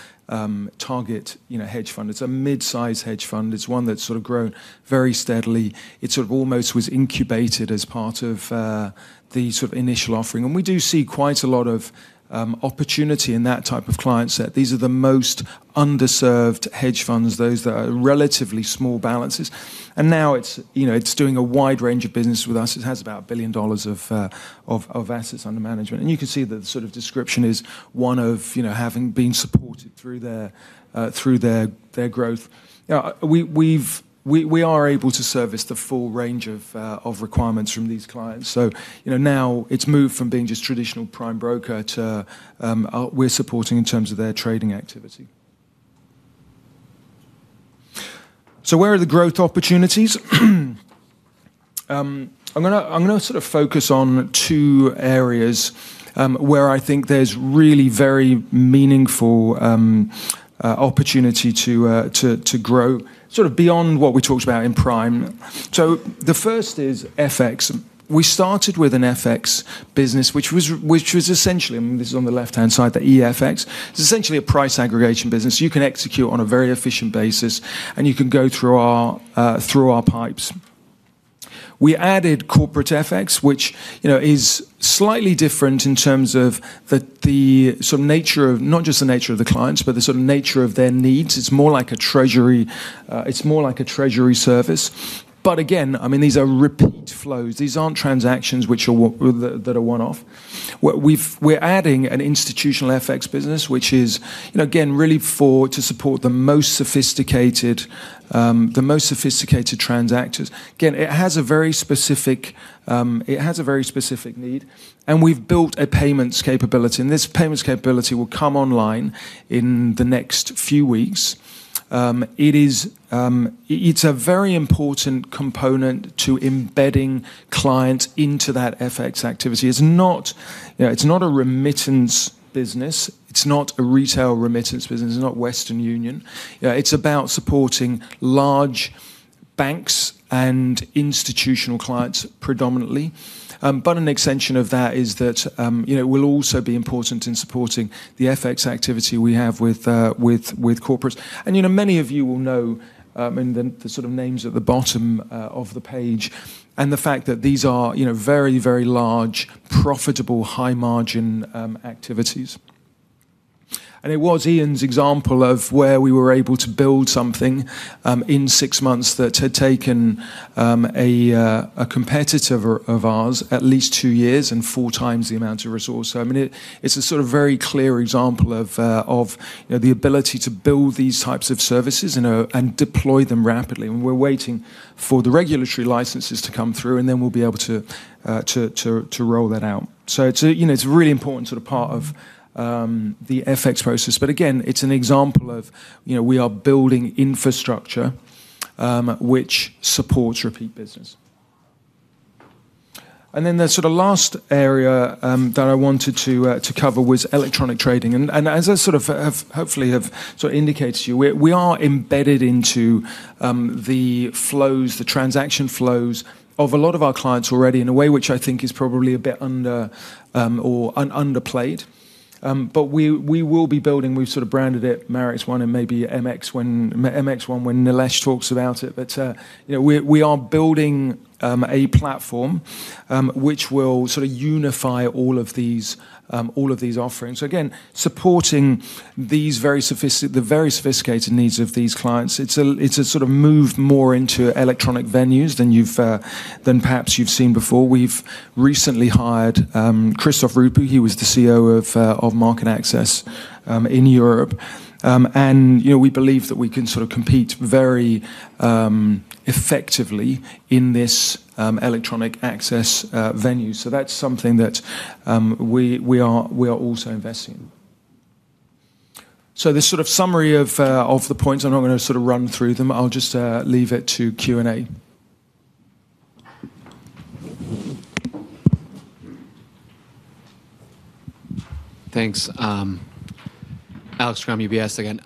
target, you know, hedge fund. It's a mid-size hedge fund. It's one that's sort of grown very steadily. It sort of almost was incubated as part of the sort of initial offering. We do see quite a lot of opportunity in that type of client set. These are the most underserved hedge funds, those that are relatively small balances. Now it's, you know, it's doing a wide range of business with us. It has about $1 billion of assets under management. You can see the sort of description is one of, you know, having been supported through their growth. Yeah, we are able to service the full range of requirements from these clients. You know, now it's moved from being just traditional prime broker to, we're supporting in terms of their trading activity. Where are the growth opportunities? I'm gonna sort of focus on two areas where I think there's really very meaningful opportunity to grow sort of beyond what we talked about in prime. The first is FX. We started with an FX business, which was essentially, I mean, this is on the left-hand side, the EFX. It's essentially a price aggregation business. You can execute on a very efficient basis, and you can go through our pipes. We added corporate FX, which, you know, is slightly different in terms of the sort of nature of not just the nature of the clients, but the sort of nature of their needs. It's more like a treasury service. Again, I mean, these are repeat flows. These aren't transactions which are one-off. We're adding an institutional FX business, which is, you know, again, really to support the most sophisticated transactors. Again, it has a very specific need, and we've built a payments capability, and this payments capability will come online in the next few weeks. It's a very important component to embedding clients into that FX activity. It's not, you know, it's not a remittance business. It's not a retail remittance business. It's not Western Union. You know, it's about supporting large banks and institutional clients predominantly. An extension of that is that, you know, we'll also be important in supporting the FX activity we have with corporates. You know, many of you will know, and then the sort of names at the bottom of the page, and the fact that these are, you know, very, very large, profitable, high margin activities. It was Ian's example of where we were able to build something in six months that had taken a competitor of ours at least two years and four times the amount of resource. I mean, it's a sort of very clear example of you know the ability to build these types of services and deploy them rapidly, and we're waiting for the regulatory licenses to come through, and then we'll be able to roll that out. You know, it's a really important sort of part of the FX process. Again, it's an example of you know we are building infrastructure which supports repeat business. Then the sort of last area that I wanted to cover was electronic trading. As I sort of have hopefully indicated to you, we are embedded into the flows, the transaction flows of a lot of our clients already in a way which I think is probably a bit under or underplayed. We will be building. We've sort of branded it Marex One and maybe MX One when Nilesh talks about it. You know, we are building a platform which will sort of unify all of these offerings. Again, supporting the very sophisticated needs of these clients, it's a sort of move more into electronic venues than perhaps you've seen before. We've recently hired Christophe Roupie, he was the CEO of MarketAxess in Europe. You know, we believe that we can sort of compete very effectively in this electronic access venue. That's something that we are also investing in. This sort of summary of the points, I'm not gonna sort of run through them. I'll just leave it to Q&A. Thanks. Alex Kramm, UBS again.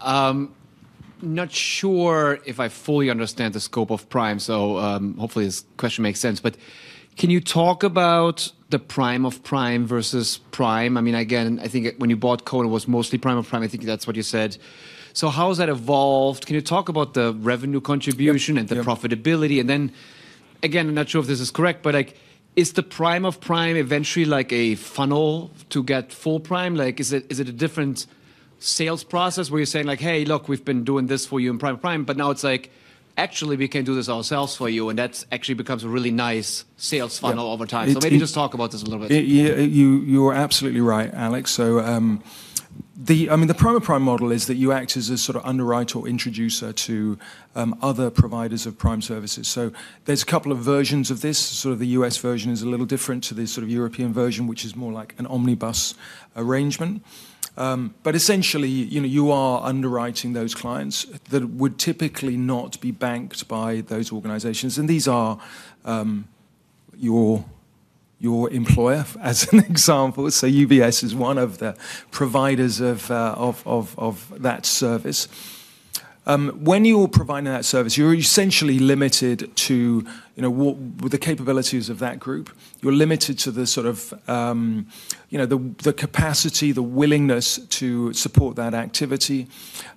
Not sure if I fully understand the scope of prime, so hopefully this question makes sense. Can you talk about the prime of prime versus prime? I mean, again, I think when you bought Cowen, it was mostly prime of prime. I think that's what you said. So how has that evolved? Can you talk about the revenue contribution- Yeah. the profitability? Again, I'm not sure if this is correct, but, like, is the prime of prime eventually like a funnel to get full prime? Like, is it, is it a different sales process where you're saying like, "Hey, look, we've been doing this for you in prime of prime," but now it's like, "Actually, we can do this ourselves for you," and that's actually becomes a really nice sales funnel over time. Yeah. It- Maybe just talk about this a little bit. Yeah, you are absolutely right, Alex. I mean, the prime of prime model is that you act as a sort of underwriter or introducer to other providers of prime services. There's a couple of versions of this, sort of the U.S. version is a little different to the sort of European version, which is more like an omnibus arrangement. Essentially, you are underwriting those clients that would typically not be banked by those organizations, and these are your employer, as an example, so UBS is one of the providers of that service. When you're providing that service, you're essentially limited to with the capabilities of that group. You're limited to the sort of the capacity, the willingness to support that activity,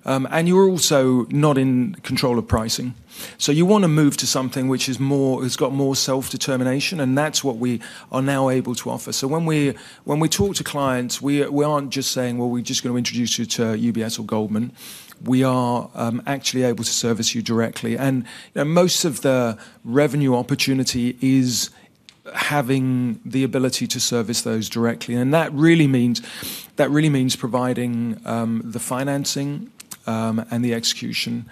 and you're also not in control of pricing. You wanna move to something which it's got more self-determination, and that's what we are now able to offer. When we talk to clients, we aren't just saying, "Well, we're just gonna introduce you to UBS or Goldman." We are actually able to service you directly. Most of the revenue opportunity is having the ability to service those directly. That really means providing the financing and the execution,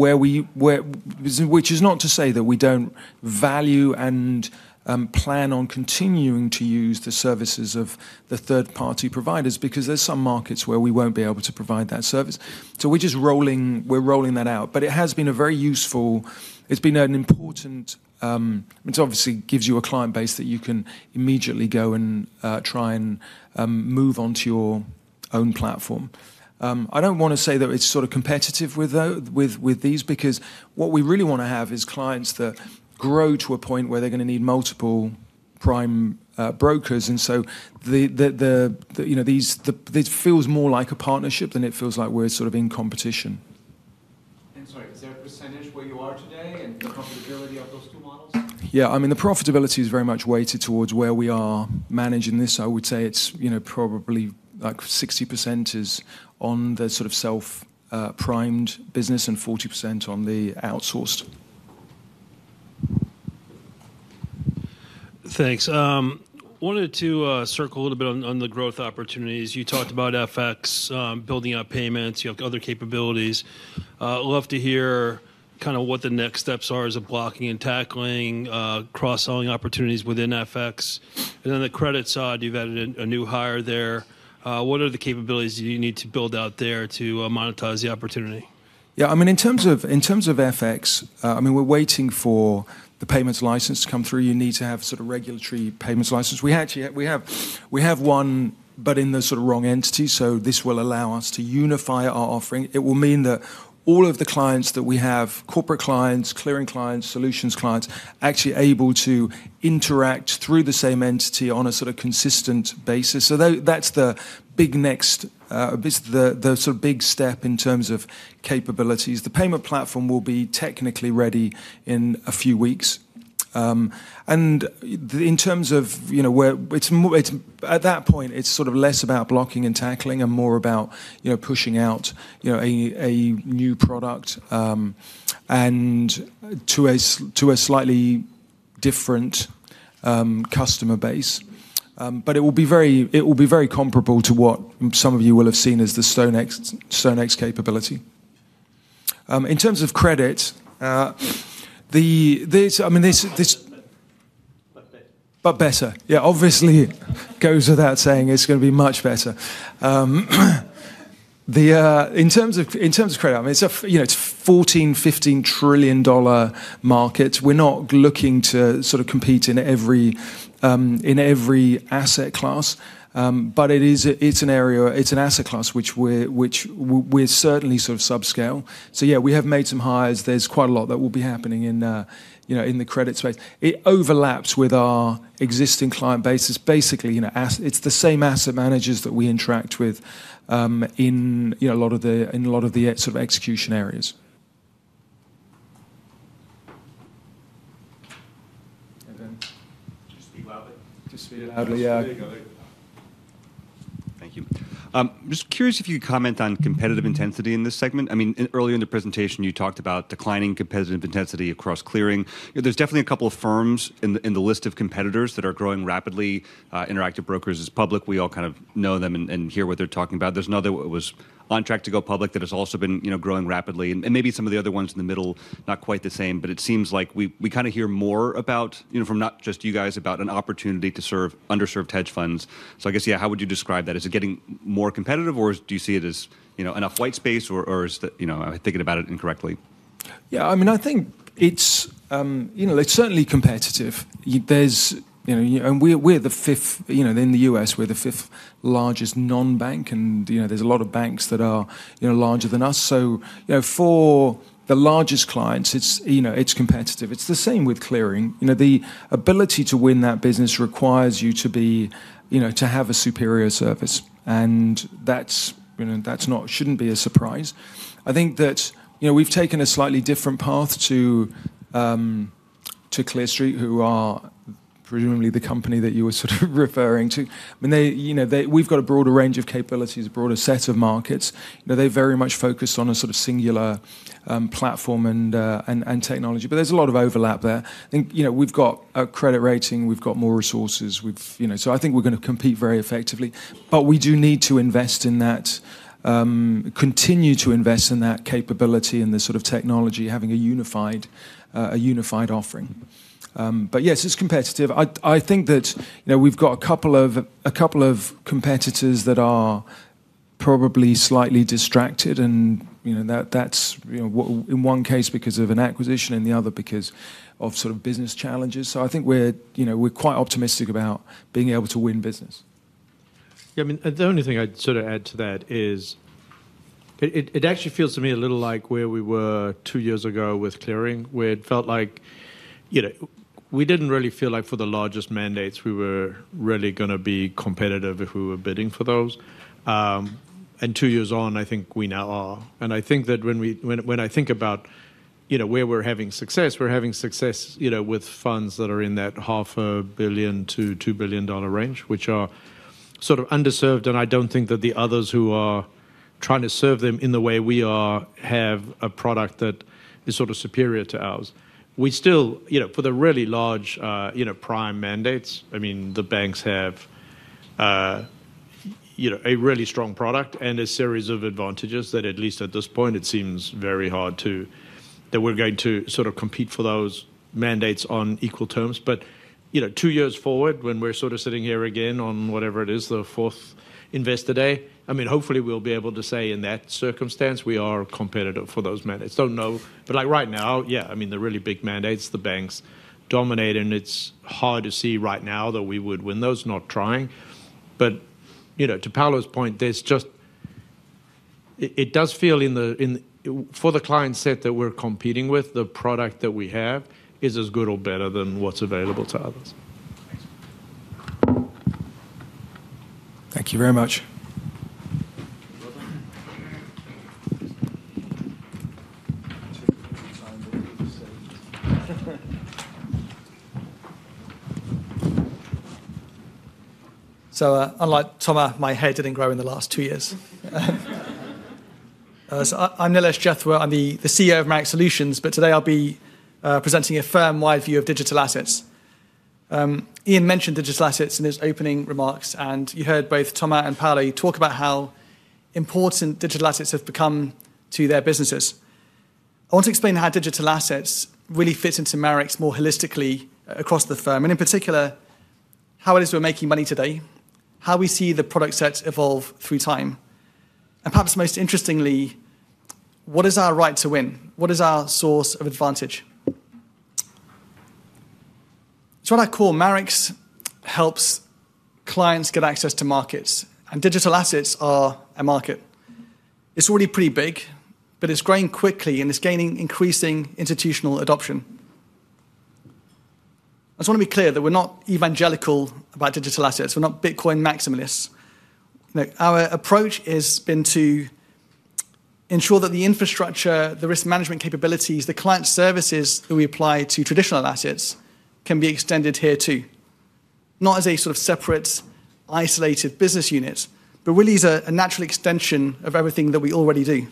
which is not to say that we don't value and plan on continuing to use the services of the third-party providers because there's some markets where we won't be able to provide that service. We're just rolling that out. It has been a very useful. It's been an important. It obviously gives you a client base that you can immediately go and try and move onto your own platform. I don't wanna say that it's sort of competitive with these because what we really wanna have is clients that grow to a point where they're gonna need multiple prime brokers. You know, this feels more like a partnership than it feels like we're sort of in competition. Sorry, is there a percentage where you are today and the profitability of those two models? Yeah. I mean, the profitability is very much weighted towards where we are managing this. I would say it's, you know, probably like 60% is on the sort of self prime business and 40% on the outsourced. Thanks. Wanted to circle a little bit on the growth opportunities. You talked about FX, building out payments. You have other capabilities. Love to hear kinda what the next steps are as a blocking and tackling, cross-selling opportunities within FX. The credit side, you've added a new hire there. What are the capabilities you need to build out there to monetize the opportunity? Yeah, I mean, in terms of FX, I mean, we're waiting for the payments license to come through. You need to have sort of regulatory payments license. We actually have one, but in the sort of wrong entity, so this will allow us to unify our offering. It will mean that all of the clients that we have, corporate clients, clearing clients, solutions clients, are actually able to interact through the same entity on a sort of consistent basis. That's the big next, the sort of big step in terms of capabilities. The payment platform will be technically ready in a few weeks. And in terms of, you know, where it's more. It's At that point, it's sort of less about blocking and tackling and more about, you know, pushing out, you know, a new product and to a slightly different customer base. It will be very comparable to what some of you will have seen as the StoneX capability. In terms of credit, this, I mean, this. Better. Yeah, obviously it goes without saying it's gonna be much better. In terms of credit, I mean, it's a, you know, it's a $14 trillion-$15 trillion market. We're not looking to sort of compete in every asset class. It is a. It's an area. It's an asset class which we're certainly sort of subscale. So yeah, we have made some hires. There's quite a lot that will be happening in the credit space. It overlaps with our existing client base. It's basically, you know, it's the same asset managers that we interact with in a lot of the execution areas. Then? Just speak loudly. Just speak loudly. Yeah. There you go. Thank you. Just curious if you could comment on competitive intensity in this segment. I mean, earlier in the presentation, you talked about declining competitive intensity across clearing. You know, there's definitely a couple of firms in the list of competitors that are growing rapidly. Interactive Brokers is public. We all kind of know them and hear what they're talking about. There's another, it was on track to go public that has also been, you know, growing rapidly and maybe some of the other ones in the middle, not quite the same. But it seems like we kind of hear more about, you know, from not just you guys about an opportunity to serve underserved hedge funds. I guess, yeah, how would you describe that? Is it getting more competitive, or do you see it as, you know, enough white space, or is that, you know, I'm thinking about it incorrectly? Yeah. I mean, I think it's, you know, it's certainly competitive. There's, you know. We're the fifth, you know, in the U.S., we're the fifth largest non-bank, and, you know, there's a lot of banks that are, you know, larger than us. So, you know, for the largest clients, it's, you know, it's competitive. It's the same with clearing. You know, the ability to win that business requires you to be, you know, to have a superior service. And that's, you know, that's not a surprise. I think that, you know, we've taken a slightly different path to Clear Street, who are presumably the company that you were sort of referring to. I mean, you know, they. We've got a broader range of capabilities, a broader set of markets. You know, they very much focus on a sort of singular platform and technology. There's a lot of overlap there. I think, you know, we've got a credit rating. We've got more resources. You know, I think we're gonna compete very effectively. We do need to invest in that, continue to invest in that capability and the sort of technology, having a unified offering. Yes, it's competitive. I think that, you know, we've got a couple of competitors that are probably slightly distracted and, you know, that's in one case because of an acquisition, in the other because of sort of business challenges. I think we're, you know, quite optimistic about being able to win business. Yeah, I mean, the only thing I'd sort of add to that is it actually feels to me a little like where we were two years ago with clearing, where it felt like, you know, we didn't really feel like for the largest mandates we were really gonna be competitive if we were bidding for those. Two years on, I think we now are. I think that when I think about, you know, where we're having success with funds that are in that $500 million-$2 billion range, which are sort of underserved, and I don't think that the others who are trying to serve them in the way we are have a product that is sort of superior to ours. We still, you know, for the really large, you know, prime mandates, I mean, the banks have, you know, a really strong product and a series of advantages that at least at this point it seems very hard that we're going to sort of compete for those mandates on equal terms. You know, two years forward when we're sort of sitting here again on whatever it is, the fourth Investor Day, I mean, hopefully we'll be able to say in that circumstance we are competitive for those mandates. Don't know. Like right now, yeah, I mean, the really big mandates, the banks dominate, and it's hard to see right now that we would win those not trying. You know, to Paolo's point, there's just. For the client set that we're competing with, the product that we have is as good or better than what's available to others. Thank you very much. Unlike Thomas, my hair didn't grow in the last two years. I'm Nilesh Jethwa, I'm the CEO of Marex Solutions, but today I'll be presenting a firm-wide view of digital assets. Ian mentioned digital assets in his opening remarks, and you heard both Thomas and Paolo talk about how important digital assets have become to their businesses. I want to explain how digital assets really fit into Marex more holistically across the firm, and in particular, how it is we're making money today, how we see the product set evolve through time, and perhaps most interestingly, what is our right to win? What is our source of advantage? It's what I call Marex helps clients get access to markets, and digital assets are a market. It's already pretty big, but it's growing quickly, and it's gaining increasing institutional adoption. I just wanna be clear that we're not evangelical about digital assets. We're not Bitcoin maximalists. You know, our approach has been to ensure that the infrastructure, the risk management capabilities, the client services that we apply to traditional assets can be extended here too. Not as a sort of separate isolated business unit, but really as a natural extension of everything that we already do.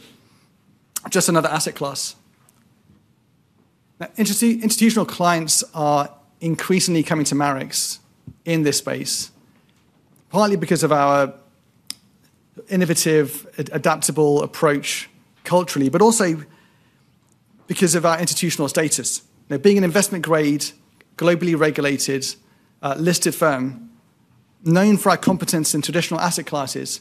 Just another asset class. Now, institutional clients are increasingly coming to Marex in this space, partly because of our innovative, adaptable approach culturally, but also because of our institutional status. Now, being an investment grade, globally regulated, listed firm, known for our competence in traditional asset classes,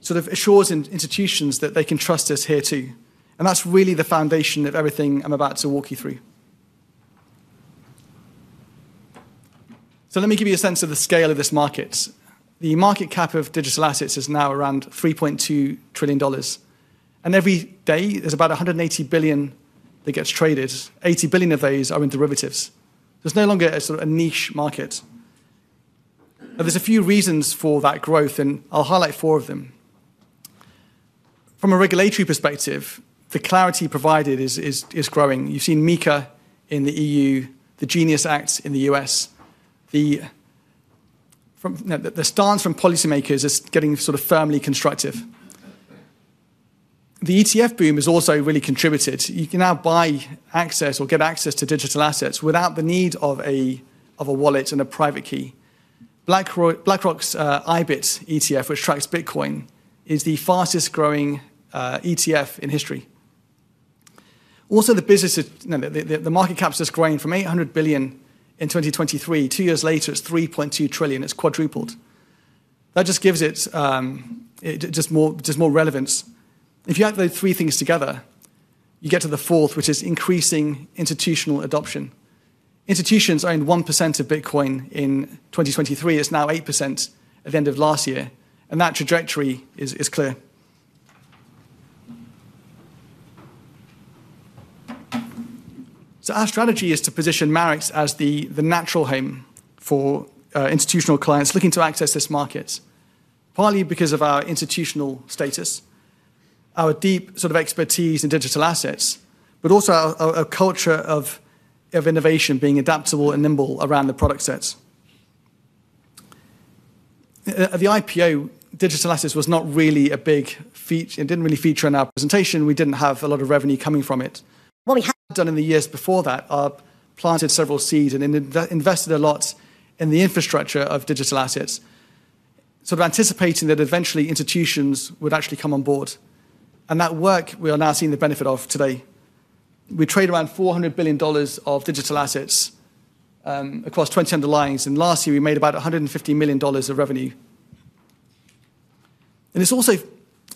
sort of assures institutions that they can trust us here too, and that's really the foundation of everything I'm about to walk you through. Let me give you a sense of the scale of this market. The market cap of digital assets is now around $3.2 trillion. Every day there's about $180 billion that gets traded. $80 billion of those are in derivatives. There's no longer sort of a niche market. There's a few reasons for that growth, and I'll highlight four of them. From a regulatory perspective, the clarity provided is growing. You've seen MiCA in the EU, the GENIUS Act in the U.S. The stance from policymakers is getting sort of firmly constructive. The ETF boom has also really contributed. You can now buy access or get access to digital assets without the need of a wallet and a private key. BlackRock's IBIT ETF, which tracks Bitcoin, is the fastest growing ETF in history. The market cap's just growing from $800 billion in 2023, two years later it's $3.2 trillion. It's quadrupled. That just gives it just more relevance. If you add those three things together, you get to the fourth, which is increasing institutional adoption. Institutions owned 1% of Bitcoin in 2023. It's now 8% at the end of last year, and that trajectory is clear. Our strategy is to position Marex as the natural home for institutional clients looking to access this market, partly because of our institutional status, our deep sort of expertise in digital assets, but also our culture of innovation being adaptable and nimble around the product sets. At the IPO, digital assets was not really a big feature. It didn't really feature in our presentation. We didn't have a lot of revenue coming from it. What we had done in the years before that are planted several seeds and invested a lot in the infrastructure of digital assets, sort of anticipating that eventually institutions would actually come on board. That work we are now seeing the benefit of today. We trade around $400 billion of digital assets across 20 underlyings, and last year we made about $150 million of revenue. It's also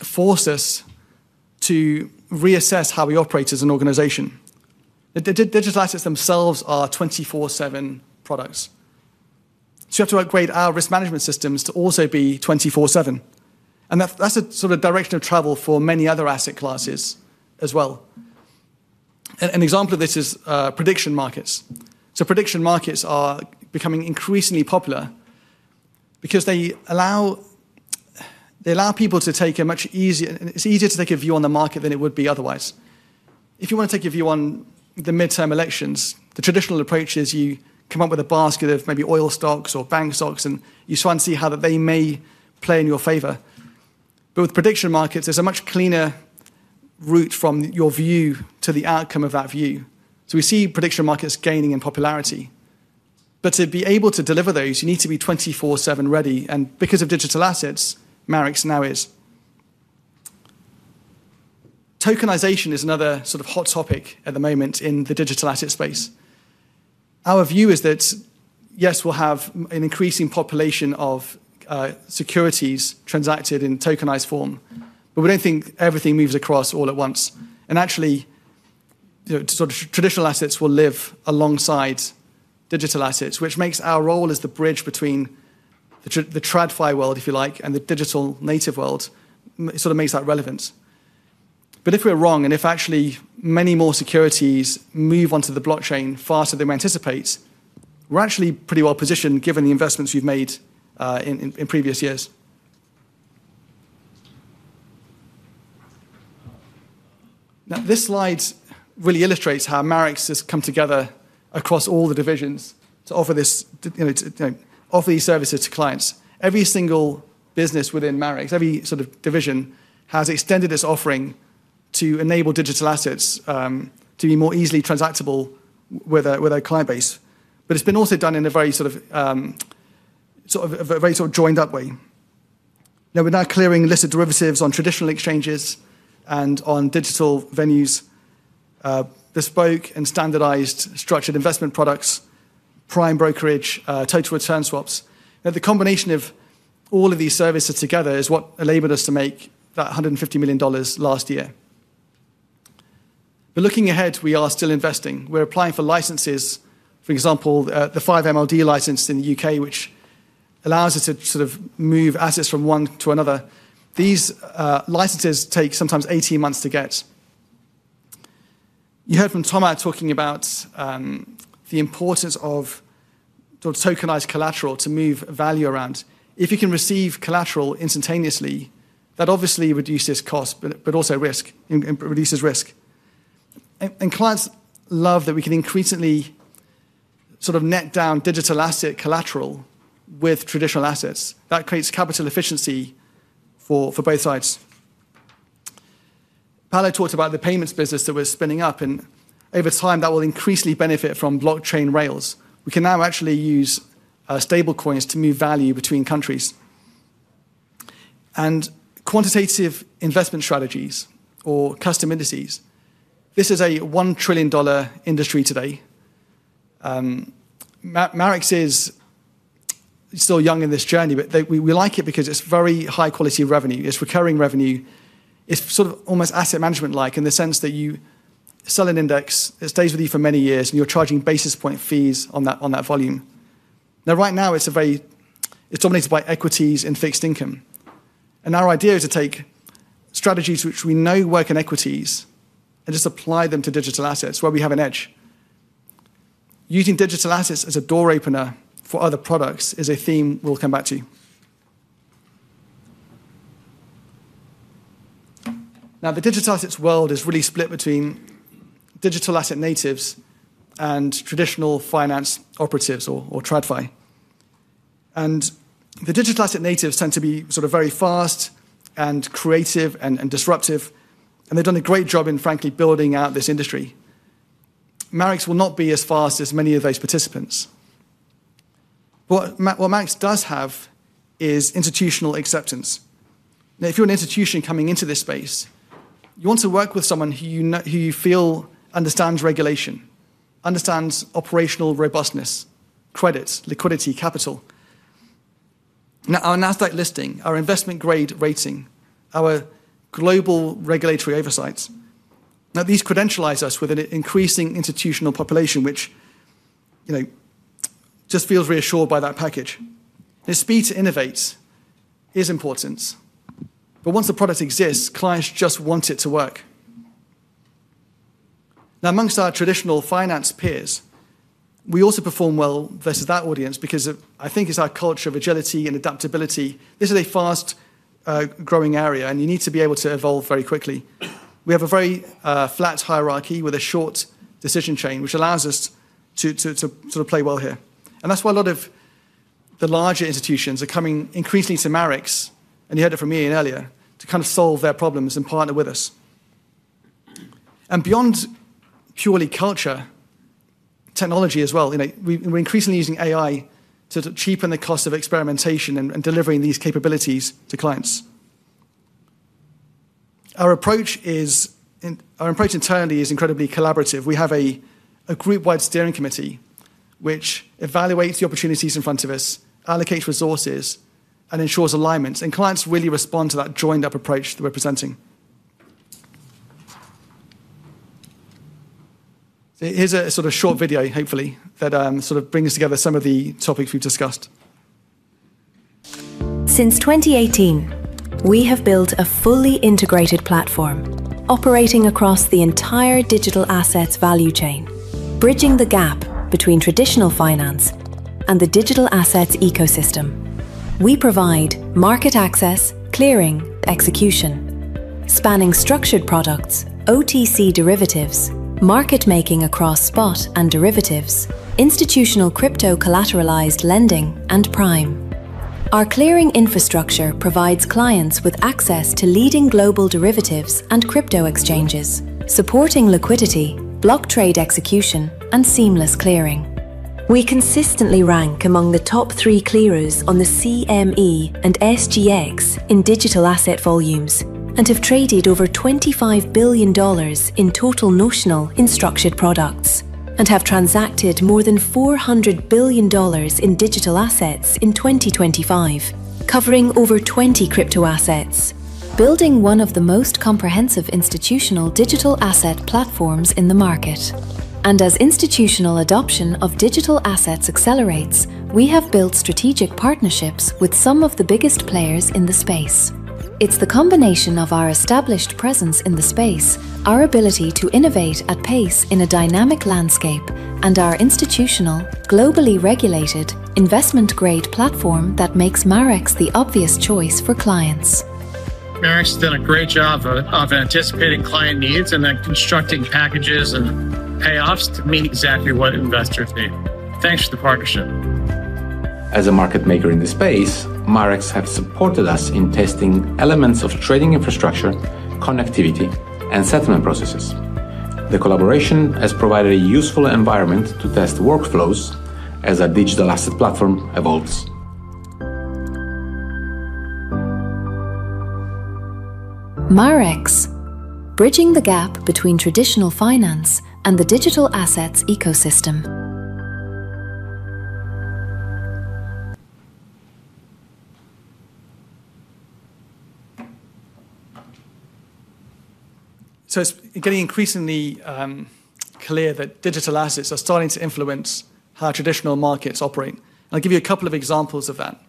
forced us to reassess how we operate as an organization. Digital assets themselves are 24/7 products. We have to upgrade our risk management systems to also be 24/7. That's a sort of direction of travel for many other asset classes as well. An example of this is prediction markets. Prediction markets are becoming increasingly popular because they allow people to. It's easier to take a view on the market than it would be otherwise. If you wanna take a view on the midterm elections, the traditional approach is you come up with a basket of maybe oil stocks or bank stocks, and you try and see how they may play in your favor. With prediction markets, there's a much cleaner route from your view to the outcome of that view. We see prediction markets gaining in popularity. To be able to deliver those, you need to be 24/7 ready, and because of digital assets, Marex now is. Tokenization is another sort of hot topic at the moment in the digital asset space. Our view is that, yes, we'll have an increasing population of securities transacted in tokenized form, but we don't think everything moves across all at once. Actually, you know, sort of traditional assets will live alongside digital assets, which makes our role as the bridge between the TradFi world, if you like, and the digital native world, sort of makes that relevant. If we're wrong, and if actually many more securities move onto the blockchain faster than we anticipate, we're actually pretty well positioned given the investments we've made in previous years. Now, this slide really illustrates how Marex has come together across all the divisions to offer this, you know, to offer these services to clients. Every single business within Marex, every sort of division, has extended this offering to enable digital assets to be more easily transactable with our client base. It's been also done in a very joined-up way. We're now clearing listed derivatives on traditional exchanges and on digital venues, bespoke and standardized structured investment products, prime brokerage, total return swaps. The combination of all of these services together is what enabled us to make that $150 million last year. Looking ahead, we are still investing. We're applying for licenses, for example, the 5MLD license in the U.K., which allows us to sort of move assets from one to another. These licenses take sometimes 18 months to get. You heard from Thomas talking about the importance of sort of tokenized collateral to move value around. If you can receive collateral instantaneously, that obviously reduces cost, but also risk, it reduces risk. Clients love that we can increasingly sort of net down digital asset collateral with traditional assets. That creates capital efficiency for both sides. Paolo talked about the payments business that we're spinning up, and over time, that will increasingly benefit from blockchain rails. We can now actually use stablecoins to move value between countries. Quantitative investment strategies or custom indices, this is a $1 trillion industry today. Marex is still young in this journey, but we like it because it's very high quality of revenue. It's recurring revenue. It's sort of almost asset management-like in the sense that you sell an index, it stays with you for many years, and you're charging basis point fees on that volume. Now right now it's dominated by equities and fixed income. Our idea is to take strategies which we know work in equities and just apply them to digital assets where we have an edge. Using digital assets as a door opener for other products is a theme we'll come back to. Now the digital assets world is really split between digital asset natives and traditional finance operatives or TradFi. The digital asset natives tend to be sort of very fast and creative and disruptive, and they've done a great job in frankly building out this industry. Marex will not be as fast as many of those participants. What Marex does have is institutional acceptance. Now if you're an institution coming into this space, you want to work with someone who you feel understands regulation, understands operational robustness, credits, liquidity, capital. Now our Nasdaq listing, our investment grade rating, our global regulatory oversights, now these credentialize us with an increasing institutional population which, you know, just feels reassured by that package. The speed to innovate is important, but once a product exists, clients just want it to work. Now amongst our traditional finance peers, we also perform well versus that audience because of I think it's our culture of agility and adaptability. This is a fast growing area, and you need to be able to evolve very quickly. We have a very flat hierarchy with a short decision chain, which allows us to sort of play well here. That's why a lot of the larger institutions are coming increasingly to Marex, and you heard it from Ian earlier, to kind of solve their problems and partner with us. Beyond purely culture and technology as well, we're increasingly using AI to cheapen the cost of experimentation and delivering these capabilities to clients. Our approach internally is incredibly collaborative. We have a group-wide steering committee which evaluates the opportunities in front of us, allocates resources, and ensures alignment. Clients really respond to that joined-up approach that we're presenting. Here's a sort of short video, hopefully, that sort of brings together some of the topics we've discussed. Since 2018, we have built a fully integrated platform operating across the entire digital assets value chain, bridging the gap between traditional finance and the digital assets ecosystem. We provide market access, clearing, execution, spanning structured products, OTC derivatives, market making across spot and derivatives, institutional crypto collateralized lending, and prime. Our clearing infrastructure provides clients with access to leading global derivatives and crypto exchanges, supporting liquidity, block trade execution, and seamless clearing. We consistently rank among the top three clearers on the CME and SGX in digital asset volumes and have traded over $25 billion in total notional in structured products and have transacted more than $400 billion in digital assets in 2025, covering over 20 crypto assets, building one of the most comprehensive institutional digital asset platforms in the market. As institutional adoption of digital assets accelerates, we have built strategic partnerships with some of the biggest players in the space. It's the combination of our established presence in the space, our ability to innovate at pace in a dynamic landscape, and our institutional, globally regulated investment-grade platform that makes Marex the obvious choice for clients. Marex has done a great job of anticipating client needs and then constructing packages and payoffs to meet exactly what investors need. Thanks for the partnership. As a market maker in this space, Marex have supported us in testing elements of trading infrastructure, connectivity, and settlement processes. The collaboration has provided a useful environment to test workflows as our digital asset platform evolves. Marex, bridging the gap between traditional finance and the digital assets ecosystem. It's getting increasingly clear that digital assets are starting to influence how traditional markets operate. I'll give you a couple of examples of that.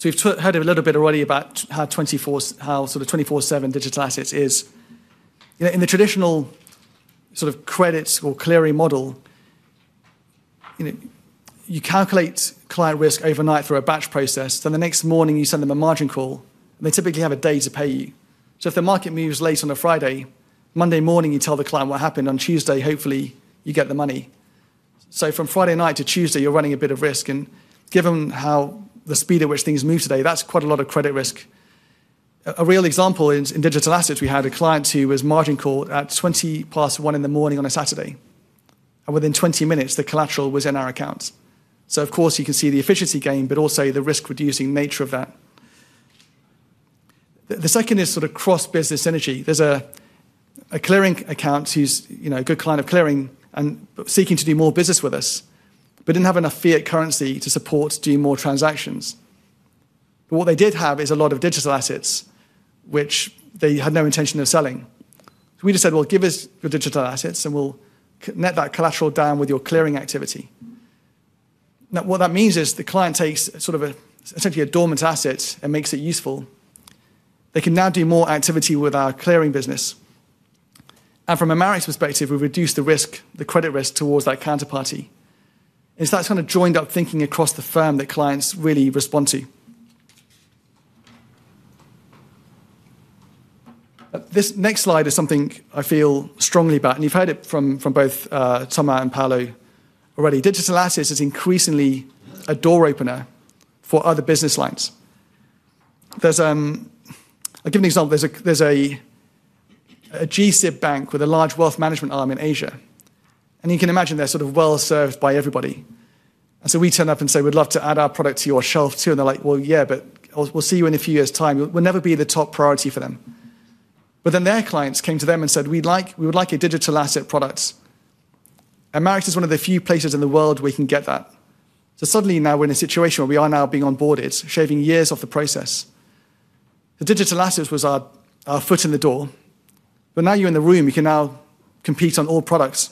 You've heard a little bit already about how sort of 24/7 digital assets is. You know, in the traditional sort of credit or clearing model, you know, you calculate client risk overnight through a batch process. The next morning you send them a margin call, and they typically have a day to pay you. If the market moves late on a Friday, Monday morning you tell the client what happened. On Tuesday, hopefully you get the money. From Friday night to Tuesday, you're running a bit of risk, and given how the speed at which things move today, that's quite a lot of credit risk. A real example in digital assets, we had a client who was margin called at 1:20 A.M. on a Saturday, and within 20 minutes, the collateral was in our accounts. Of course, you can see the efficiency gain, but also the risk-reducing nature of that. The second is sort of cross-business synergy. There's a clearing account who's, you know, a good client of clearing and seeking to do more business with us, but didn't have enough fiat currency to support doing more transactions. What they did have is a lot of digital assets which they had no intention of selling. We just said, "Well, give us your digital assets, and we'll net that collateral down with your clearing activity." Now what that means is the client takes sort of essentially a dormant asset and makes it useful. They can now do more activity with our clearing business. From a Marex perspective, we've reduced the risk, the credit risk towards that counterparty. It's that kind of joined-up thinking across the firm that clients really respond to. This next slide is something I feel strongly about, and you've heard it from both Thomas and Paolo already. Digital assets is increasingly a door opener for other business lines. There's a G-SIB bank with a large wealth management arm in Asia, and you can imagine they're sort of well-served by everybody. We turn up and say, "We'd love to add our product to your shelf too." They're like, "Well, yeah, but we'll see you in a few years' time." We'll never be the top priority for them. Their clients came to them and said, "We would like a digital asset product." Marex is one of the few places in the world where you can get that. Suddenly now we're in a situation where we are now being onboarded, shaving years off the process. The digital assets was our foot in the door, but now you're in the room, you can now compete on all products.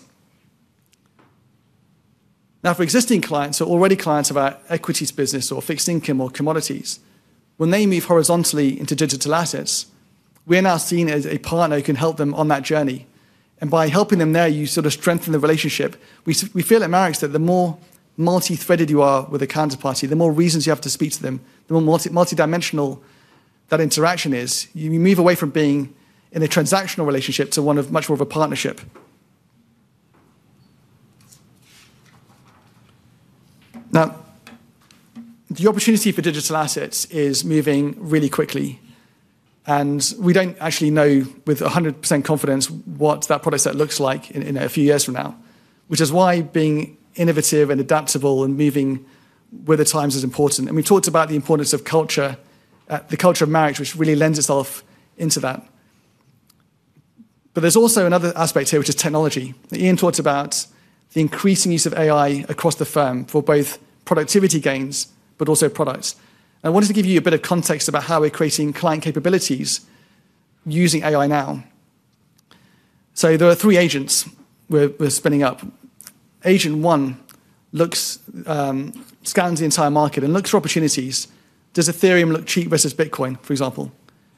Now, for existing clients who are already clients of our equities business or fixed income or commodities, when they move horizontally into digital assets, we're now seen as a partner who can help them on that journey. By helping them there, you sort of strengthen the relationship. We feel at Marex that the more multi-threaded you are with a counterparty, the more reasons you have to speak to them, the more multidimensional that interaction is, you move away from being in a transactional relationship to one of much more of a partnership. Now, the opportunity for digital assets is moving really quickly, and we don't actually know with 100% confidence what that product set looks like in a few years from now. Which is why being innovative and adaptable and moving with the times is important. We talked about the importance of culture, the culture of Marex, which really lends itself to that. But there's also another aspect here, which is technology. Ian talked about the increasing use of AI across the firm for both productivity gains but also products. I wanted to give you a bit of context about how we're creating client capabilities using AI now. There are three agents we're spinning up. Agent one scans the entire market and looks for opportunities. Does Ethereum look cheap versus Bitcoin, for example?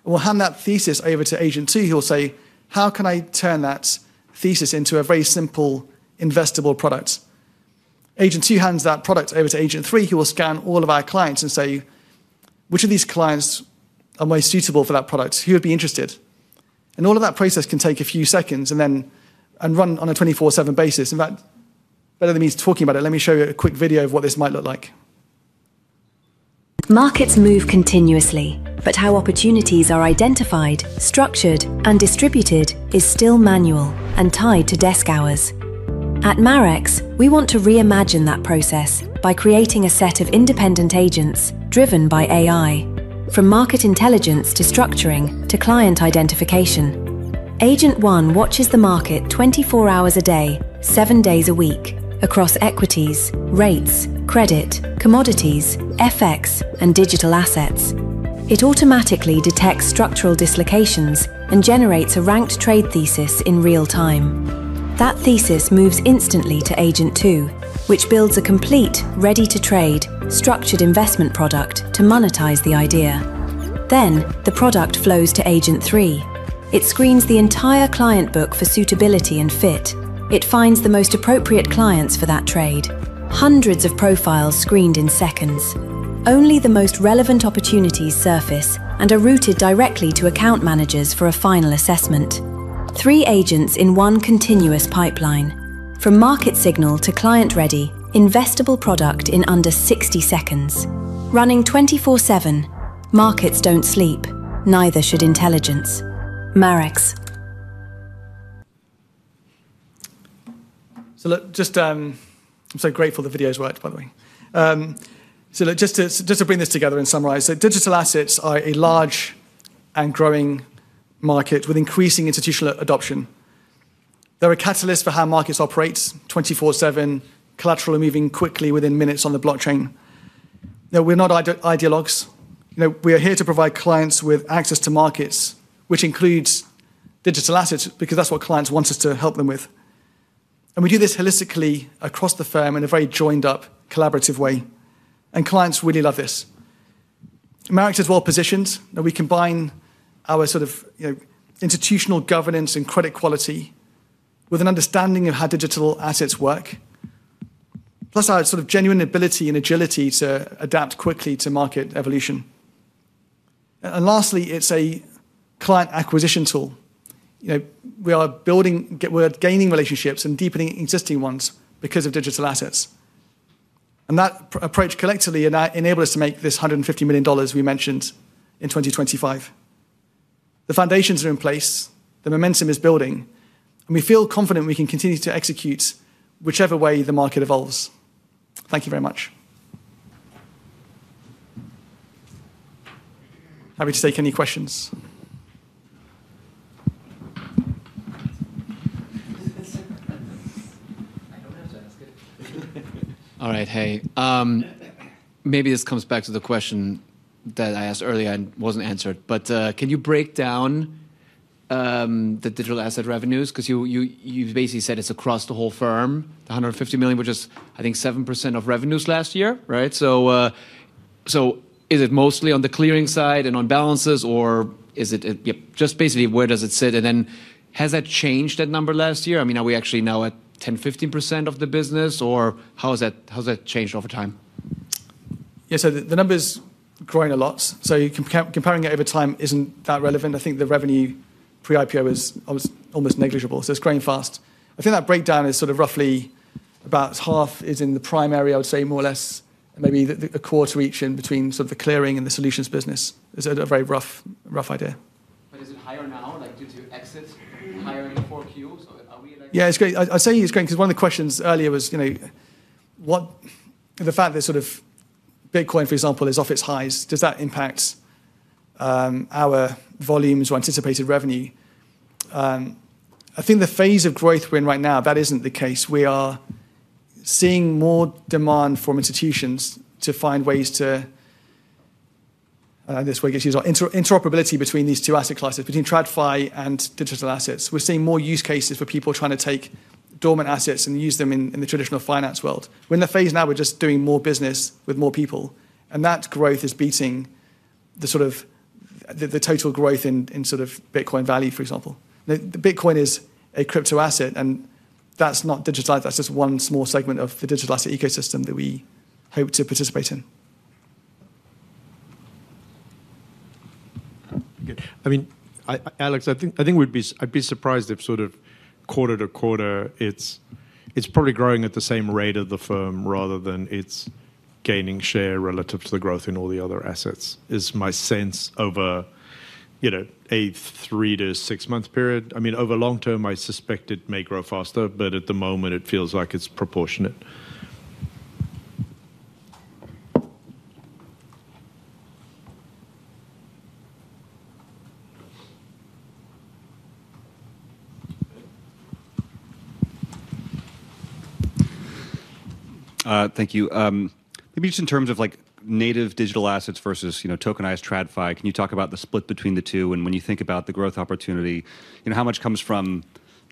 We'll hand that thesis over to agent two, who will say, "How can I turn that thesis into a very simple investable product?" Agent two hands that product over to agent three, who will scan all of our clients and say, "Which of these clients are most suitable for that product? Who would be interested?" All of that process can take a few seconds, and then run on a 24/7 basis. In fact, better than me talking about it, let me show you a quick video of what this might look like. Markets move continuously, but how opportunities are identified, structured, and distributed is still manual and tied to desk hours. At Marex, we want to reimagine that process by creating a set of independent agents driven by AI, from market intelligence to structuring to client identification. Agent one watches the market 24 hours a day, seven days a week across equities, rates, credit, commodities, FX, and digital assets. It automatically detects structural dislocations and generates a ranked trade thesis in real time. That thesis moves instantly to agent two, which builds a complete ready-to-trade structured investment product to monetize the idea. Then the product flows to agent three. It screens the entire client book for suitability and fit. It finds the most appropriate clients for that trade. Hundreds of profiles screened in seconds. Only the most relevant opportunities surface and are routed directly to account managers for a final assessment. Three agents in one continuous pipeline. From market signal to client-ready investable product in under 60 seconds. Running 24/7. Markets don't sleep. Neither should intelligence. Marex. Look, just, I'm so grateful the videos worked, by the way. Look, just to bring this together and summarize. Digital assets are a large and growing market with increasing institutional adoption. They're a catalyst for how markets operate 24/7, collateral moving quickly within minutes on the blockchain. Now, we're not ideologues. You know, we are here to provide clients with access to markets, which includes digital assets, because that's what clients want us to help them with. We do this holistically across the firm in a very joined-up, collaborative way, and clients really love this. Marex is well positioned, and we combine our sort of, you know, institutional governance and credit quality with an understanding of how digital assets work, plus our sort of genuine ability and agility to adapt quickly to market evolution. Lastly, it's a client acquisition tool. You know, we're gaining relationships and deepening existing ones because of digital assets. That approach collectively enables us to make this $150 million we mentioned in 2025. The foundations are in place, the momentum is building, and we feel confident we can continue to execute whichever way the market evolves. Thank you very much. Happy to take any questions. Maybe this comes back to the question that I asked earlier and wasn't answered, but can you break down the digital asset revenues? 'Cause you've basically said it's across the whole firm. The $150 million, which is, I think, 7% of revenues last year, right? So is it mostly on the clearing side and on balances, or is it? Yep, just basically where does it sit? And then has that changed, that number, last year? I mean, are we actually now at 10%, 15% of the business, or how has that changed over time? Yeah, the number's growing a lot, comparing it over time isn't that relevant. I think the revenue pre-IPO is almost negligible, so it's growing fast. I think that breakdown is sort of roughly about half is in the primary, I would say more or less, maybe a quarter each in between sort of the clearing and the solutions business. Is it a very rough idea? Is it higher now, like, due to excess hiring for 4Qs? Are we like- Yeah. It's great. I say it's great 'cause one of the questions earlier was, you know, what the fact that sort of Bitcoin, for example, is off its highs, does that impact our volumes or anticipated revenue? I think the phase of growth we're in right now, that isn't the case. We are seeing more demand from institutions to find ways to this way I guess use our interoperability between these two asset classes, between TradFi and digital assets. We're seeing more use cases for people trying to take dormant assets and use them in the traditional finance world. We're in the phase now we're just doing more business with more people, and that growth is beating the sort of total growth in sort of Bitcoin value, for example. Bitcoin is a crypto asset, and that's not digitalize. That's just one small segment of the digital asset ecosystem that we hope to participate in. I mean, Alex, I think we'd be surprised if sort of quarter to quarter it's probably growing at the same rate of the firm rather than it's gaining share relative to the growth in all the other assets, is my sense over, you know, a three to six-month period. I mean, over long term, I suspect it may grow faster, but at the moment it feels like it's proportionate. Thank you. Maybe just in terms of like native digital assets versus, you know, tokenized TradFi, can you talk about the split between the two? When you think about the growth opportunity, you know, how much comes from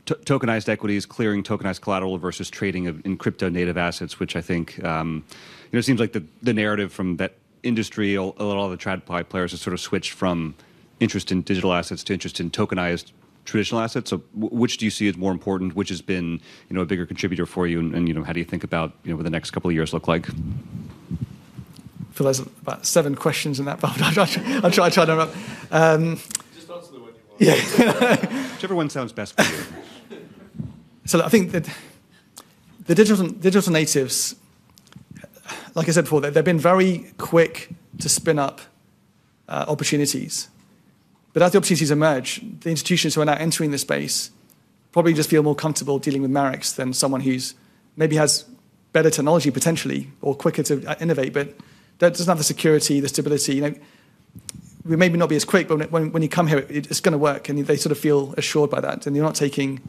tokenized equities, clearing tokenized collateral versus trading of native crypto assets, which I think, you know, it seems like the narrative from that industry or all the TradFi players has sort of switched from interest in digital assets to interest in tokenized traditional assets. Which do you see as more important? Which has been, you know, a bigger contributor for you and, you know, how do you think about, you know, what the next couple of years look like? I feel there's about seven questions in that, but I'll try to remember. Just answer the way you want. Yeah. Whichever one sounds best for you. I think the digital natives, like I said before, they've been very quick to spin up opportunities. As the opportunities emerge, the institutions who are now entering the space probably just feel more comfortable dealing with Marex than someone who's maybe has better technology potentially or quicker to innovate, but doesn't have the security, the stability. You know, we may not be as quick, but when you come here, it's gonna work, and they sort of feel assured by that. You're taking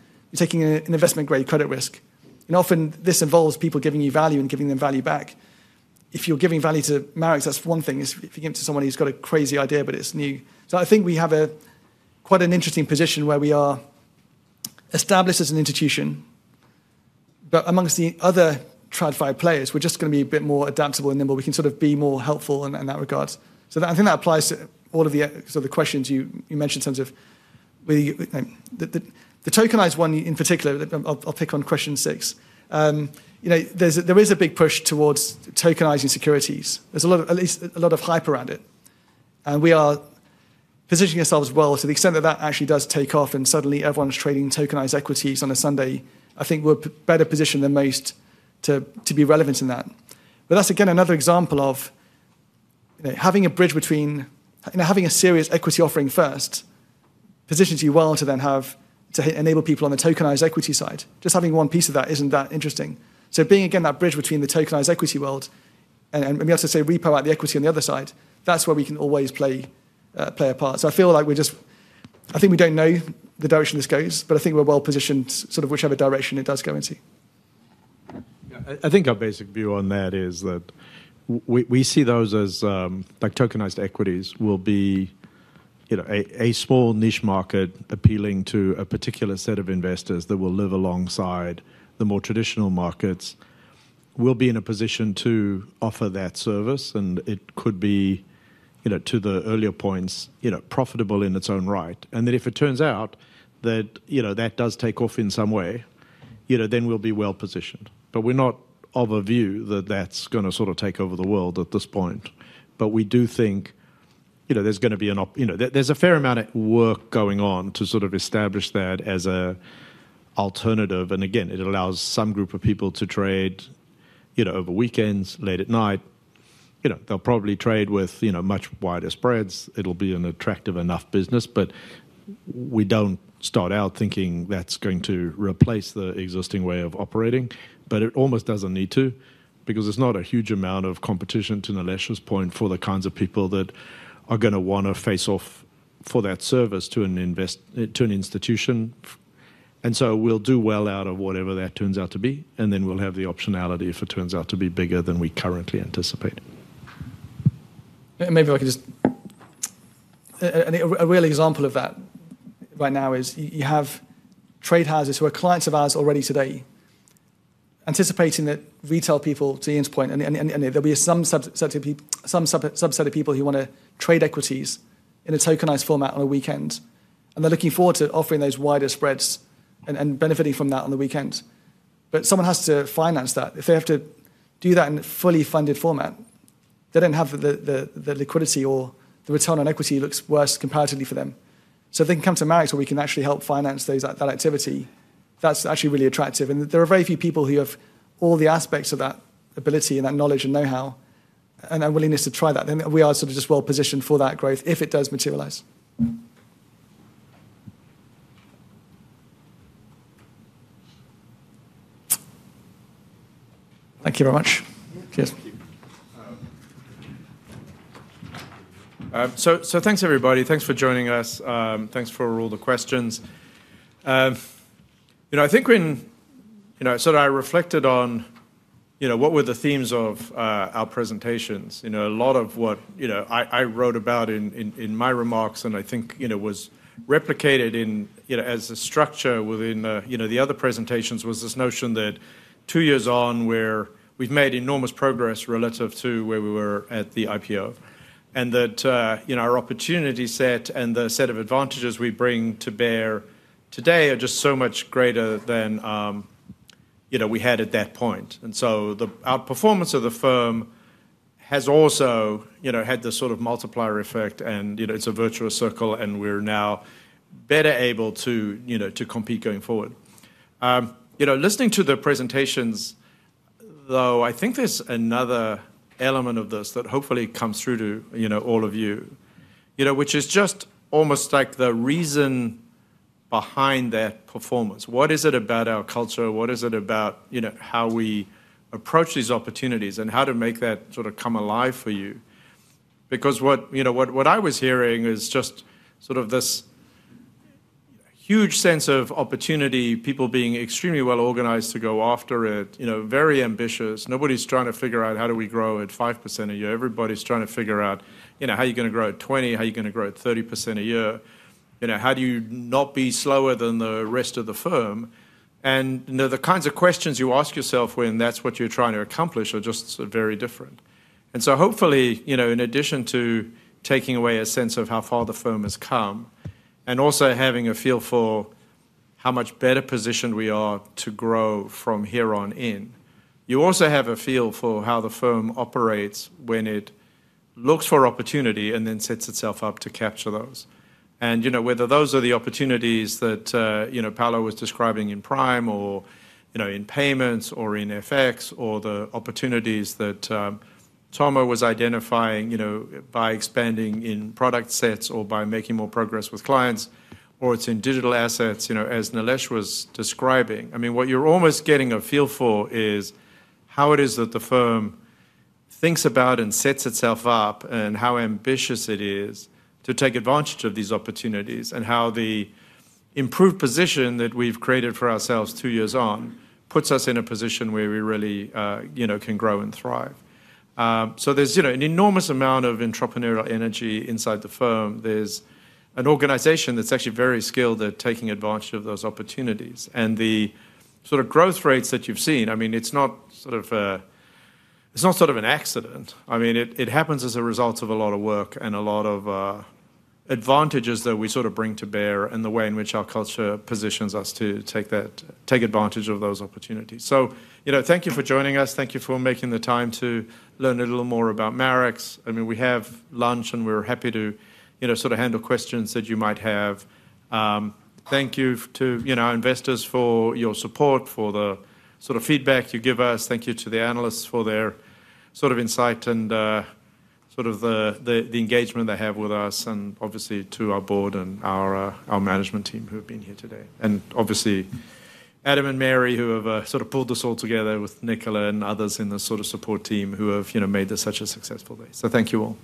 an investment grade credit risk. Often this involves people giving you value and giving them value back. If you're giving value to Marex, that's one thing, is if you give it to someone who's got a crazy idea, but it's new. I think we have a quite an interesting position where we are established as an institution. Amongst the other TradFi players, we're just gonna be a bit more adaptable and nimble. We can sort of be more helpful in that regard. That I think that applies to all of the sort of questions you mentioned in terms of the tokenized one in particular. I'll pick on question six. You know, there is a big push towards tokenizing securities. There's a lot of, at least a lot of hype around it, and we are positioning ourselves well to the extent that that actually does take off and suddenly everyone's trading tokenized equities on a Sunday. I think we're better positioned than most to be relevant in that. That's again another example of, you know, having a bridge between, you know, having a serious equity offering first positions you well to then have to enable people on the tokenized equity side. Just having one piece of that isn't that interesting. Being, again, that bridge between the tokenized equity world and be able to say repo out the equity on the other side, that's where we can always play a part. I feel like we're just. I think we don't know the direction this goes, but I think we're well-positioned sort of whichever direction it does go into. Yeah. I think our basic view on that is that we see those as like tokenized equities will be, you know, a small niche market appealing to a particular set of investors that will live alongside the more traditional markets. We'll be in a position to offer that service, and it could be, you know, to the earlier points, you know, profitable in its own right. If it turns out that, you know, that does take off in some way, you know, then we'll be well-positioned. We're not of a view that that's gonna sort of take over the world at this point. We do think, you know, there's gonna be. There's a fair amount of work going on to sort of establish that as an alternative. Again, it allows some group of people to trade, you know, over weekends, late at night. You know, they'll probably trade with, you know, much wider spreads. It'll be an attractive enough business. We don't start out thinking that's going to replace the existing way of operating. It almost doesn't need to because there's not a huge amount of competition, to Nilesh's point, for the kinds of people that are gonna wanna face off for that service to an institution. We'll do well out of whatever that turns out to be, and then we'll have the optionality if it turns out to be bigger than we currently anticipate. Real example of that right now is you have trade houses who are clients of ours already today anticipating that retail people, to Ian's point, and there'll be some subset of people who wanna trade equities in a tokenized format on a weekend, and they're looking forward to offering those wider spreads and benefiting from that on the weekend. But someone has to finance that. If they have to do that in a fully funded format, they don't have the liquidity or the return on equity looks worse comparatively for them. So if they can come to Marex where we can actually help finance those, that activity, that's actually really attractive. There are very few people who have all the aspects of that ability and that knowledge and know-how and willingness to try that. We are sort of just well-positioned for that growth if it does materialize. Thank you very much. Cheers. Thank you. So thanks, everybody. Thanks for joining us. Thanks for all the questions. You know, I think when, you know, sort of I reflected on, you know, what were the themes of our presentations. You know, a lot of what, you know, I wrote about in my remarks, and I think, you know, was replicated in, you know, as a structure within the other presentations, was this notion that two years on, we've made enormous progress relative to where we were at the IPO. That, you know, our opportunity set and the set of advantages we bring to bear today are just so much greater than you know, we had at that point. The outperformance of the firm has also, you know, had this sort of multiplier effect, and, you know, it's a virtuous circle, and we're now better able to, you know, to compete going forward. You know, listening to the presentations though, I think there's another element of this that hopefully comes through to, you know, all of you. You know, which is just almost like the reason behind that performance. What is it about our culture? What is it about, you know, how we approach these opportunities, and how to make that sort of come alive for you? Because what I was hearing is just sort of this huge sense of opportunity, people being extremely well organized to go after it, you know, very ambitious. Nobody's trying to figure out, "How do we grow at 5% a year?" Everybody's trying to figure out, you know, how you're gonna grow at 20%, how you're gonna grow at 30% a year. You know, how do you not be slower than the rest of the firm? You know, the kinds of questions you ask yourself when that's what you're trying to accomplish are just so very different. hopefully, you know, in addition to taking away a sense of how far the firm has come, and also having a feel for how much better positioned we are to grow from here on in, you also have a feel for how the firm operates when it looks for opportunity and then sets itself up to capture those. You know, whether those are the opportunities that you know, Paolo was describing in Prime or, you know, in payments or in FX, or the opportunities that Thomas Texier was identifying, you know, by expanding in product sets or by making more progress with clients, or it's in digital assets, you know, as Nilesh Jethwa was describing. I mean, what you're almost getting a feel for is how it is that the firm thinks about and sets itself up, and how ambitious it is to take advantage of these opportunities, and how the improved position that we've created for ourselves two years on puts us in a position where we really you know, can grow and thrive. There's, you know, an enormous amount of entrepreneurial energy inside the firm. There's an organization that's actually very skilled at taking advantage of those opportunities. The sort of growth rates that you've seen, I mean, it's not sort of an accident. I mean, it happens as a result of a lot of work and a lot of advantages that we sort of bring to bear and the way in which our culture positions us to take advantage of those opportunities. You know, thank you for joining us. Thank you for making the time to learn a little more about Marex. I mean, we have lunch, and we're happy to, you know, sort of handle questions that you might have. Thank you to, you know, our investors for your support, for the sort of feedback you give us. Thank you to the analysts for their sort of insight and sort of the engagement they have with us and obviously to our board and our management team who have been here today. Obviously, Adam and Mary, who have sort of pulled this all together with Nicola and others in the sort of support team who have, you know, made this such a successful day. Thank you all.